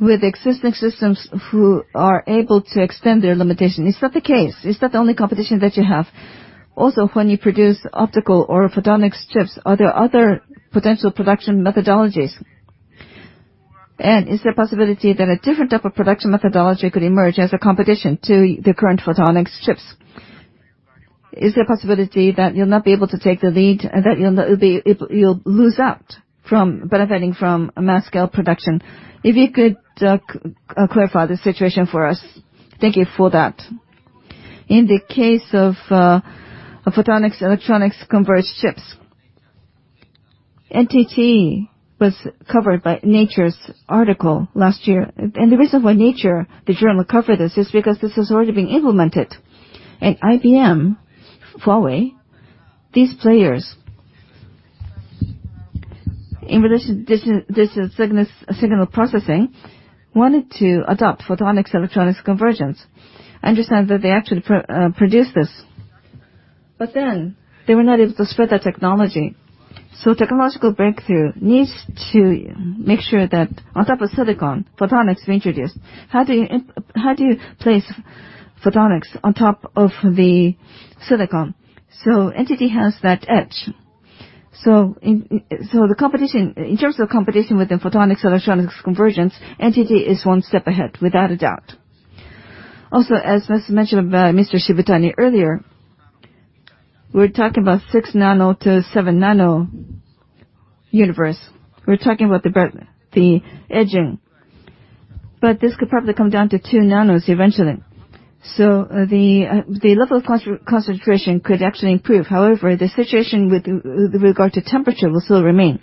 with existing systems who are able to extend their limitation. Is that the case? Is that the only competition that you have? When you produce optical or photonics chips, are there other potential production methodologies? Is there a possibility that a different type of production methodology could emerge as a competition to the current photonics chips? Is there a possibility that you'll not be able to take the lead, and that you'll lose out from benefiting from a mass scale production? If you could clarify the situation for us. Thank you for that. In the case of photonics-electronics converged chips, NTT was covered by Nature's article last year. The reason why Nature, the journal, covered this is because this is already being implemented. IBM, Huawei, these players, in relation to digital signal processing, wanted to adopt photonics-electronics convergence. I understand that they actually produced this. They were not able to spread that technology. Technological breakthrough needs to make sure that on top of silicon, photonics is introduced. How do you place photonics on top of the silicon? NTT has that edge. In terms of competition within photonics-electronics convergence, NTT is one step ahead, without a doubt. Also, as mentioned by Mr. Shibutani earlier, we're talking about six nano to seven nano universe. We're talking about the etching. This could probably come down to two nanos eventually. The level of concentration could actually improve. However, the situation with regard to temperature will still remain.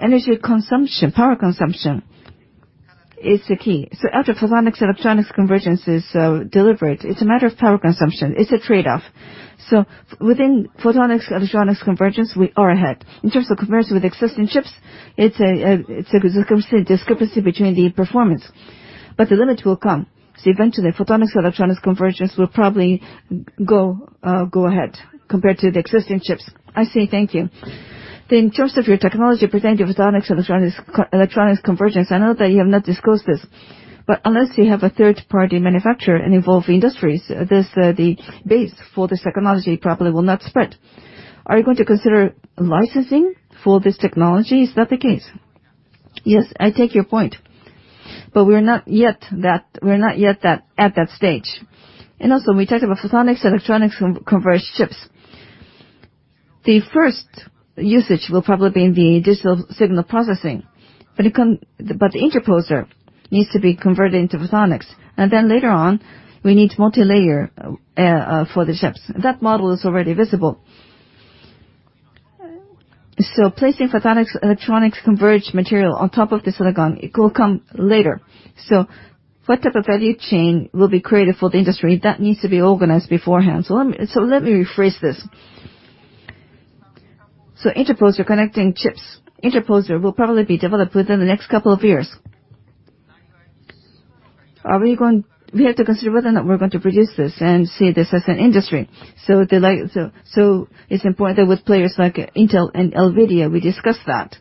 Energy consumption, power consumption, is the key. After photonics-electronics convergence is delivered, it's a matter of power consumption. It's a trade-off. Within photonics-electronics convergence, we are ahead. In terms of comparison with existing chips, it's a discrepancy between the performance. The limit will come. Eventually, photonics-electronics convergence will probably go ahead compared to the existing chips. I see. Thank you. In terms of your technology presenting photonics-electronics convergence, I know that you have not disclosed this. Unless you have a third-party manufacturer and involved industries, the base for this technology probably will not spread. Are you going to consider licensing for this technology? Is that the case? Yes, I take your point. We're not yet at that stage. When we talked about photonics, electronics converged chips, the first usage will probably be in the digital signal processing, but the interposer needs to be converted into photonics. Later on, we need multilayer for the chips. That model is already visible. Placing photonics-electronics converged material on top of the silicon, it will come later. What type of value chain will be created for the industry? That needs to be organized beforehand. Let me rephrase this. Interposer connecting chips. Interposer will probably be developed within the next couple of years. We have to consider whether or not we're going to produce this and see this as an industry. It's important that with players like Intel and NVIDIA, we discuss that.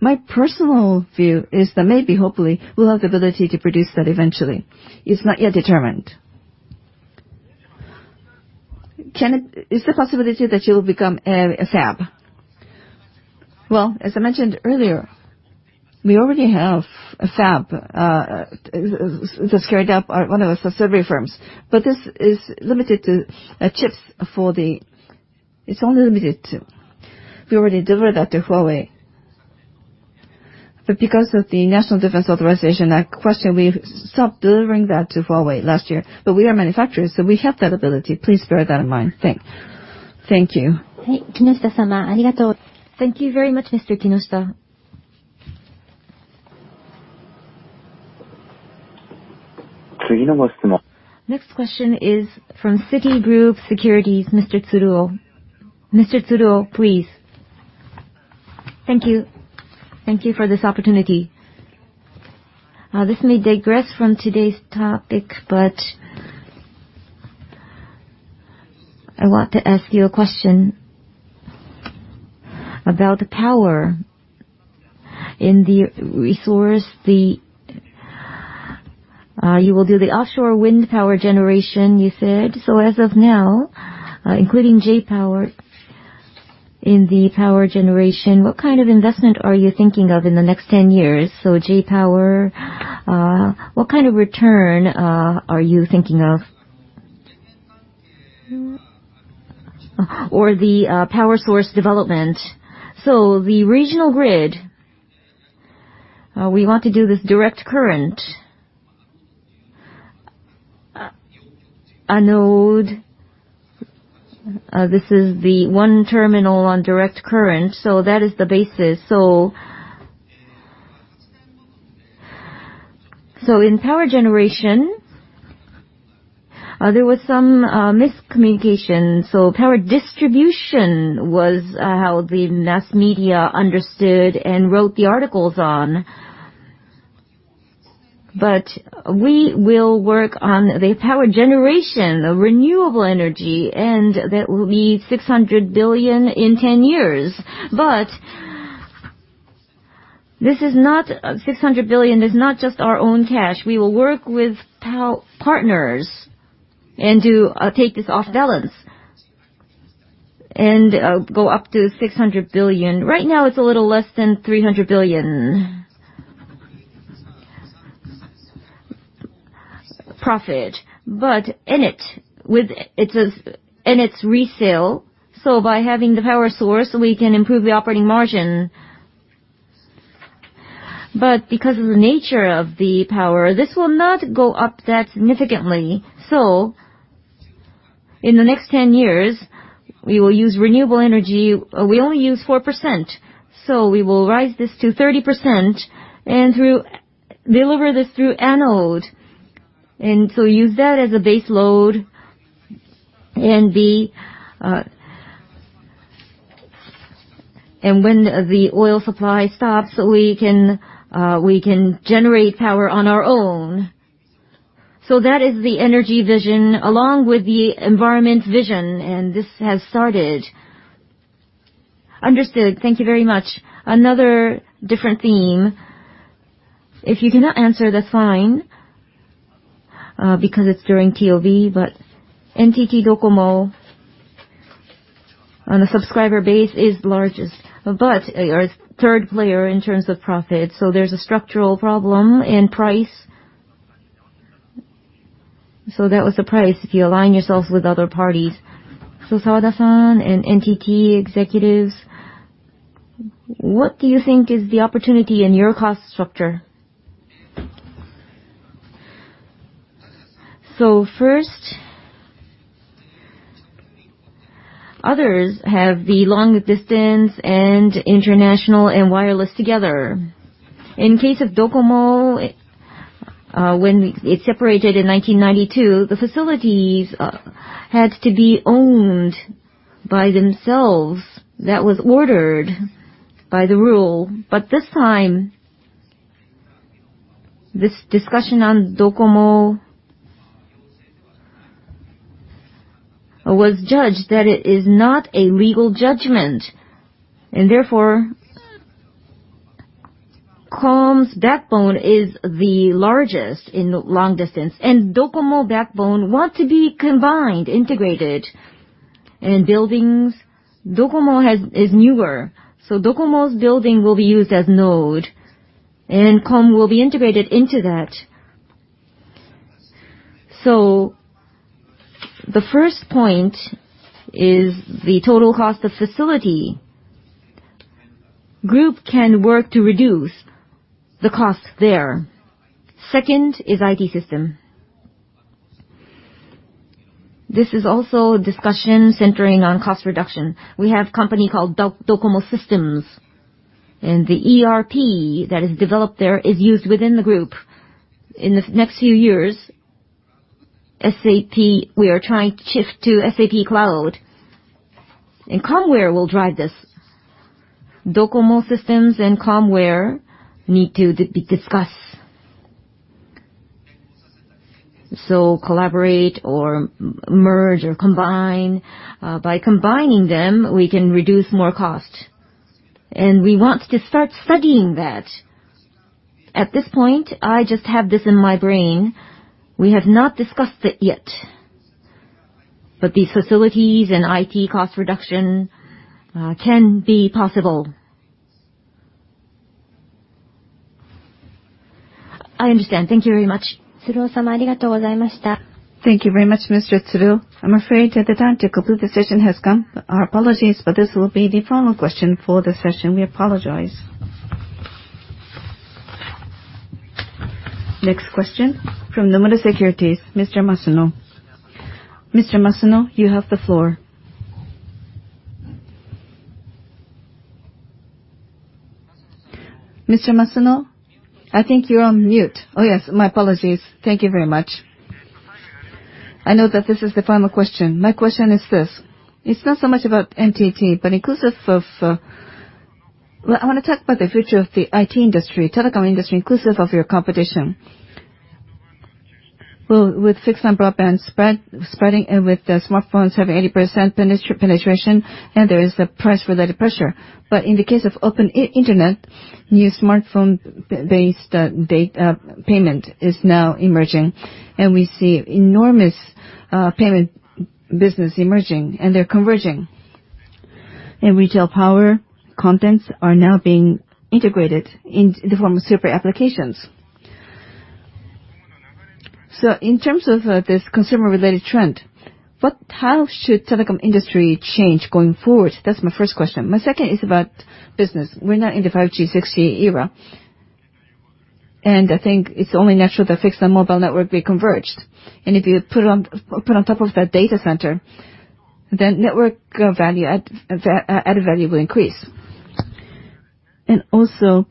My personal view is that maybe, hopefully, we'll have the ability to produce that eventually. It's not yet determined. Is there a possibility that you'll become a fab? Well, as I mentioned earlier, we already have a fab. It's a startup, one of the subsidiary firms. This is limited to chips. We already delivered that to Huawei. Because of the National Defense Authorization Act question, we stopped delivering that to Huawei last year. We are manufacturers, so we have that ability. Please bear that in mind. Thanks. Thank you. Thank you very much, Mr. Kinoshita. Next question. Next question is from Citigroup Securities, Mr. Tsuruo. Mr. Tsuruo, please. Thank you. Thank you for this opportunity. This may digress from today's topic, I want to ask you a question about power in the resource. You will do the offshore wind power generation, you said. As of now, including J-POWER in the power generation, what kind of investment are you thinking of in the next 10 years? J-POWER, what kind of return are you thinking of? The power source development. The regional grid, we want to do this direct current. Anode, this is the one terminal on direct current, that is the basis. In power generation, there was some miscommunication. Power distribution was how the mass media understood and wrote the articles on, we will work on the power generation of renewable energy, that will be 600 billion in 10 years. 600 billion is not just our own cash. We will work with partners and to take this off balance and go up to 600 billion. Right now, it's a little less than 300 billion profit. In it, and its resale, by having the power source, we can improve the operating margin. Because of the nature of the power, this will not go up that significantly. In the next 10 years, we will use renewable energy. We only use 4%, we will rise this to 30% and deliver this through Anode. Use that as a base load, and when the oil supply stops, we can generate power on our own. That is the energy vision along with the environment vision, and this has started. Understood. Thank you very much. Another different theme. If you cannot answer, that's fine, because it's during TOB. NTT DOCOMO on the subscriber base is largest, but are third player in terms of profit, there's a structural problem in price. That was the price, if you align yourselves with other parties. Sawada-san and NTT executives, what do you think is the opportunity in your cost structure? Others have the long distance and international and wireless together. In case of Docomo, when it separated in 1992, the facilities had to be owned by themselves. That was ordered by the rule. This discussion on Docomo was judged that it is not a legal judgment, and therefore, Com's backbone is the largest in long distance, and Docomo backbone want to be combined, integrated. In buildings, Docomo is newer. Docomo's building will be used as node, and Comm will be integrated into that. The first point is the total cost of facility. Group can work to reduce the cost there. Second is IT system. This is also a discussion centering on cost reduction. We have a company called Docomo Systems, and the ERP that is developed there is used within the group. In the next few years, SAP, we are trying to shift to SAP Cloud. Comware will drive this. Docomo Systems and Comware need to discuss. Collaborate or merge or combine. By combining them, we can reduce more cost. We want to start studying that. At this point, I just have this in my brain. We have not discussed it yet. These facilities and IT cost reduction can be possible. I understand. Thank you very much. Thank you very much, Mr. Tsuruo. I'm afraid that the time to conclude the session has come. Our apologies, but this will be the final question for the session. We apologize. Next question from Nomura Securities, Mr. Masuno. Mr. Masuno, you have the floor. Mr. Masuno, I think you're on mute. Oh, yes, my apologies. Thank you very much. I know that this is the final question. My question is this. It's not so much about NTT, but inclusive of I want to talk about the future of the IT industry, telecom industry, inclusive of your competition. Well, with fixed and broadband spreading, and with the smartphones having 80% penetration, and there is a price-related pressure. In the case of open internet, new smartphone-based payment is now emerging, and we see enormous payment business emerging, and they're converging. Retail power contents are now being integrated in the form of super applications. In terms of this consumer-related trend, how should telecom industry change going forward? That's my first question. My second is about business. We're now in the 5G, 6G era, and I think it's only natural that fixed and mobile network be converged. If you put on top of that data center, then network added value will increase. Also,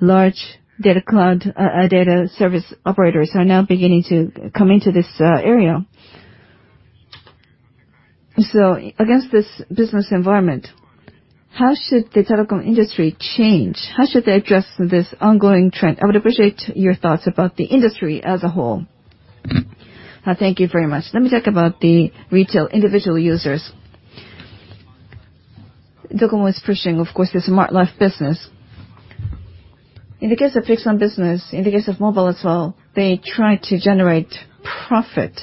large data cloud, data service operators are now beginning to come into this area. Against this business environment, how should the telecom industry change? How should they address this ongoing trend? I would appreciate your thoughts about the industry as a whole. Thank you very much. Let me talk about the retail, individual users. Docomo is pushing, of course, the Smart Life business. In the case of fixed line business, in the case of mobile as well, they try to generate profit.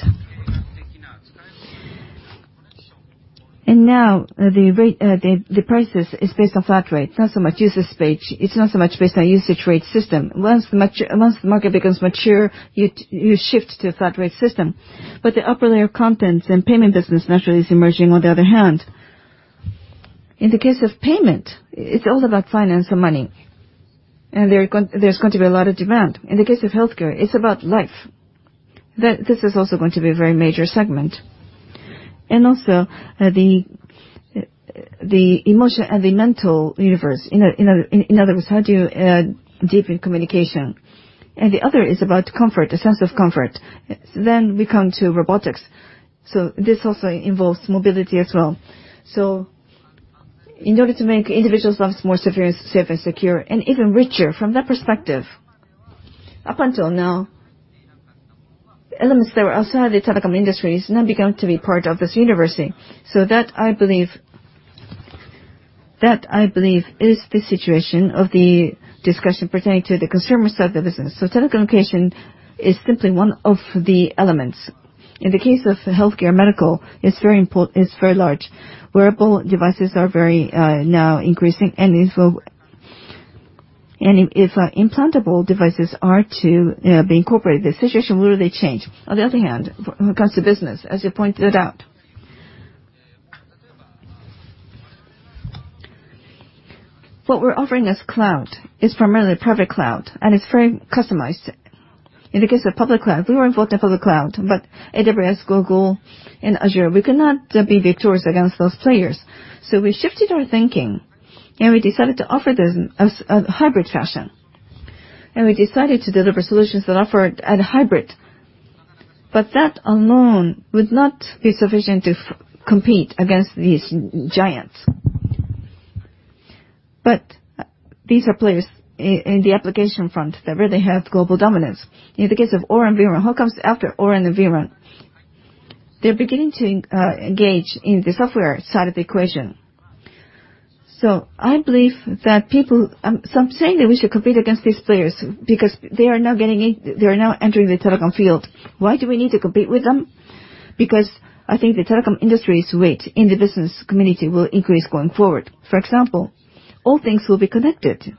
Now, the prices is based on flat rate, not so much usage rate. It's not so much based on usage rate system. Once the market becomes mature, you shift to a flat rate system. The upper layer contents and payment business naturally is emerging on the other hand. In the case of payment, it's all about finance and money, and there's going to be a lot of demand. In the case of healthcare, it's about life. This is also going to be a very major segment. Also, the emotion and the mental universe. In other words, how do you deepen communication? The other is about comfort, a sense of comfort. We come to robotics. This also involves mobility as well. In order to make individuals' lives more safe and secure and even richer, from that perspective, up until now, elements that were outside the telecom industry has now begun to be part of this universe. That, I believe, is the situation of the discussion pertaining to the consumer side of the business. Telecommunication is simply one of the elements. In the case of healthcare, medical, it's very large. Wearable devices are very now increasing. If implantable devices are to be incorporated, the situation will really change. On the other hand, when it comes to business, as you pointed out, what we're offering as cloud is primarily private cloud, and it's very customized. In the case of public cloud, we were involved in public cloud, but AWS, Google, and Azure, we could not be victorious against those players. We shifted our thinking, and we decided to offer this as a hybrid fashion. We decided to deliver solutions that offer it at a hybrid. That alone would not be sufficient to compete against these giants. These are players in the application front that really have global dominance. In the case of Oracle and VMware, what comes after Oracle and VMware? They're beginning to engage in the software side of the equation. I believe that some say that we should compete against these players because they are now entering the telecom field. Why do we need to compete with them? I think the telecom industry's weight in the business community will increase going forward. For example, all things will be connected,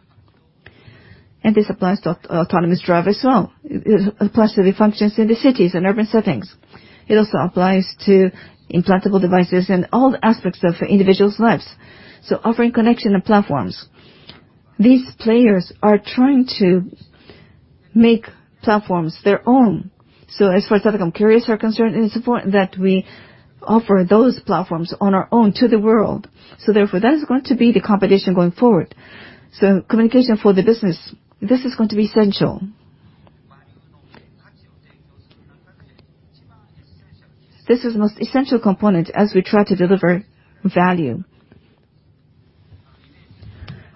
and this applies to autonomous drive as well. It applies to the functions in the cities and urban settings. It also applies to implantable devices and all aspects of individuals' lives. Offering connection and platforms. These players are trying to make platforms their own. As far as telecom carriers are concerned, it is important that we offer those platforms on our own to the world. Therefore, that is going to be the competition going forward. Communication for the business, this is going to be essential. This is the most essential component as we try to deliver value.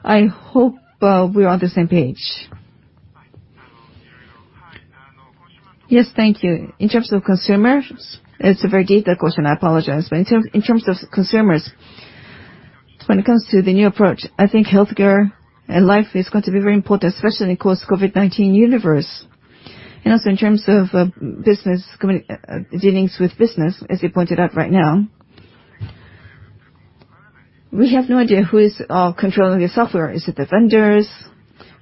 I hope we're on the same page. Yes, thank you. In terms of consumers, it's a very detailed question, I apologize. In terms of consumers, when it comes to the new approach, I think healthcare and life is going to be very important, especially in, of course, COVID-19 universe. Also in terms of dealings with business, as you pointed out right now, we have no idea who is controlling the software. Is it the vendors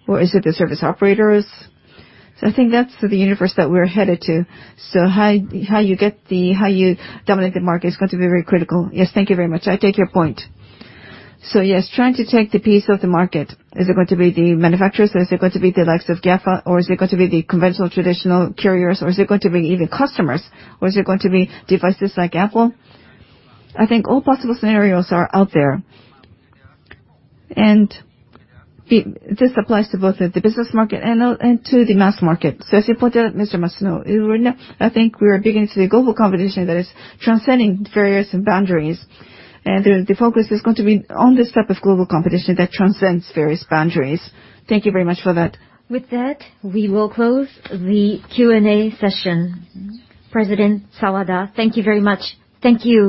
or is it the service operators? I think that's the universe that we're headed to. How you dominate the market is going to be very critical. Yes, thank you very much. I take your point. Yes, trying to take the piece of the market, is it going to be the manufacturers? Is it going to be the likes of GAFA? Is it going to be the conventional, traditional carriers? Is it going to be even customers? Is it going to be devices like Apple? I think all possible scenarios are out there. This applies to both the business market and to the mass market. As you pointed out, Mr. Masuno, I think we are beginning to see a global competition that is transcending various boundaries. The focus is going to be on this type of global competition that transcends various boundaries. Thank you very much for that. With that, we will close the Q&A session. President Sawada, thank you very much. Thank you.